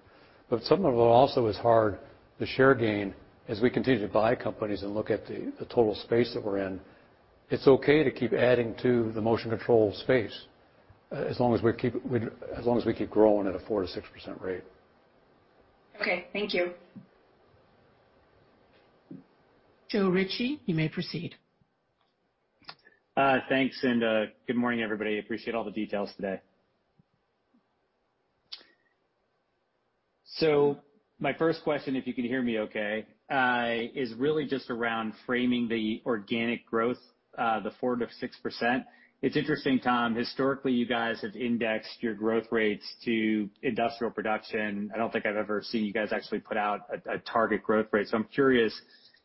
Some of it also is hard. The share gain, as we continue to buy companies and look at the total space that we're in, it's okay to keep adding to the motion control space, as long as we keep growing at a 4%-6% rate. Okay. Thank you. Joe Ritchie, you may proceed. Thanks, good morning, everybody. Appreciate all the details today. My first question, if you can hear me okay, is really just around framing the organic growth, the 4%-6%. It's interesting, Tom, historically, you guys have indexed your growth rates to industrial production. I don't think I've ever seen you guys actually put out a target growth rate. I'm curious,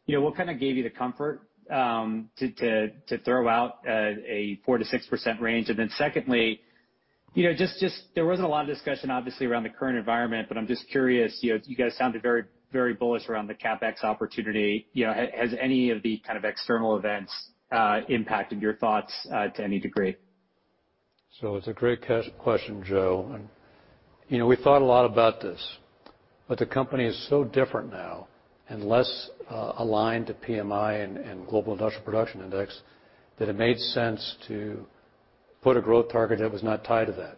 you know, what kinda gave you the comfort to throw out a 4%-6% range? Then secondly, you know, just there wasn't a lot of discussion, obviously, around the current environment, but I'm just curious, you know, you guys sounded very, very bullish around the CapEx opportunity. Has any of the kind of external events impacted your thoughts to any degree? It's a great question, Joe. You know, we thought a lot about this, but the company is so different now and less aligned to PMI and global industrial production index that it made sense to put a growth target that was not tied to that.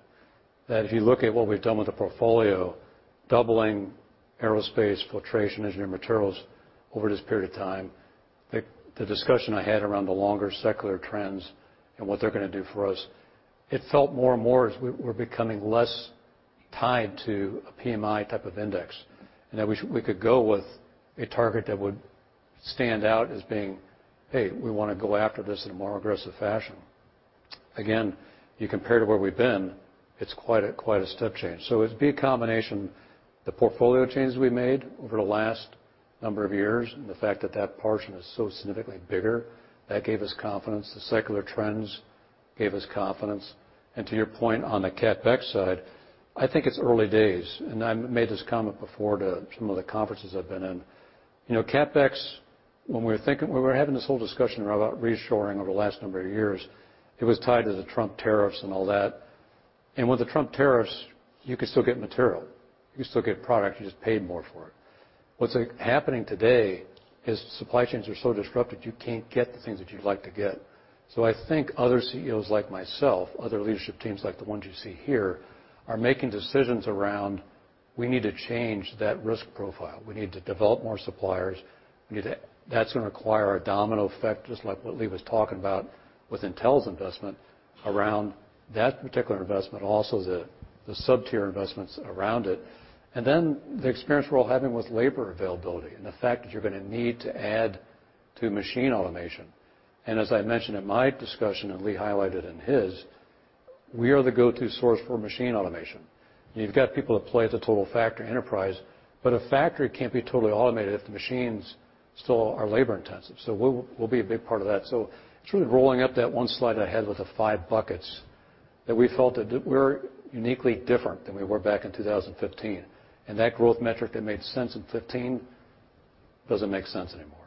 If you look at what we've done with the portfolio, doubling Aerospace, Filtration, Engineered Materials over this period of time, the discussion I had around the longer secular trends and what they're gonna do for us, it felt more and more as we're becoming less tied to a PMI type of index, and that we could go with a target that would stand out as being, hey, we wanna go after this in a more aggressive fashion. Again, you compare to where we've been, it's quite a step change. It'd be a combination, the portfolio changes we made over the last number of years, and the fact that that portion is so significantly bigger, that gave us confidence. The secular trends gave us confidence. To your point on the CapEx side, I think it's early days, and I made this comment before to some of the conferences I've been in. You know, CapEx, when we were having this whole discussion about reshoring over the last number of years, it was tied to the Trump tariffs and all that. With the Trump tariffs, you could still get material. You could still get product. You just paid more for it. What's happening today is supply chains are so disrupted, you can't get the things that you'd like to get. I think other CEOs like myself, other leadership teams like the ones you see here, are making decisions around we need to change that risk profile. We need to develop more suppliers. That's gonna require a domino effect, just like what Lee was talking about with Intel's investment around that particular investment, also the sub-tier investments around it. Then the experience we're all having with labor availability and the fact that you're gonna need to add to machine automation. As I mentioned in my discussion, and Lee highlighted in his, we are the go-to source for machine automation. You've got people that play at the total factor enterprise, but a factory can't be totally automated if the machines still are labor-intensive. We'll be a big part of that. It's really rolling up that one slide I had with the five buckets that we felt that we're uniquely different than we were back in 2015. That growth metric that made sense in 2015 doesn't make sense anymore.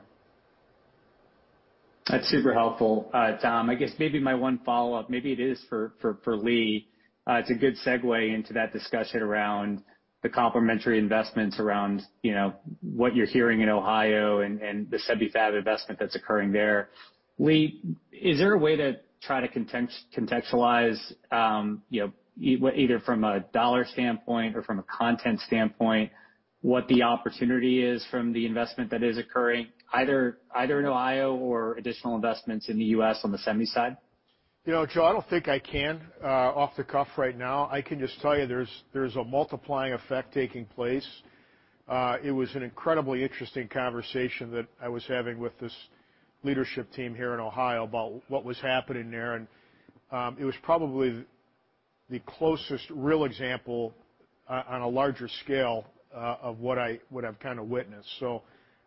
That's super helpful, Tom. I guess maybe my one follow-up, maybe it is for Lee. It's a good segue into that discussion around the complementary investments around, you know, what you're hearing in Ohio and the semi fab investment that's occurring there. Lee, is there a way to try to contextualize, you know, either from a dollar standpoint or from a content standpoint, what the opportunity is from the investment that is occurring, either in Ohio or additional investments in the U.S. on the semi side? You know, Joe, I don't think I can off the cuff right now. I can just tell you there's a multiplying effect taking place. It was an incredibly interesting conversation that I was having with this leadership team here in Ohio about what was happening there. It was probably the closest real example on a larger scale of what I've kinda witnessed. I'm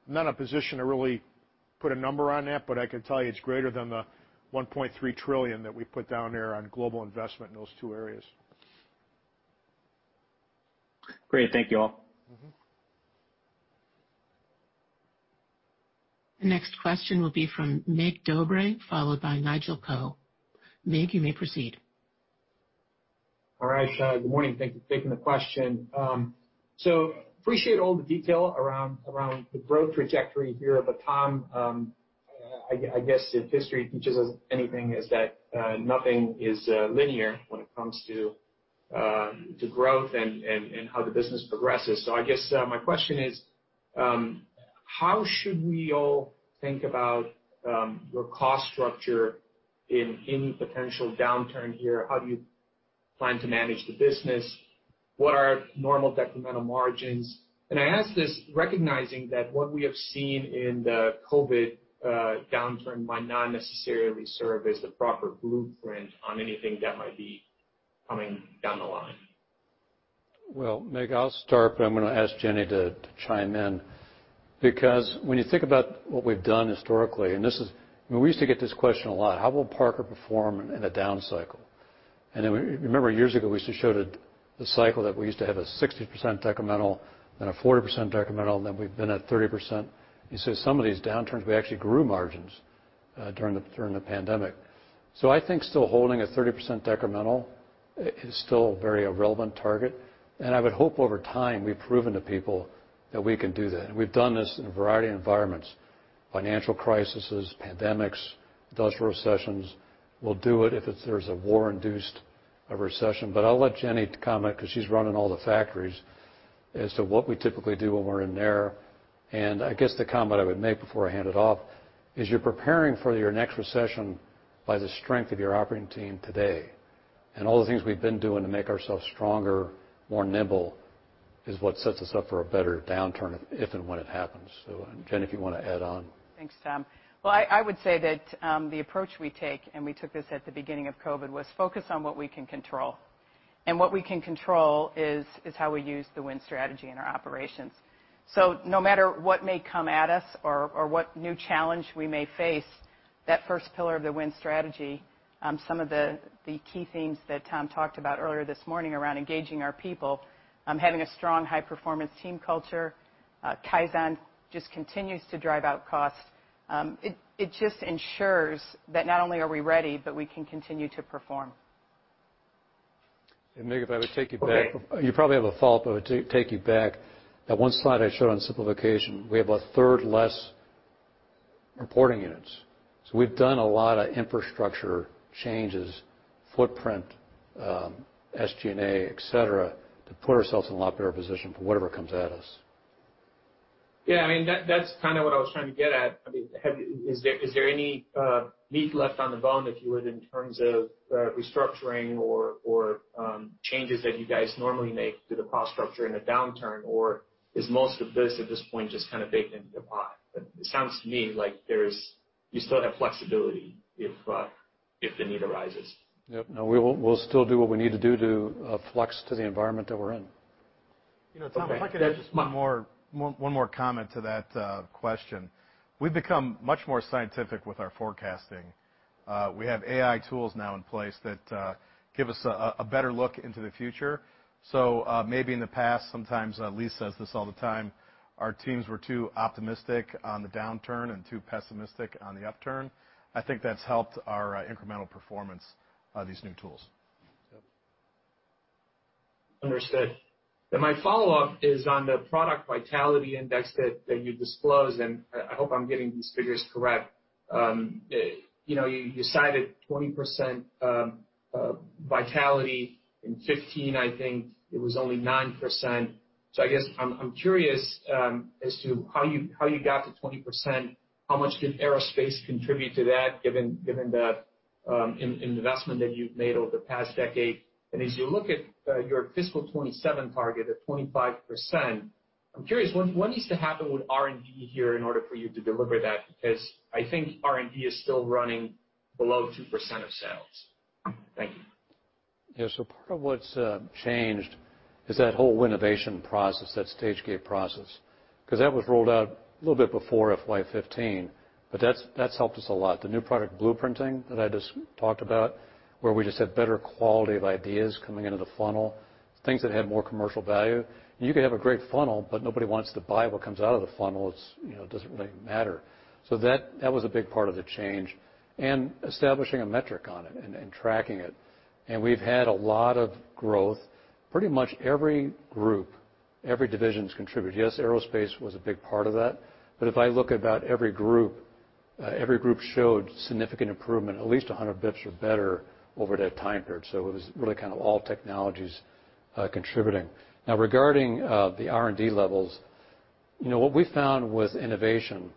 not in a position to really put a number on that, but I can tell you it's greater than the $1.3 trillion that we put down there on global investment in those two areas. Great. Thank you all. Mm-hmm. The next question will be from Mig Dobre, followed by Nigel Coe. Mig, you may proceed. All right. Good morning. Thank you for taking the question. I appreciate all the detail around the growth trajectory here. Tom, I guess if history teaches us anything is that nothing is linear when it comes to growth and how the business progresses. I guess my question is how should we all think about your cost structure in any potential downturn here? How do you plan to manage the business? What are normal decremental margins? I ask this recognizing that what we have seen in the COVID downturn might not necessarily serve as the proper blueprint on anything that might be coming down the line. Well, Mig, I'll start, but I'm gonna ask Jenny to chime in because when you think about what we've done historically, and this is we used to get this question a lot. How will Parker perform in a down cycle? We remember years ago, we used to show the cycle that we used to have a 60% decremental and a 40% decremental, and then we've been at 30%. You see some of these downturns, we actually grew margins during the pandemic. I think still holding a 30% decremental is still very relevant target. I would hope over time we've proven to people that we can do that. We've done this in a variety of environments, financial crises, pandemics, industrial recessions. We'll do it if there's a war-induced recession. I'll let Jenny comment because she's running all the factories as to what we typically do when we're in there. I guess the comment I would make before I hand it off is you're preparing for your next recession by the strength of your operating team today. All the things we've been doing to make ourselves stronger, more nimble, is what sets us up for a better downturn if and when it happens. Jenny, if you wanna add on. Thanks, Tom. Well, I would say that the approach we take, and we took this at the beginning of COVID, was focus on what we can control. What we can control is how we use the Win Strategy in our operations. No matter what may come at us or what new challenge we may face, that first pillar of the Win Strategy, some of the key themes that Tom talked about earlier this morning around engaging our people, having a strong high-performance team culture, Kaizen just continues to drive out costs. It just ensures that not only are we ready, but we can continue to perform. Mig, if I would take you back. Okay. You probably have a follow-up. I would take you back. That one slide I showed on simplification, we have 1/3 less reporting units. We've done a lot of infrastructure changes, footprint, SG&A, et cetera, to put ourselves in a lot better position for whatever comes at us. Yeah. I mean, that's kind of what I was trying to get at. I mean, is there any meat left on the bone, if you would, in terms of restructuring or changes that you guys normally make to the cost structure in a downturn? Or is most of this at this point just kind of baked into the pie? It sounds to me like you still have flexibility if the need arises. Yep. No, we will, we'll still do what we need to do to flex to the environment that we're in. Okay. You know, Tom, if I could add just one more comment to that question. We've become much more scientific with our forecasting. We have AI tools now in place that give us a better look into the future. Maybe in the past, sometimes, Lee says this all the time, our teams were too optimistic on the downturn and too pessimistic on the upturn. I think that's helped our incremental performance, these new tools. Yep. Understood. My follow-up is on the product vitality index that you disclosed, and I hope I'm getting these figures correct. You know, you cited 20% vitality. In 2015, I think it was only 9%. I guess I'm curious as to how you got to 20%. How much did aerospace contribute to that given the investment that you've made over the past decade? As you look at your fiscal 2027 target of 25%, I'm curious what needs to happen with R&D here in order for you to deliver that. Because I think R&D is still running below 2% of sales. Thank you. Yeah. Part of what's changed is that whole Winovation process, that stage gate process, 'cause that was rolled out a little bit before FY 2015, but that's helped us a lot. The new product blueprinting that I just talked about, where we just had better quality of ideas coming into the funnel, things that had more commercial value. You could have a great funnel, but nobody wants to buy what comes out of the funnel. It, you know, doesn't really matter. That was a big part of the change, and establishing a metric on it and tracking it. We've had a lot of growth. Pretty much every group, every division's contributed. Yes, aerospace was a big part of that, but if I look at about every group, every group showed significant improvement, at least 100 basis points or better over that time period. It was really kind of all technologies, contributing. Now, regarding the R&D levels, you know, what we found with innovation,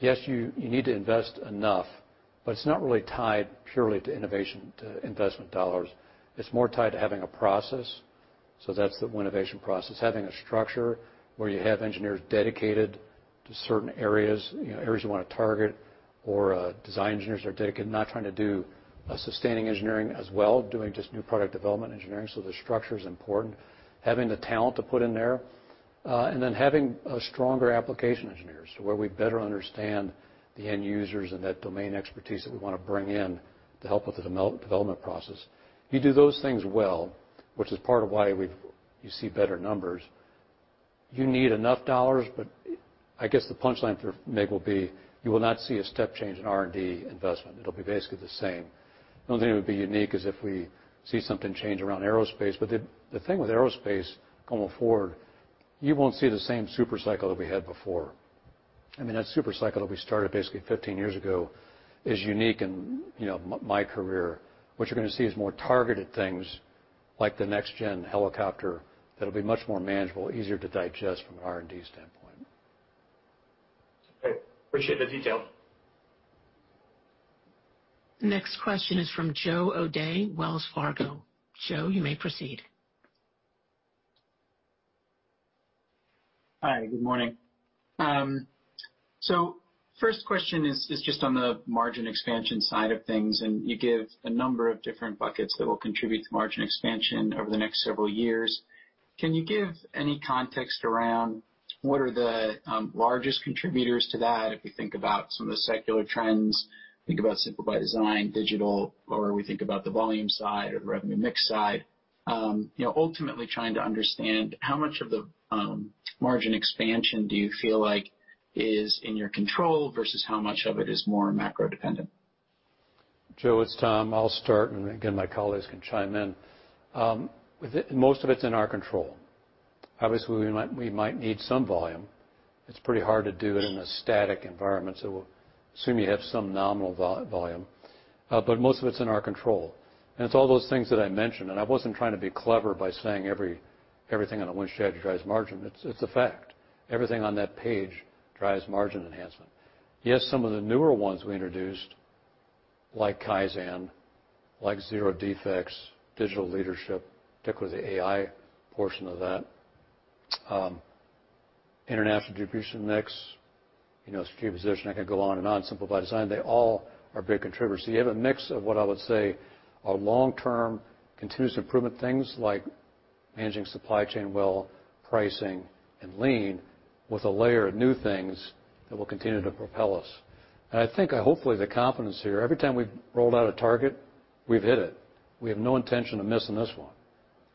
yes, you need to invest enough, but it's not really tied purely to innovation, to investment dollars. It's more tied to having a process. That's the Winovation process, having a structure where you have engineers dedicated to certain areas, you know, areas you wanna target or, design engineers are dedicated, not trying to do, sustaining engineering as well, doing just new product development engineering. The structure's important. Having the talent to put in there, and then having stronger application engineers to where we better understand the end users and that domain expertise that we wanna bring in to help with the development process. You do those things well, which is part of why you see better numbers. You need enough dollars, but I guess the punchline for Mig will be, you will not see a step change in R&D investment. It'll be basically the same. The only thing that would be unique is if we see something change around aerospace. But the thing with aerospace going forward, you won't see the same super cycle that we had before. I mean, that super cycle that we started basically 15 years ago is unique in, you know, my career. What you're gonna see is more targeted things like the next gen helicopter that'll be much more manageable, easier to digest from an R&D standpoint. Great. Appreciate the detail. Next question is from Joe O'Dea, Wells Fargo. Joe, you may proceed. Hi, good morning. First question is just on the margin expansion side of things, and you give a number of different buckets that will contribute to margin expansion over the next several years. Can you give any context around what are the largest contributors to that if we think about some of the secular trends, think about Simple by Design, digital, or we think about the volume side or the revenue mix side? You know, ultimately trying to understand how much of the margin expansion do you feel like is in your control versus how much of it is more macro dependent? Joe, it's Tom. I'll start, and again, my colleagues can chime in. Most of it's in our control. Obviously, we might need some volume. It's pretty hard to do it in a static environment, so we'll assume you have some nominal volume, but most of it's in our control. It's all those things that I mentioned, and I wasn't trying to be clever by saying everything on the Win Strategy drives margin. It's a fact. Everything on that page drives margin enhancement. Yes, some of the newer ones we introduced, like Kaizen, like Zero Defects, Digital Leadership, particularly the AI portion of that, international distribution mix, you know, strategic position, I can go on and on, Simple by Design, they all are big contributors. You have a mix of what I would say are long-term continuous improvement things like managing supply chain well, pricing, and lean with a layer of new things that will continue to propel us. I think, hopefully, the confidence here, every time we've rolled out a target, we've hit it. We have no intention of missing this one.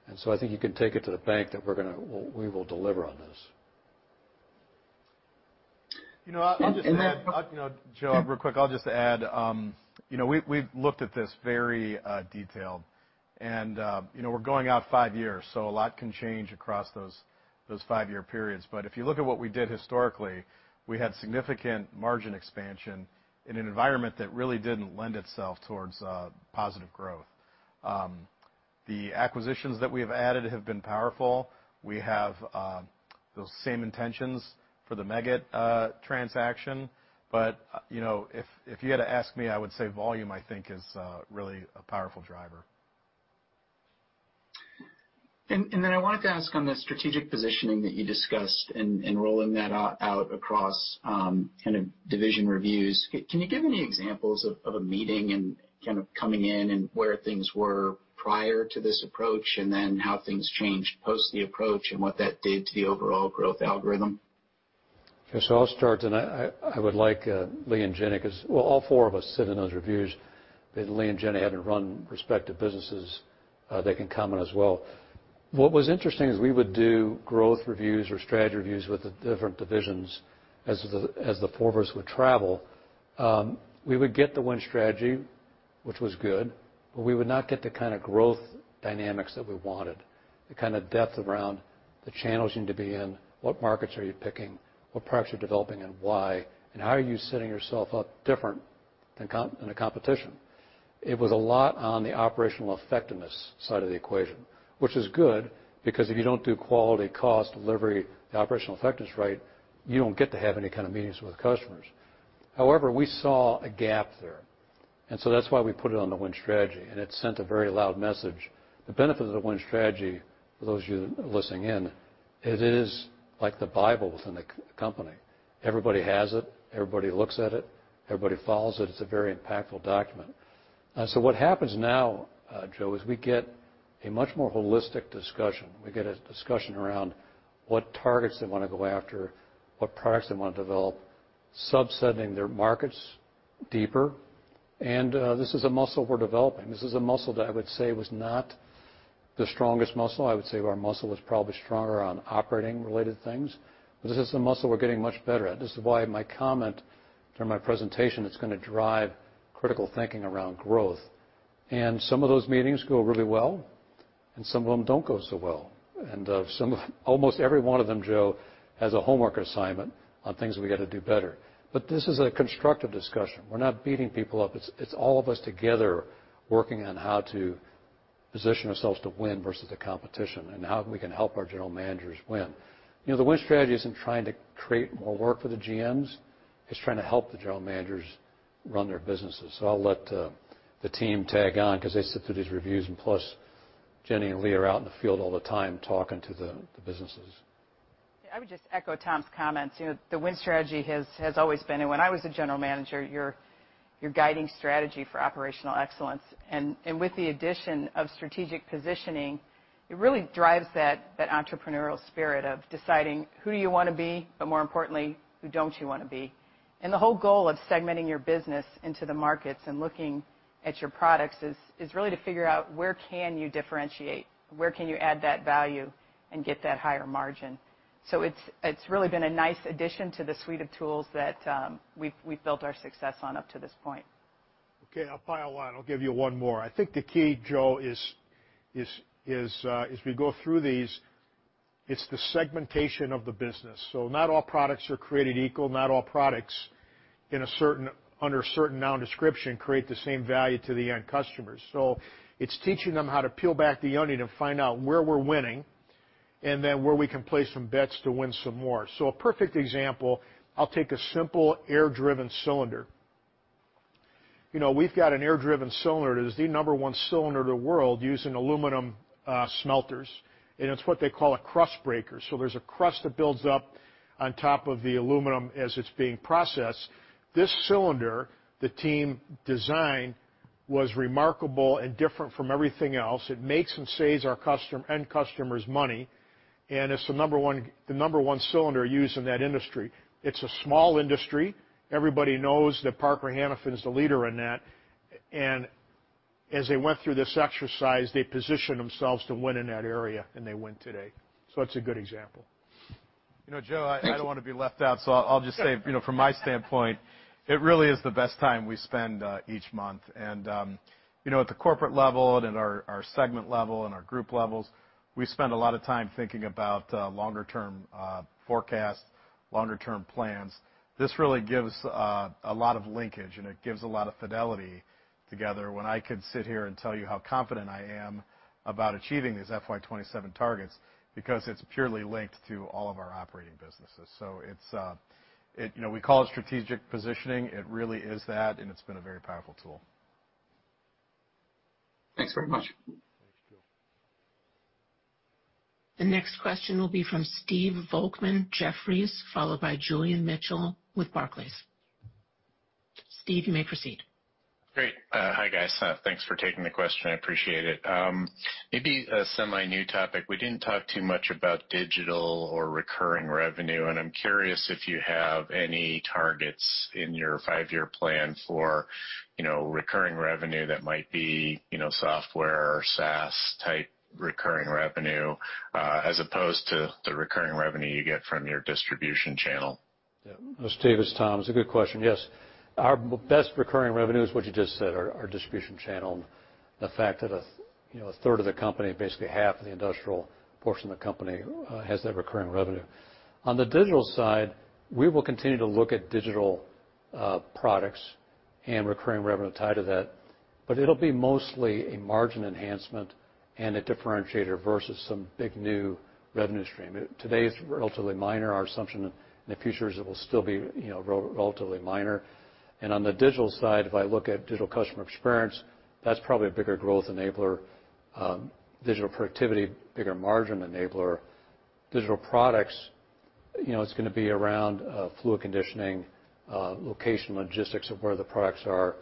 I think you can take it to the bank that we will deliver on this. You know, Joe, real quick, I'll just add, you know, we've looked at this very detailed and, you know, we're going out five years, so a lot can change across those five-year periods. But if you look at what we did historically, we had significant margin expansion in an environment that really didn't lend itself towards positive growth. The acquisitions that we have added have been powerful. We have those same intentions for the Meggitt transaction. But, you know, if you had to ask me, I would say volume, I think, is really a powerful driver. I wanted to ask on the strategic positioning that you discussed and rolling that out across kind of division reviews. Can you give any examples of a meeting and kind of coming in and where things were prior to this approach, and then how things changed post the approach and what that did to the overall growth algorithm? I'll start, and I would like Lee and Jenny, 'cause well, all four of us sit in those reviews, but Lee and Jenny happen to run respective businesses, they can comment as well. What was interesting is we would do growth reviews or strategy reviews with the different divisions as the four of us would travel. We would get the Win Strategy, which was good, but we would not get the kind of growth dynamics that we wanted, the kind of depth around the channels you need to be in, what markets are you picking, what products you're developing, and why, and how are you setting yourself up different than the competition. It was a lot on the operational effectiveness side of the equation, which is good because if you don't do quality, cost, delivery, the operational effectiveness right, you don't get to have any kind of meetings with customers. However, we saw a gap there, and that's why we put it on the Win Strategy, and it sent a very loud message. The benefit of the Win Strategy, for those of you that are listening in, it is like the Bible within the company. Everybody has it. Everybody looks at it. Everybody follows it. It's a very impactful document. What happens now, Joe, is we get a much more holistic discussion. We get a discussion around what targets they wanna go after, what products they wanna develop, sub-segmenting their markets deeper. This is a muscle we're developing. This is a muscle that I would say was not the strongest muscle. I would say our muscle was probably stronger on operating-related things, but this is the muscle we're getting much better at. This is why my comment during my presentation, it's gonna drive critical thinking around growth. Some of those meetings go really well, and some of them don't go so well. Almost every one of them, Joe, has a homework assignment on things we gotta do better. This is a constructive discussion. We're not beating people up. It's, it's all of us together working on how to position ourselves to win versus the competition and how we can help our general managers win. You know, the Win Strategy isn't trying to create more work for the GMs. It's trying to help the general managers run their businesses. I'll let the team tag on 'cause they sit through these reviews, and plus, Jenny and Lee are out in the field all the time talking to the businesses. Yeah. I would just echo Tom's comments. You know, the Win Strategy has always been, and when I was a general manager, your guiding strategy for operational excellence. With the addition of strategic positioning, it really drives that entrepreneurial spirit of deciding who you wanna be, but more importantly, who don't you wanna be. The whole goal of segmenting your business into the markets and looking at your products is really to figure out where can you differentiate, where can you add that value and get that higher margin. It's really been a nice addition to the suite of tools that we've built our success on up to this point. Okay, I'll pile on. I'll give you one more. I think the key, Joe, is as we go through these, it's the segmentation of the business. So not all products are created equal, not all products under a certain noun description create the same value to the end customers. So it's teaching them how to peel back the onion and find out where we're winning, and then where we can place some bets to win some more. So a perfect example, I'll take a simple air-driven cylinder. You know, we've got an air-driven cylinder that is the number one cylinder in the world used in aluminum smelters, and it's what they call a crust breaker. So there's a crust that builds up on top of the aluminum as it's being processed. This cylinder the team designed was remarkable and different from everything else. It makes and saves our end customers money, and it's the number one cylinder used in that industry. It's a small industry. Everybody knows that Parker Hannifin is the leader in that. And as they went through this exercise, they positioned themselves to win in that area, and they win today. That's a good example. You know, Joe, I don't wanna be left out, so I'll just say, you know, from my standpoint, it really is the best time we spend each month. You know, at the corporate level and at our segment level and our group levels, we spend a lot of time thinking about longer term forecasts, longer term plans. This really gives a lot of linkage, and it gives a lot of fidelity together when I can sit here and tell you how confident I am about achieving these FY 2027 targets because it's purely linked to all of our operating businesses. It's, you know, we call it strategic positioning. It really is that, and it's been a very powerful tool. Thanks very much. Thanks, Joe. The next question will be from Stephen Volkmann, Jefferies, followed by Julian Mitchell with Barclays. Steve, you may proceed. Great. Hi, guys. Thanks for taking the question. I appreciate it. Maybe a semi-new topic. We didn't talk too much about digital or recurring revenue, and I'm curious if you have any targets in your five-year plan for, you know, recurring revenue that might be, you know, software or SaaS type recurring revenue, as opposed to the recurring revenue you get from your distribution channel. Yeah. Steve, it's Tom. It's a good question. Yes. Our best recurring revenue is what you just said, our distribution channel. The fact that, you know, 1/3 of the company, basically half of the industrial portion of the company, has that recurring revenue. On the digital side, we will continue to look at digital products and recurring revenue tied to that, but it'll be mostly a margin enhancement and a differentiator versus some big new revenue stream. Today it's relatively minor. Our assumption in the future is it will still be, you know, relatively minor. On the digital side, if I look at digital customer experience, that's probably a bigger growth enabler. Digital productivity, bigger margin enabler. Digital products, you know, it's gonna be around fluid conditioning, location logistics of where the products are.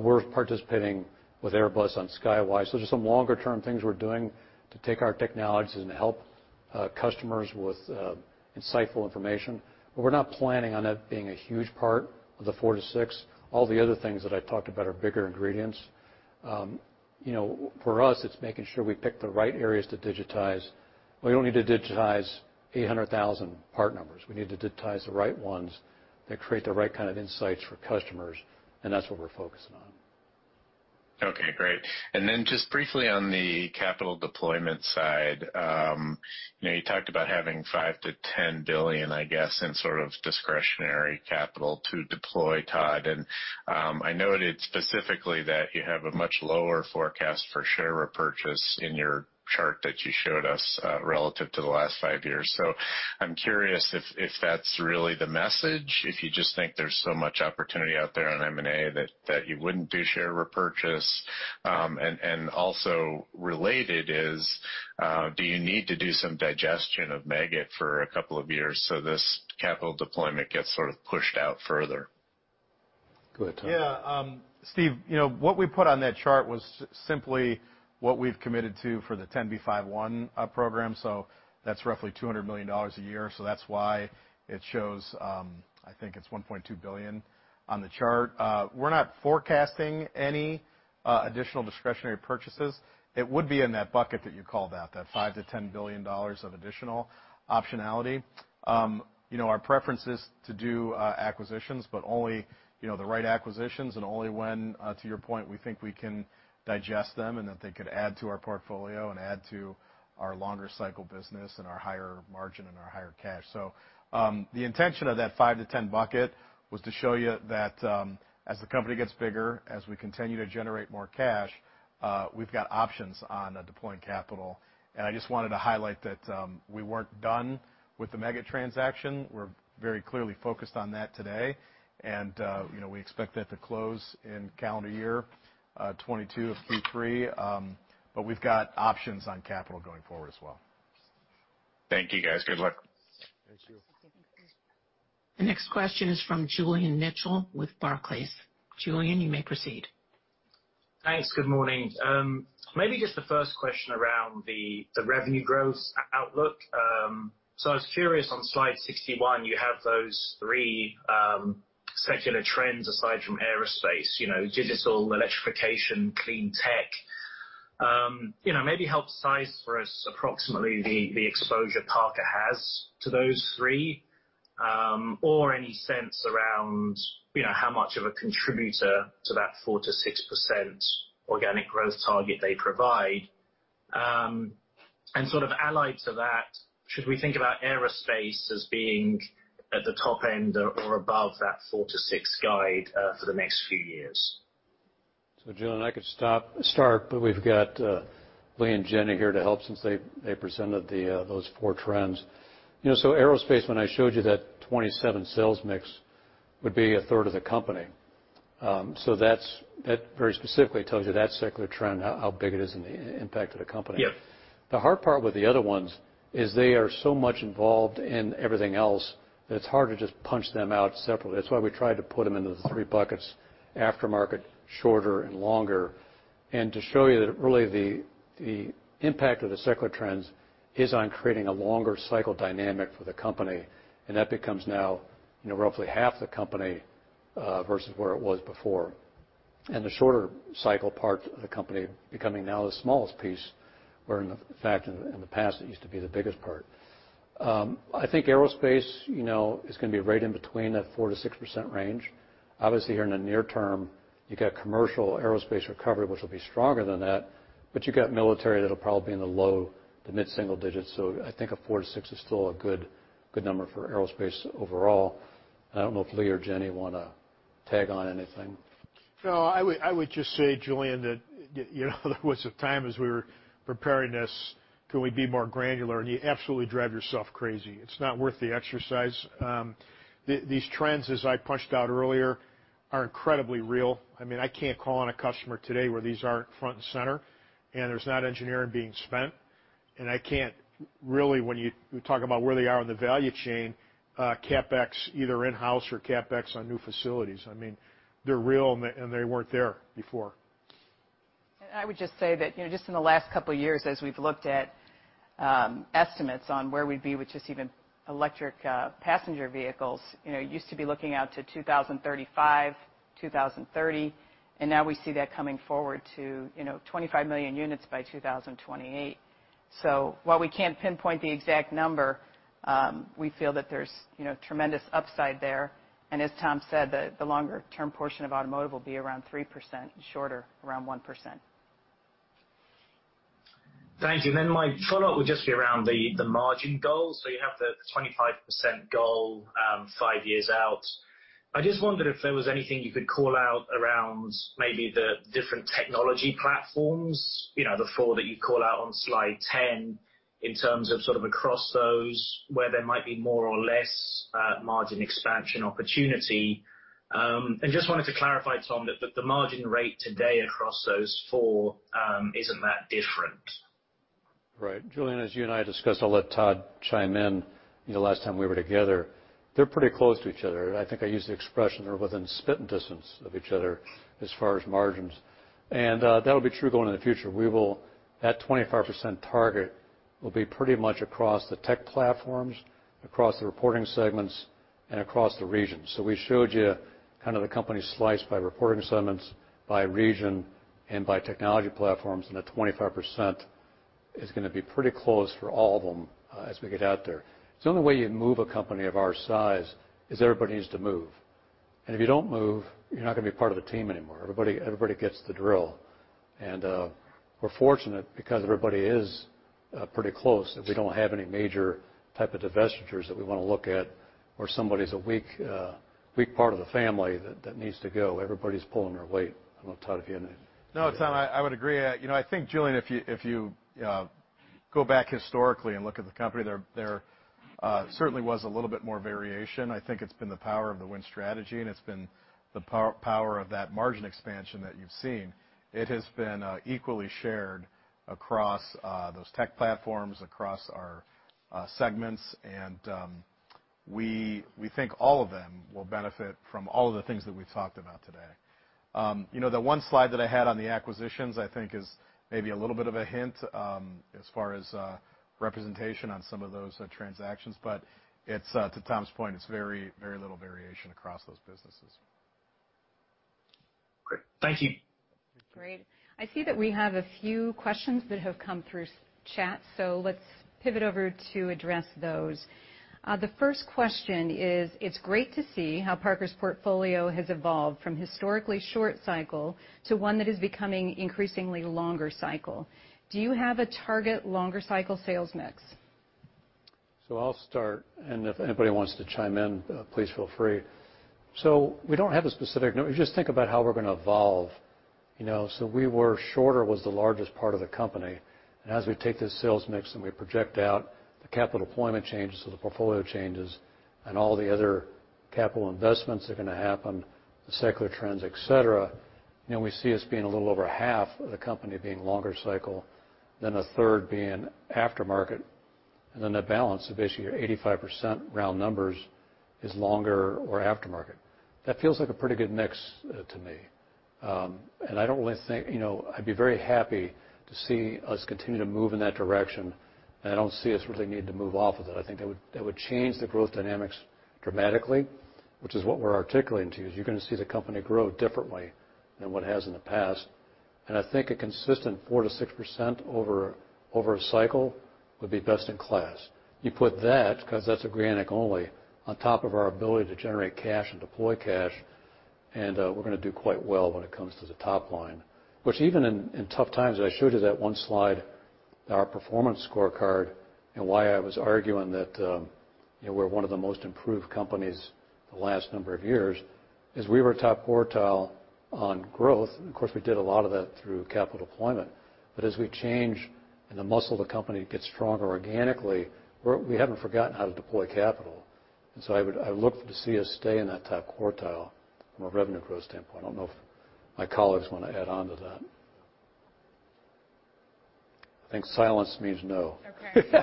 We're participating with Airbus on Skywise. Those are some longer term things we're doing to take our technologies and help customers with insightful information. We're not planning on that being a huge part of the 4%-6%. All the other things that I talked about are bigger ingredients. You know, for us, it's making sure we pick the right areas to digitize. We don't need to digitize 800,000 part numbers. We need to digitize the right ones that create the right kind of insights for customers, and that's what we're focusing on. Okay. Great. Just briefly on the capital deployment side. You know, you talked about having $5 billion-$10 billion, I guess, in sort of discretionary capital to deploy, Todd. I noted specifically that you have a much lower forecast for share repurchase in your chart that you showed us relative to the last five years. I'm curious if that's really the message, if you just think there's so much opportunity out there on M&A that you wouldn't do share repurchase. And also related is, do you need to do some digestion of Meggitt for a couple of years, so this capital deployment gets sort of pushed out further? Go ahead, Todd. Yeah. Steve, you know, what we put on that chart was simply what we've committed to for the 10b5-1 program. That's roughly $200 million a year. That's why it shows, I think it's $1.2 billion on the chart. We're not forecasting any additional discretionary purchases. It would be in that bucket that you called out, that $5 billion-$10 billion of additional optionality. You know, our preference is to do acquisitions, but only, you know, the right acquisitions and only when, to your point, we think we can digest them and that they could add to our portfolio and add to our longer cycle business and our higher margin and our higher cash. The intention of that $5 billion-$10 billion bucket was to show you that, as the company gets bigger, as we continue to generate more cash, we've got options on deploying capital. I just wanted to highlight that we weren't done with the Meggitt transaction. We're very clearly focused on that today. You know, we expect that to close in calendar year 2022 or 2023. We've got options on capital going forward as well. Thank you, guys. Good luck. Thank you. The next question is from Julian Mitchell with Barclays. Julian, you may proceed. Thanks. Good morning. Maybe just the first question around the revenue growth outlook. So I was curious, on slide 61, you have those three secular trends aside from Aerospace, you know, digital, electrification, clean tech. You know, maybe help size for us approximately the exposure Parker has to those three, or any sense around, you know, how much of a contributor to that 4%-6% organic growth target they provide. Sort of allied to that, should we think about Aerospace as being at the top end or above that 4%-6% guide for the next few years? Julian, I could start, but we've got Lee and Jenny here to help since they presented those four trends. You know, Aerospace, when I showed you that 2027 sales mix, would be 1/3 of the company. That very specifically tells you that secular trend, how big it is and the impact of the company. Yeah. The hard part with the other ones is they are so much involved in everything else that it's hard to just punch them out separately. That's why we tried to put them into the three buckets: aftermarket, shorter, and longer. To show you that really the impact of the secular trends is on creating a longer cycle dynamic for the company, and that becomes now, you know, roughly half the company, versus where it was before. The shorter cycle part of the company becoming now the smallest piece, where in fact in the past it used to be the biggest part. I think aerospace, you know, is gonna be right in between that 4%-6% range. Obviously, here in the near term, you got commercial aerospace recovery, which will be stronger than that, but you got military that'll probably be in the low to mid-single digits. I think a 4%-6% is still a good number for Aerospace overall. I don't know if Lee or Jenny wanna tag on anything. No, I would just say, Julian, that you know, there was a time as we were preparing this, can we be more granular, and you absolutely drive yourself crazy. It's not worth the exercise. These trends, as I punched out earlier, are incredibly real. I mean, I can't call on a customer today where these aren't front and center, and there's not engineering being spent. I can't really when you talk about where they are in the value chain, CapEx, either in-house or CapEx on new facilities. I mean, they're real, and they weren't there before. I would just say that, you know, just in the last couple of years, as we've looked at, estimates on where we'd be with just even electric, passenger vehicles, you know, used to be looking out to 2035, 2030, and now we see that coming forward to, you know, 25 million units by 2028. While we can't pinpoint the exact number, we feel that there's, you know, tremendous upside there. As Tom said, the longer-term portion of automotive will be around 3% and shorter, around 1%. Thank you. My follow-up would just be around the margin goal. You have the 25% goal, five years out. I just wondered if there was anything you could call out around maybe the different technology platforms, you know, the four that you call out on slide 10, in terms of sort of across those where there might be more or less margin expansion opportunity. Just wanted to clarify, Tom, that the margin rate today across those four isn't that different. Right. Julian, as you and I discussed, I'll let Todd chime in, you know, last time we were together, they're pretty close to each other. I think I used the expression, they're within spitting distance of each other as far as margins. That'll be true going in the future. That 25% target will be pretty much across the tech platforms, across the reporting segments, and across the regions. We showed you kind of the company sliced by reporting segments, by region, and by technology platforms, and the 25% is gonna be pretty close for all of them, as we get out there. It's the only way you move a company of our size is everybody needs to move. If you don't move, you're not gonna be part of the team anymore. Everybody gets the drill. We're fortunate because everybody is pretty close, and we don't have any major type of divestitures that we wanna look at, or somebody's a weak part of the family that needs to go. Everybody's pulling their weight. I don't know, Todd, if you had any. No, Tom, I would agree. You know, I think, Julian, if you go back historically and look at the company, there certainly was a little bit more variation. I think it's been the power of the Win Strategy, and it's been the power of that margin expansion that you've seen. It has been equally shared across those tech platforms, across our segments, and we think all of them will benefit from all of the things that we've talked about today. You know, the one slide that I had on the acquisitions, I think is maybe a little bit of a hint, as far as representation on some of those transactions, but it's, to Tom's point, it's very, very little variation across those businesses. Great. Thank you. Great. I see that we have a few questions that have come through the chat, so let's pivot over to address those. The first question is, it's great to see how Parker's portfolio has evolved from historically short cycle to one that is becoming increasingly longer cycle. Do you have a target longer cycle sales mix? I'll start, and if anybody wants to chime in, please feel free. We don't have a specific number. We just think about how we're gonna evolve, you know. We were shorter was the largest part of the company. As we take this sales mix, and we project out the capital deployment changes, so the portfolio changes and all the other capital investments are gonna happen, the secular trends, et cetera, you know, we see us being a little over 1/2 of the company being longer cycle, then 1/3 being aftermarket, and then that balance of basically your 85% round numbers is longer or aftermarket. That feels like a pretty good mix, to me. I don't really think, you know, I'd be very happy to see us continue to move in that direction, and I don't see us really needing to move off of it. I think that would change the growth dynamics dramatically, which is what we're articulating to you, is you're gonna see the company grow differently than what it has in the past. I think a consistent 4%-6% over a cycle would be best in class. You put that, 'cause that's organic only, on top of our ability to generate cash and deploy cash, and we're gonna do quite well when it comes to the top line. Which even in tough times, I showed you that one slide, our performance scorecard, and why I was arguing that, you know, we're one of the most improved companies the last number of years, is we were top quartile on growth, and of course, we did a lot of that through capital deployment. But as we change and the muscle of the company gets stronger organically, we haven't forgotten how to deploy capital. I look to see us stay in that top quartile from a revenue growth standpoint. I don't know if my colleagues wanna add on to that. I think silence means no. Okay.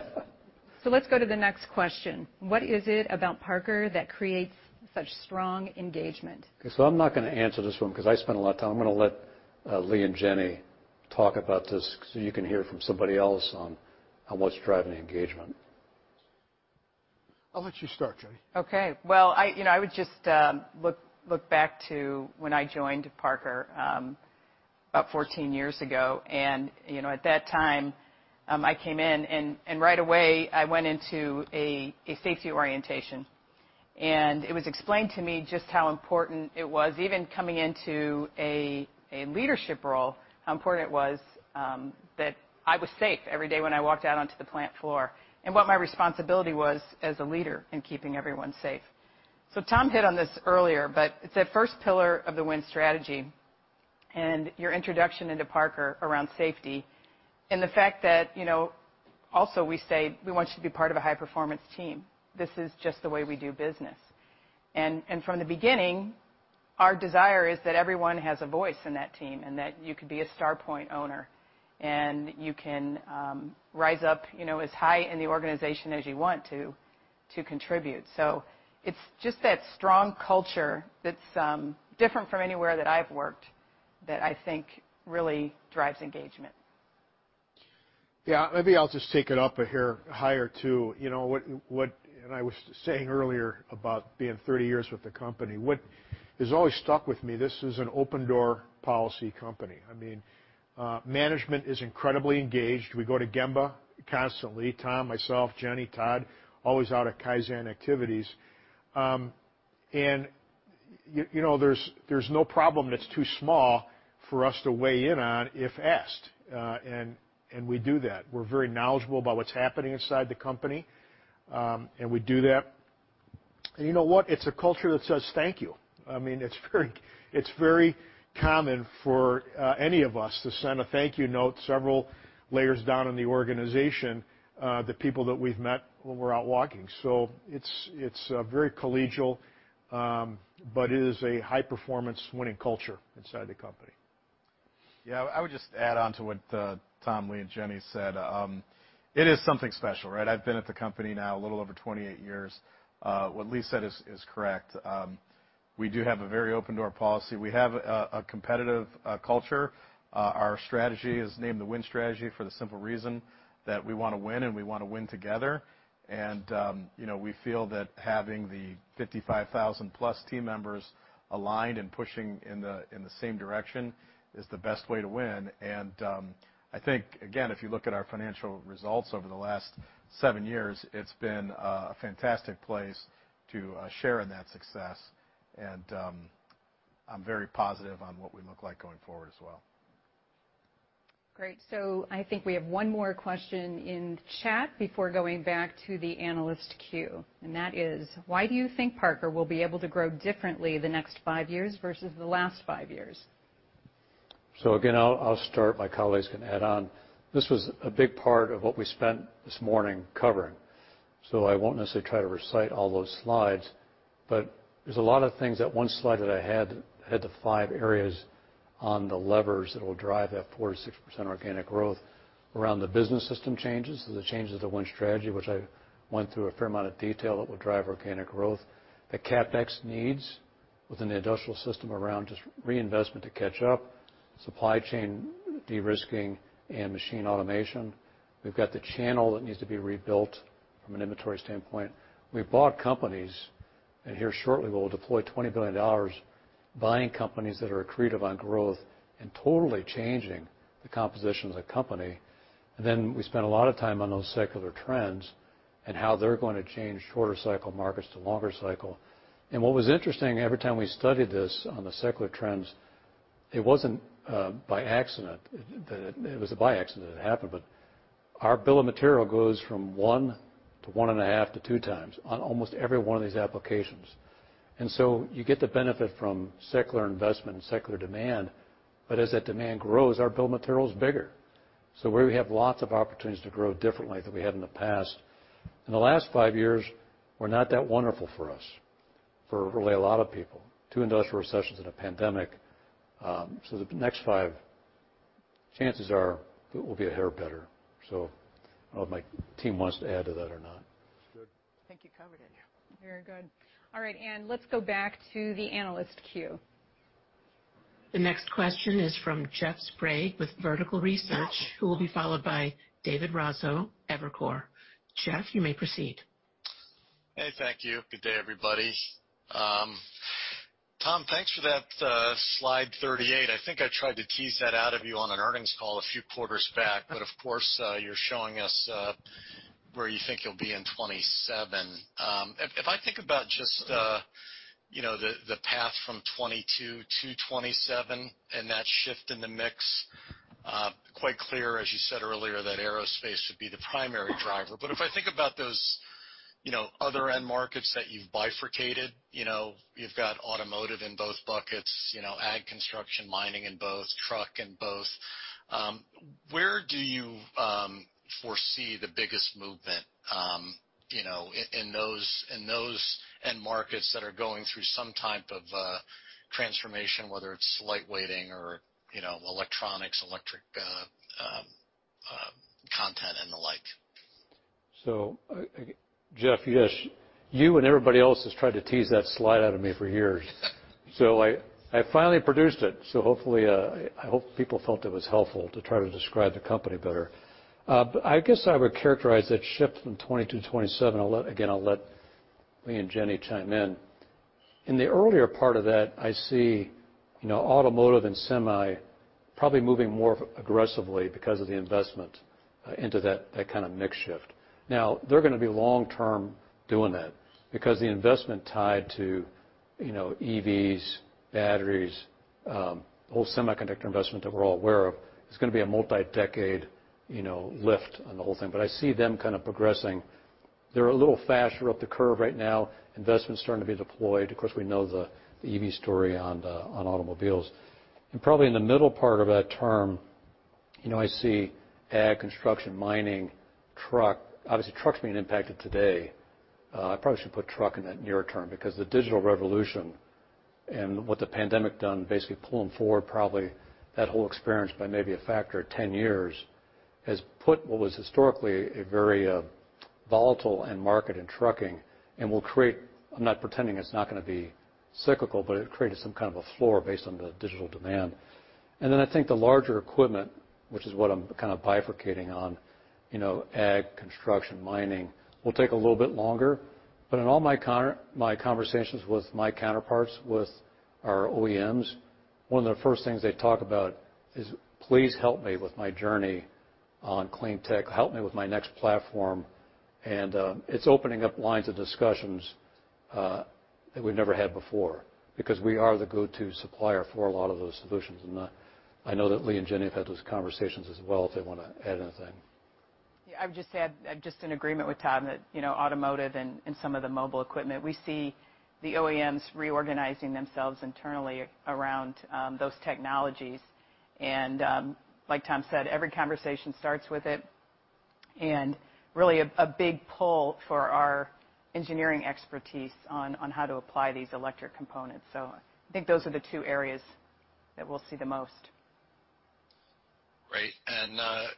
Let's go to the next question. What is it about Parker that creates such strong engagement? Okay, I'm not gonna answer this one 'cause I spent a lot of time. I'm gonna let Lee and Jenny talk about this so you can hear from somebody else on what's driving the engagement. I'll let you start, Jenny. Okay. Well, you know, I would just look back to when I joined Parker about 14 years ago. You know, at that time, I came in and right away I went into a safety orientation. It was explained to me just how important it was, even coming into a leadership role, how important it was that I was safe every day when I walked out onto the plant floor, and what my responsibility was as a leader in keeping everyone safe. Tom hit on this earlier, but it's that first pillar of the Win Strategy and your introduction into Parker around safety and the fact that, you know, also we say we want you to be part of a high-performance team. This is just the way we do business. From the beginning, our desire is that everyone has a voice in that team, and that you could be a star point owner, and you can rise up, you know, as high in the organization as you want to contribute. It's just that strong culture that's different from anywhere that I've worked that I think really drives engagement. Yeah. Maybe I'll just take it up here higher, too. You know what and I was saying earlier about being 30 years with the company. What has always stuck with me, this is an open-door policy company. I mean, management is incredibly engaged. We go to Gemba constantly, Tom, myself, Jenny, Todd, always out at Kaizen activities. You know, there's no problem that's too small for us to weigh in on if asked and we do that. We're very knowledgeable about what's happening inside the company, and we do that. You know what? It's a culture that says thank you. I mean, it's very common for any of us to send a thank you note several layers down in the organization, the people that we've met when we're out walking. It's very collegial, but it is a high-performance winning culture inside the company. Yeah. I would just add on to what Tom, Lee, and Jenny said. It is something special, right? I've been at the company now a little over 28 years. What Lee said is correct. We do have a very open door policy. We have a competitive culture. Our strategy is named the Win Strategy for the simple reason that we wanna win and we wanna win together. You know, we feel that having the 55,000+ team members aligned and pushing in the same direction is the best way to win. I think, again, if you look at our financial results over the last seven years, it's been a fantastic place to share in that success. I'm very positive on what we look like going forward as well. Great. I think we have one more question in chat before going back to the analyst queue, and that is: why do you think Parker will be able to grow differently the next five years versus the last five years? Again, I'll start. My colleagues can add on. This was a big part of what we spent this morning covering. I won't necessarily try to recite all those slides, but there's a lot of things. That one slide that I had had the five areas on the levers that will drive that 4%-6% organic growth around the business system changes, so the changes to Win Strategy, which I went through a fair amount of detail that will drive organic growth. The CapEx needs within the industrial system around just reinvestment to catch up, supply chain de-risking and machine automation. We've got the channel that needs to be rebuilt from an inventory standpoint. We've bought companies, and here shortly, we'll deploy $20 billion buying companies that are accretive on growth and totally changing the composition of the company. Then we spent a lot of time on those secular trends and how they're going to change shorter cycle markets to longer cycle. What was interesting, every time we studied this on the secular trends, it wasn't by accident. It was by accident it happened, but our bill of material goes from 1x to 1.5x to 2x on almost every one of these applications. You get the benefit from secular investment and secular demand. As that demand grows, our bill of material is bigger. We have lots of opportunities to grow differently than we had in the past. The last five years were not that wonderful for us, for really a lot of people, two industrial recessions and a pandemic. The next five, chances are it will be a hair better. I don't know if my team wants to add to that or not. It's good. I think you covered it. Yeah. Very good. All right. Let's go back to the analyst queue. The next question is from Jeff Sprague with Vertical Research, who will be followed by David Raso, Evercore. Jeff, you may proceed. Hey. Thank you. Good day, everybody. Tom, thanks for that slide 38. I think I tried to tease that out of you on an earnings call a few quarters back, but of course, you're showing us where you think you'll be in 2027. If I think about just the path from 2022 to 2027 and that shift in the mix, quite clear, as you said earlier, that Aerospace should be the primary driver. If I think about those, you know, other end markets that you've bifurcated, you know, you've got automotive in both buckets, you know, ag, construction, mining in both, truck in both, where do you foresee the biggest movement, you know, in those end markets that are going through some type of transformation, whether it's lightweighting or, you know, electronics, electric content and the like? Jeff, yes, you and everybody else has tried to tease that slide out of me for years. I finally produced it, so hopefully, I hope people felt it was helpful to try to describe the company better. I guess I would characterize that shift from 2020 to 2027. I'll let Lee and Jenny chime in. In the earlier part of that, I see, you know, automotive and semi probably moving more aggressively because of the investment into that kind of mix shift. Now they're gonna be long-term doing that because the investment tied to, you know, EVs, batteries, the whole semiconductor investment that we're all aware of is gonna be a multi-decade, you know, lift on the whole thing. I see them kind of progressing. They're a little faster up the curve right now, investment's starting to be deployed. Of course, we know the EV story on the automobiles. Probably in the middle part of that term, you know, I see ag, construction, mining, truck. Obviously, truck's being impacted today. I probably should put truck in that near term because the digital revolution and what the pandemic done, basically pull 'em forward probably that whole experience by maybe a factor of 10 years, has put what was historically a very volatile end market in trucking, and will create some kind of a floor based on the digital demand. I'm not pretending it's not gonna be cyclical, but it created some kind of a floor based on the digital demand. Then I think the larger equipment, which is what I'm kind of bifurcating on, you know, ag, construction, mining, will take a little bit longer. In all my conversations with my counterparts, with our OEMs, one of the first things they talk about is, "Please help me with my journey on clean tech. Help me with my next platform." It's opening up lines of discussions that we've never had before because we are the go-to supplier for a lot of those solutions. I know that Lee and Jenny have had those conversations as well, if they wanna add anything. Yeah, I would just add, I'm just in agreement with Tom that, you know, automotive and some of the mobile equipment, we see the OEMs reorganizing themselves internally around those technologies. Like Tom said, every conversation starts with it, and really a big pull for our engineering expertise on how to apply these electric components. I think those are the two areas that we'll see the most. Great.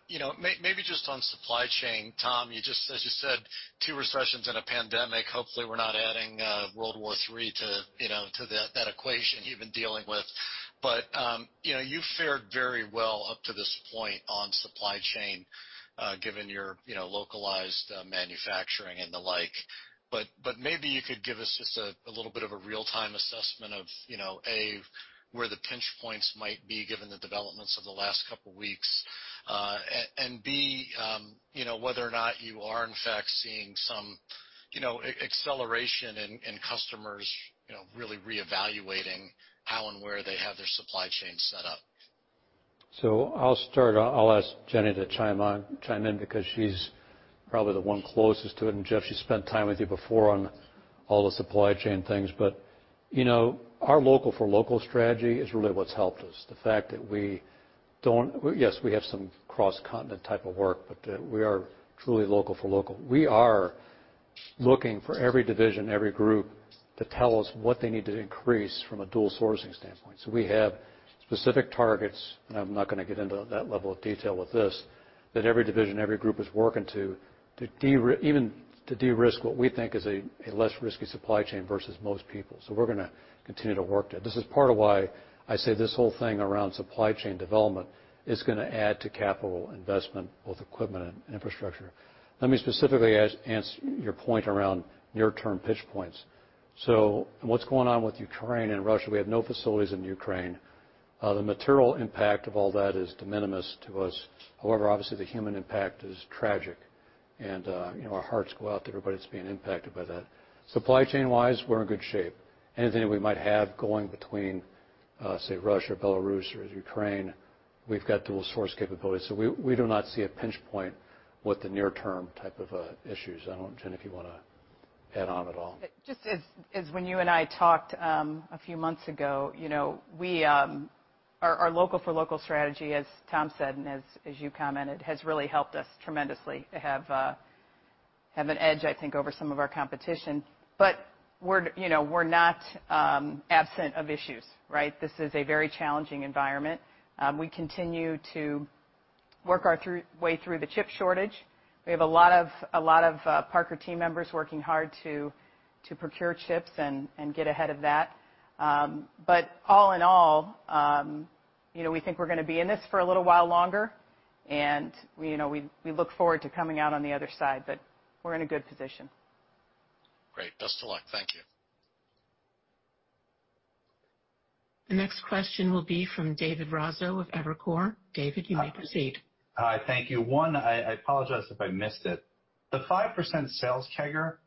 You know, maybe just on supply chain, Tom. You just, as you said, two recessions and a pandemic. Hopefully, we're not adding World War III to, you know, that equation you've been dealing with. You know, you've fared very well up to this point on supply chain, given your, you know, localized manufacturing and the like. Maybe you could give us just a little bit of a real-time assessment of, you know, A, where the pinch points might be given the developments of the last couple weeks. And B, you know, whether or not you are in fact seeing some, you know, acceleration in customers, you know, really reevaluating how and where they have their supply chain set up. I'll start. I'll ask Jenny to chime in because she's probably the one closest to it. Jeff, she spent time with you before on all the supply chain things. You know, our local-for-local strategy is really what's helped us. The fact that yes, we have some cross-continent type of work, but we are truly local-for-local. We are looking for every division, every group to tell us what they need to increase from a dual sourcing standpoint. We have specific targets, and I'm not gonna get into that level of detail with this, that every division, every group is working to de-risk what we think is a less risky supply chain versus most people. We're gonna continue to work that. This is part of why I say this whole thing around supply chain development is gonna add to capital investment, both equipment and infrastructure. Let me specifically answer your point around near-term pinch points. What's going on with Ukraine and Russia, we have no facilities in Ukraine. The material impact of all that is de minimis to us. However, obviously, the human impact is tragic and our hearts go out to everybody that's being impacted by that. Supply chain-wise, we're in good shape. Anything we might have going between Russia, Belarus or Ukraine, we've got dual source capabilities. We do not see a pinch point with the near-term type of issues. I don't know, Jenny, if you wanna add on at all. Just as when you and I talked a few months ago, you know, our local-for-local strategy, as Tom said, and as you commented, has really helped us tremendously to have an edge, I think, over some of our competition. But we're, you know, we're not absent of issues, right? This is a very challenging environment. We continue to work our way through the chip shortage. We have a lot of Parker team members working hard to procure chips and get ahead of that. All in all, you know, we think we're gonna be in this for a little while longer, and you know, we look forward to coming out on the other side, but we're in a good position. Great. Best of luck. Thank you. The next question will be from David Raso with Evercore. David, you may proceed. Hi. Thank you. I apologize if I missed it. The 5% sales CAGR,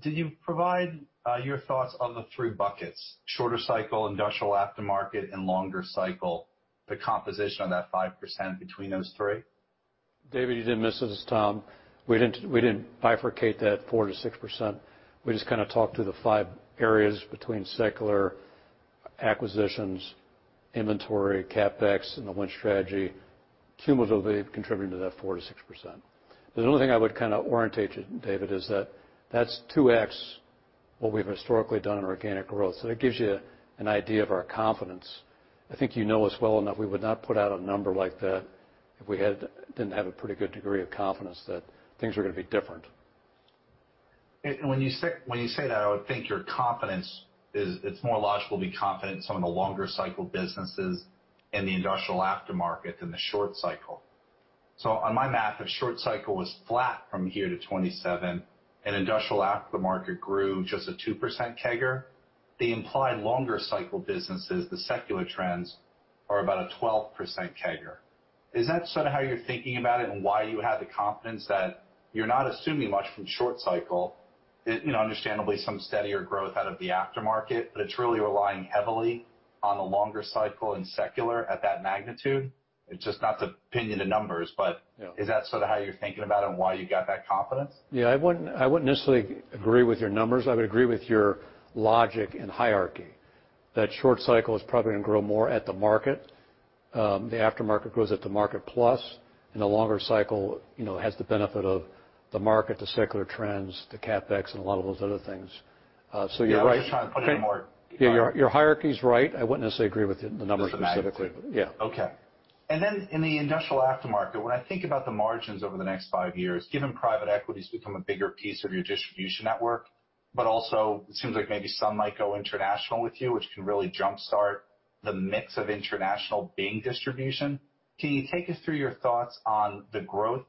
did you provide your thoughts on the three buckets, shorter cycle, industrial aftermarket, and longer cycle, the composition of that 5% between those three? David, you didn't miss it this time. We didn't bifurcate that 4%-6%. We just kinda talked to the five areas between secular acquisitions, inventory, CapEx, and the Win Strategy cumulatively contributing to that 4%-6%. The only thing I would kinda orientate you, David, is that that's 2x what we've historically done in organic growth. That gives you an idea of our confidence. I think you know us well enough. We would not put out a number like that if we didn't have a pretty good degree of confidence that things are gonna be different. When you say that, I would think your confidence is it's more logical to be confident in some of the longer cycle businesses in the industrial aftermarket than the short cycle. On my math, if short cycle was flat from here to 2027 and industrial aftermarket grew just a 2% CAGR, the implied longer cycle businesses, the secular trends, are about a 12% CAGR. Is that sort of how you're thinking about it and why you have the confidence that you're not assuming much from short cycle, you know, understandably some steadier growth out of the aftermarket, but it's really relying heavily on the longer cycle and secular at that magnitude? It's just not to pin you to numbers, but- Yeah. Is that sort of how you're thinking about it and why you got that confidence? Yeah. I wouldn't necessarily agree with your numbers. I would agree with your logic and hierarchy, that short cycle is probably gonna grow more at the market, the aftermarket grows at the market plus, and the longer cycle, you know, has the benefit of the market, the secular trends, the CapEx, and a lot of those other things. So you're right. Yeah, I'm just trying to put it more. Your hierarchy's right. I wouldn't necessarily agree with the numbers specifically. Just the magnitude. Yeah. Okay. In the industrial aftermarket, when I think about the margins over the next five years, given private equity's become a bigger piece of your distribution network, but also it seems like maybe some might go international with you, which can really jump-start the mix of international being distribution, can you take us through your thoughts on the growth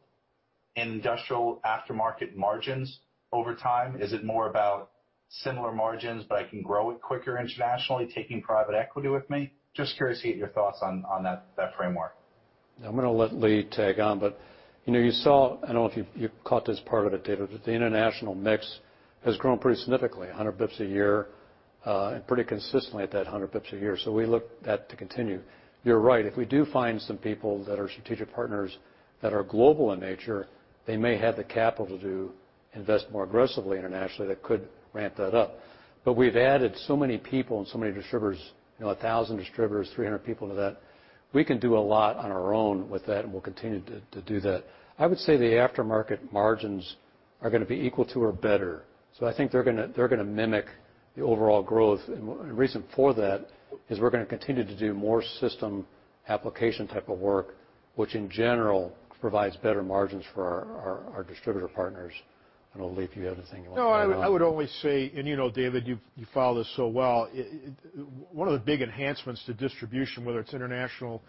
in industrial aftermarket margins over time? Is it more about similar margins, but I can grow it quicker internationally, taking private equity with me? Just curious to get your thoughts on that framework. I'm gonna let Lee tag on, but you know, you saw, I don't know if you caught this part of it, David, but the international mix has grown pretty significantly, 100 bps a year, and pretty consistently at that 100 bps a year. We expect that to continue. You're right. If we do find some people that are strategic partners that are global in nature, they may have the capital to invest more aggressively internationally, that could ramp that up. We've added so many people and so many distributors, you know, 1,000 distributors, 300 people into that, we can do a lot on our own with that, and we'll continue to do that. I would say the aftermarket margins are gonna be equal to or better. So I think they're gonna mimic the overall growth. The reason for that is we're gonna continue to do more system application type of work, which in general provides better margins for our distributor partners. I don't know, Lee, if you have anything you wanna add on. No, I would only say, you know, David, you follow this so well. One of the big enhancements to distribution, whether it's international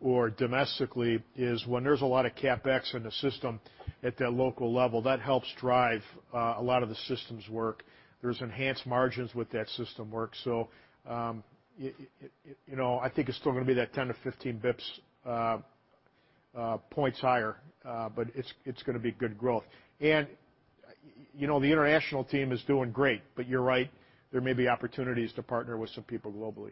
or domestically, is when there's a lot of CapEx in the system at that local level, that helps drive a lot of the systems work. There's enhanced margins with that system work. So, you know, I think it's still gonna be that 10-15 bps higher, but it's gonna be good growth. You know, the international team is doing great, but you're right. There may be opportunities to partner with some people globally.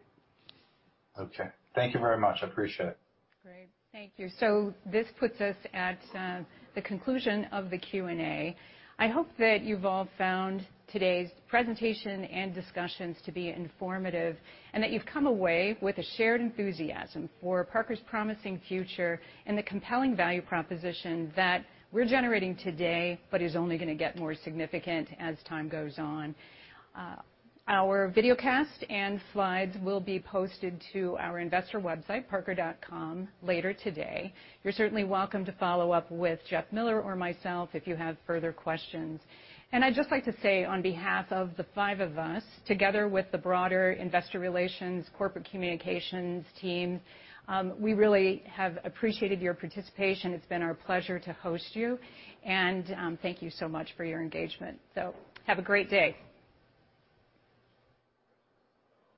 Okay. Thank you very much. I appreciate it. Great. Thank you. This puts us at the conclusion of the Q&A. I hope that you've all found today's presentation and discussions to be informative and that you've come away with a shared enthusiasm for Parker's promising future and the compelling value proposition that we're generating today but is only gonna get more significant as time goes on. Our videocast and slides will be posted to our investor website, parker.com, later today. You're certainly welcome to follow up with Jeff Miller or myself if you have further questions. I'd just like to say on behalf of the five of us, together with the broader investor relations, corporate communications team, we really have appreciated your participation. It's been our pleasure to host you, and thank you so much for your engagement. Have a great day.